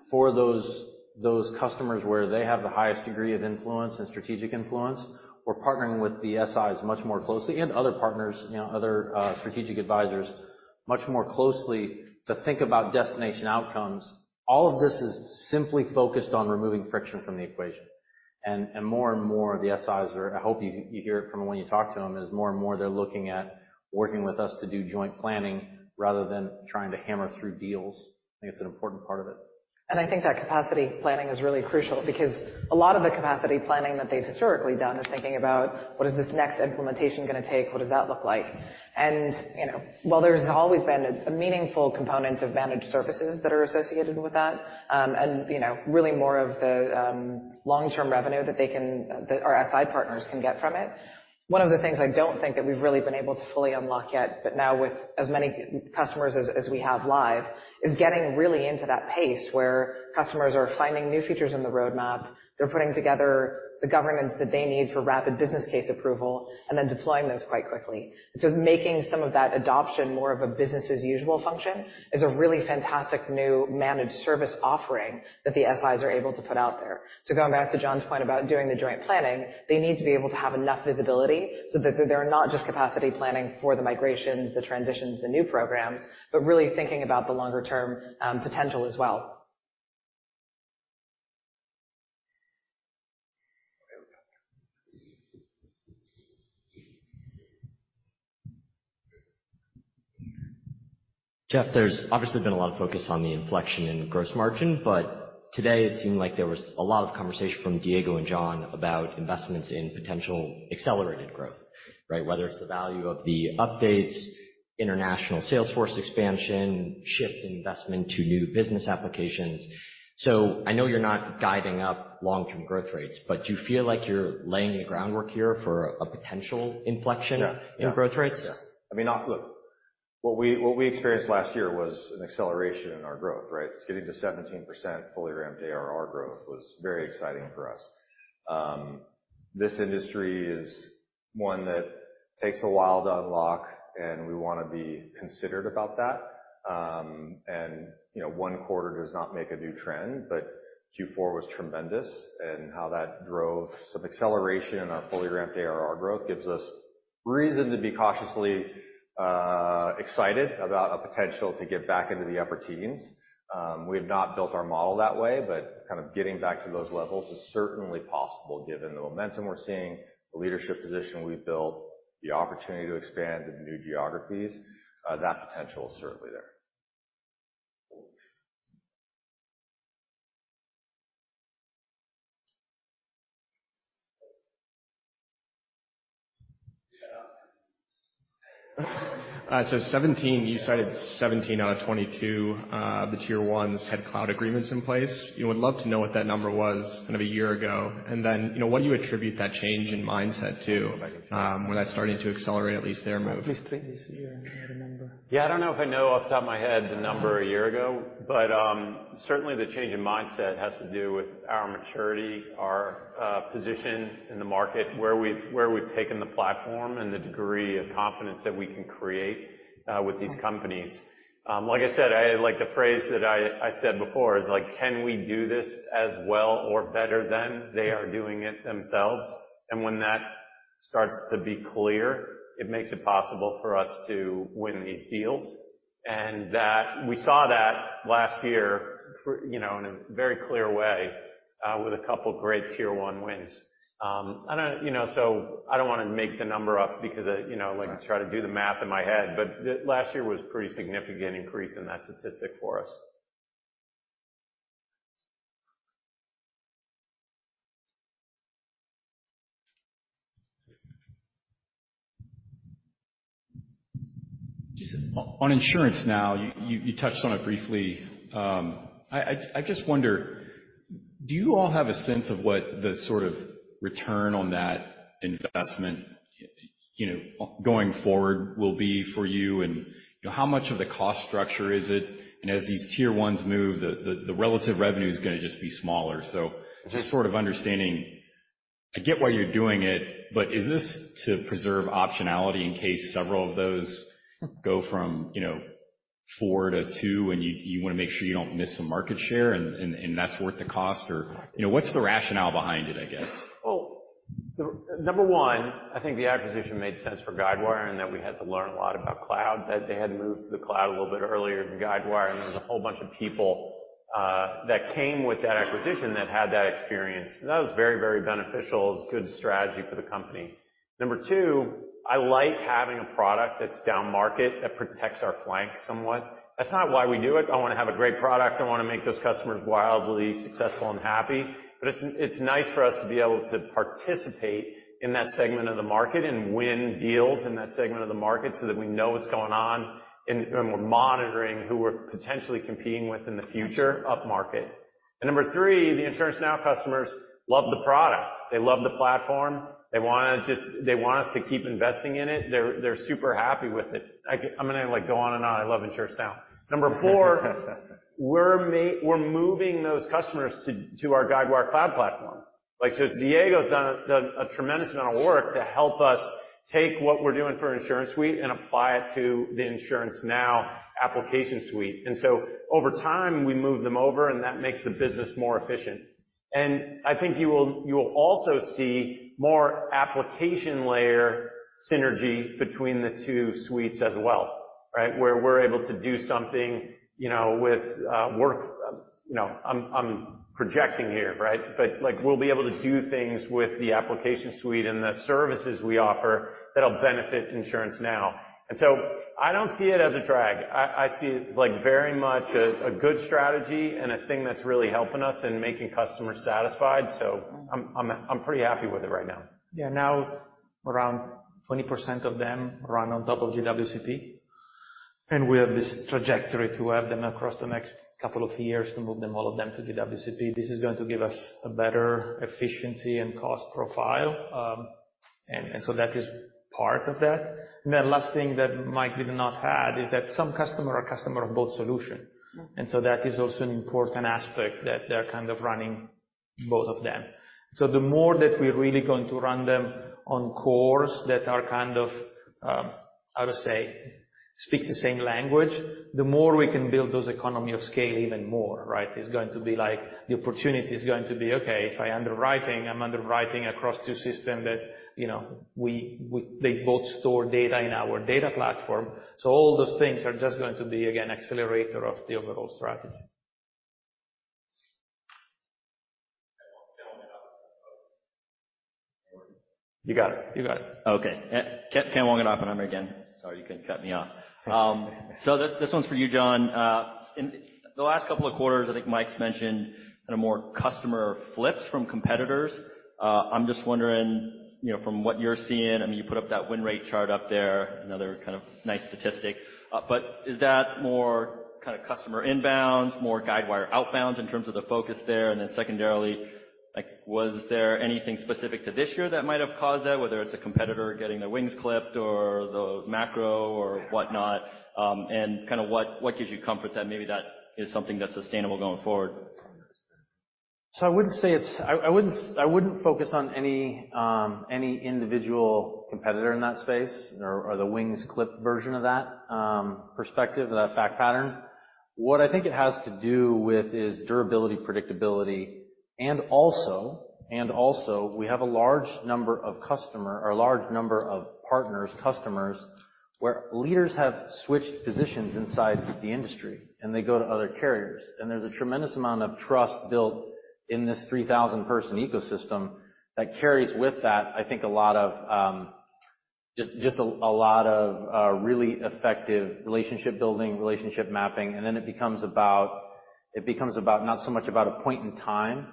for those customers where they have the highest degree of influence and strategic influence, we're partnering with the SIs much more closely and other partners, you know, other strategic advisors, much more closely to think about destination outcomes. All of this is simply focused on removing friction from the equation. More and more the SIs are, I hope you hear it from when you talk to them, is more and more they're looking at working with us to do joint planning rather than trying to hammer through deals. I think it's an important part of it. I think that capacity planning is really crucial because a lot of the capacity planning that they've historically done is thinking about what is this next implementation gonna take? What does that look like? And, you know, while there's always been a meaningful component of managed services that are associated with that, and you know, really more of the, long-term revenue that they can-- That our SI partners can get from it. One of the things I don't think that we've really been able to fully unlock yet, but now with as many customers as we have live, is getting really into that pace where customers are finding new features in the roadmap. They're putting together the governance that they need for rapid business case approval, and then deploying those quite quickly. So making some of that adoption more of a business as usual function, is a really fantastic new managed service offering that the SIs are able to put out there. So going back to John's point about doing the joint planning, they need to be able to have enough visibility so that they're not just capacity planning for the migrations, the transitions, the new programs, but really thinking about the longer-term, potential as well. Jeff, there's obviously been a lot of focus on the inflection in gross margin, but today it seemed like there was a lot of conversation from Diego and John about investments in potential accelerated growth, right? Whether it's the value of the updates, international sales force expansion, shift in investment to new business applications. So I know you're not guiding up long-term growth rates, but do you feel like you're laying the groundwork here for a potential inflection in growth rates? Yeah. I mean, look, what we experienced last year was an acceleration in our growth, right? Getting to 17% fully ramped ARR growth was very exciting for us. This industry is one that takes a while to unlock, and we want to be considered about that. And you know, one quarter does not make a new trend, but Q4 was tremendous, and how that drove some acceleration in our fully ramped ARR growth gives us reason to be cautiously excited about a potential to get back into the upper teens. We have not built our model that way, but kind of getting back to those levels is certainly possible given the momentum we're seeing, the leadership position we've built, the opportunity to expand to new geographies, that potential is certainly there. So, 17%, you started 17% out of 22%, the Tier 1s had cloud agreements in place. You would love to know what that number was kind of a year ago, and then, you know, what do you attribute that change in mindset to, when that's starting to accelerate, at least their move? At least three years, I remember. Yeah, I don't know if I know off the top of my head the number a year ago, but certainly, the change in mindset has to do with our maturity, our position in the market, where we've taken the platform, and the degree of confidence that we can create with these companies. Like I said, I like the phrase that I said before, is like: Can we do this as well or better than they are doing it themselves? And when that starts to be clear, it makes it possible for us to win these deals. And that we saw that last year, for you know, in a very clear way, with a couple of great Tier 1 wins. I don't, you know, so I don't want to make the number up because, you know, like, try to do the math in my head, but last year was pretty significant increase in that statistic for us. Just on InsuranceNow, you touched on it briefly. I just wonder, do you all have a sense of what the sort of return on that investment, you know, going forward will be for you? And, you know, how much of the cost structure is it? And as these Tier 1s move, the relative revenue is gonna just be smaller. So just sort of understanding, I get why you're doing it, but is this to preserve optionality in case several of those go from, you know, four to two, and you wanna make sure you don't miss the market share and that's worth the cost? Or, you know, what's the rationale behind it, I guess? Well, the number one, I think the acquisition made sense for Guidewire and that we had to learn a lot about cloud, that they had moved to the cloud a little bit earlier than Guidewire, and there was a whole bunch of people that came with that acquisition that had that experience. And that was very, very beneficial. It's good strategy for the company. Number two, I like having a product that's down market, that protects our flanks somewhat. That's not why we do it. I want to have a great product. I want to make those customers wildly successful and happy, but it's, it's nice for us to be able to participate in that segment of the market and win deals in that segment of the market, so that we know what's going on, and, and we're monitoring who we're potentially competing with in the future upmarket. And number three, the InsuranceNow customers love the products. They love the platform. They wanna just, they want us to keep investing in it. They're, they're super happy with it. I can, I'm gonna, like, go on and on. I love InsuranceNow. Number four, we're moving those customers to our Guidewire Cloud Platform. Like, so Diego's done a tremendous amount of work to help us take what we're doing for InsuranceSuite and apply it to the InsuranceNow application suite. And so over time, we move them over, and that makes the business more efficient. And I think you will also see more application layer synergy between the two suites as well, right? Where we're able to do something, you know, with work. You know, I'm projecting here, right? But, like, we'll be able to do things with the application suite and the services we offer that'll benefit InsuranceNow. And so I don't see it as a drag. I see it as, like, very much a good strategy and a thing that's really helping us and making customers satisfied. So I'm pretty happy with it right now. Yeah, now around 20% of them run on top of GWCP, and we have this trajectory to have them across the next couple of years to move them, all of them, to GWCP. This is going to give us a better efficiency and cost profile. And, and so that is part of that. And then last thing that Mike did not add is that some customer are customer of both solution, and so that is also an important aspect, that they're kind of running both of them. So the more that we're really going to run them on cores, that are kind of, I would say, speak the same language, the more we can build those economy of scale even more, right? It's going to be like the opportunity is going to be okay if I'm underwriting. I'm underwriting across two systems that, you know, we—they both store data in our Data Platform. So all those things are just going to be, again, accelerator of the overall strategy. You got it. You got it. Okay, Ken Wong at Oppenheimer again. Sorry, you can cut me off. This one's for you, John. In the last couple of quarters, I think Mike's mentioned more customer flips from competitors. I'm just wondering, you know, from what you're seeing, I mean, you put up that win rate chart up there, another kind of nice statistic. But is that more kind of customer inbounds, more Guidewire outbounds in terms of the focus there? And then secondarily, like, was there anything specific to this year that might have caused that, whether it's a competitor getting their wings clipped or the macro or whatnot? And kind of what gives you comfort that maybe that is something that's sustainable going forward? So I wouldn't say it's. I wouldn't focus on any individual competitor in that space or the wings clipped version of that perspective or that fact pattern. What I think it has to do with is durability, predictability, and also we have a large number of customer or a large number of partners, customers, where leaders have switched positions inside the industry, and they go to other carriers. And there's a tremendous amount of trust built in this 3,000-person ecosystem that carries with that, I think, a lot of just a lot of really effective relationship building, relationship mapping. And then it becomes about not so much about a point in time,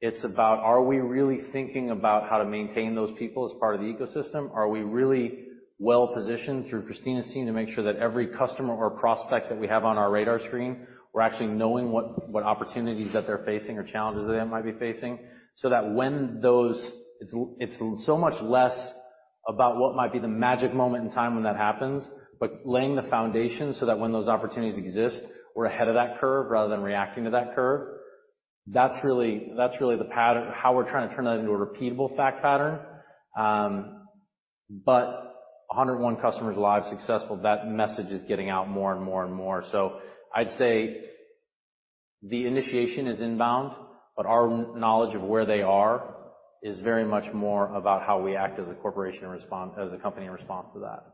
it's about are we really thinking about how to maintain those people as part of the ecosystem? Are we really well-positioned through Christina's team to make sure that every customer or prospect that we have on our radar screen, we're actually knowing what, what opportunities that they're facing or challenges they might be facing? So that when those, it's, it's so much less about what might be the magic moment in time when that happens, but laying the foundation so that when those opportunities exist, we're ahead of that curve rather than reacting to that curve. That's really, that's really the pattern, how we're trying to turn that into a repeatable fact pattern. But 101 customers live, successful, that message is getting out more and more and more. So I'd say the initiation is inbound, but our knowledge of where they are is very much more about how we act as a corporation in response, as a company, in response to that.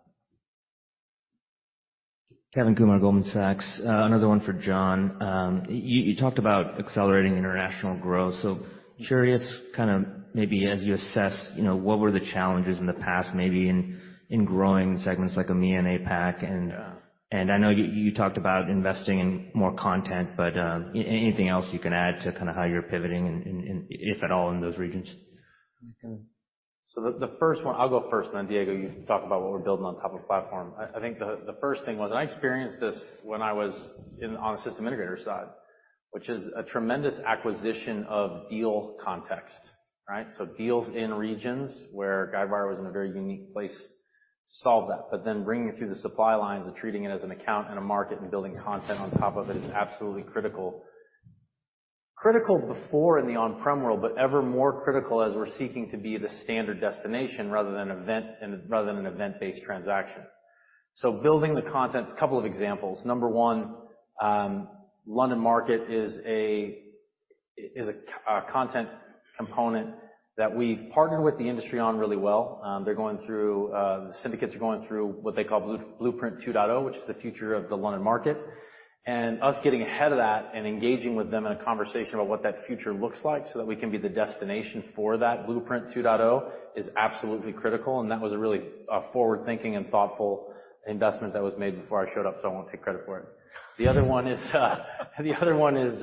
Kevin Kumar, Goldman Sachs. Another one for John. You talked about accelerating international growth. So curious, kind of maybe as you assess, you know, what were the challenges in the past, maybe in growing segments like EMEA and APAC? And I know you talked about investing in more content, but anything else you can add to kind of how you're pivoting and, if at all, in those regions? So the first one, I'll go first, and then Diego, you talk about what we're building on top of platform. I think the first thing was, and I experienced this when I was in on a system integrator side, which is a tremendous acquisition of deal context, right? So deals in regions where Guidewire was in a very unique place solve that. But then bringing it through the supply lines and treating it as an account and a market, and building content on top of it is absolutely critical. Critical before in the on-prem world, but ever more critical as we're seeking to be the standard destination rather than an event, rather than an event-based transaction. So building the content, a couple of examples. Number one, London Market is a content component that we've partnered with the industry on really well. They're going through, the syndicates are going through what they call Blueprint 2.0, which is the future of the London Market. Us getting ahead of that and engaging with them in a conversation about what that future looks like, so that we can be the destination for that Blueprint 2.0, is absolutely critical, and that was a really, a forward-thinking and thoughtful investment that was made before I showed up, so I won't take credit for it. The other one is, the other one is,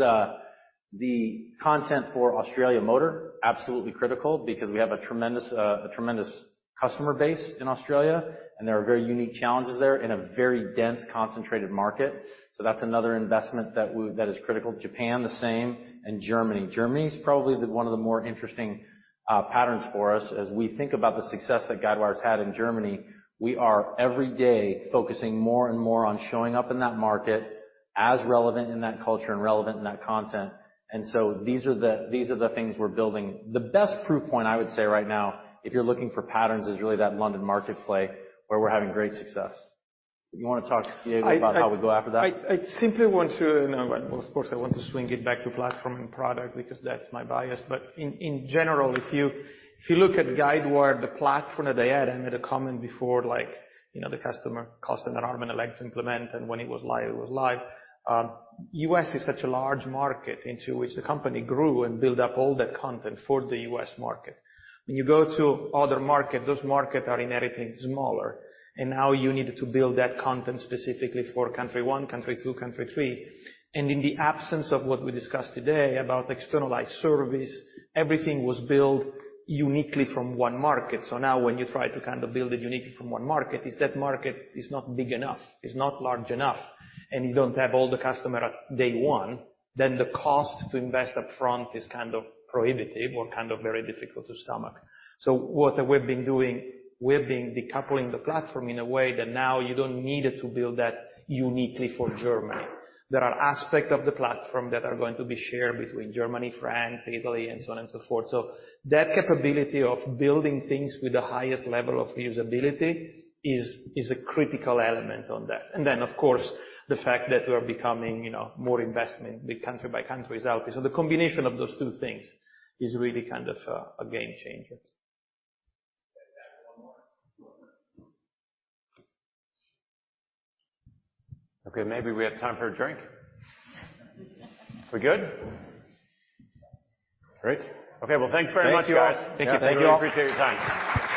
the content for Australia Motor, absolutely critical because we have a tremendous, a tremendous customer base in Australia, and there are very unique challenges there in a very dense, concentrated market. So that's another investment that we, that is critical. Japan, the same, and Germany. Germany is probably the one of the more interesting patterns for us. As we think about the success that Guidewire's had in Germany, we are every day focusing more and more on showing up in that market as relevant in that culture and relevant in that content. And so these are the, these are the things we're building. The best proof point I would say right now, if you're looking for patterns, is really that London Market play, where we're having great success. You want to talk, Diego, about how we go after that? I simply want to, you know, well, of course, I want to swing it back to platform and product because that's my bias. But in general, if you look at Guidewire, the platform that they had, I made a comment before, like, you know, the customer, customer arm and like to implement, and when it was live, it was live. U.S. is such a large market into which the company grew and build up all that content for the U.S. market. When you go to other market, those market are inherently smaller, and now you need to build that content specifically for country one, country two, country three. And in the absence of what we discussed today about externalized service, everything was built uniquely from one market. So now when you try to kind of build it uniquely from one market, if that market is not big enough, is not large enough, and you don't have all the customer at day one, then the cost to invest up front is kind of prohibitive or kind of very difficult to stomach. So what we've been doing, we've been decoupling the platform in a way that now you don't need it to build that uniquely for Germany. There are aspects of the platform that are going to be shared between Germany, France, Italy, and so on and so forth. So that capability of building things with the highest level of reusability is, is a critical element on that. And then, of course, the fact that we are becoming, you know, more investment with country by country is out. The combination of those two things is really kind of a game changer. One more. Okay, maybe we have time for a drink. We good? Great. Okay, well, thanks very much, guys. Thank you. Thank you. Appreciate your time.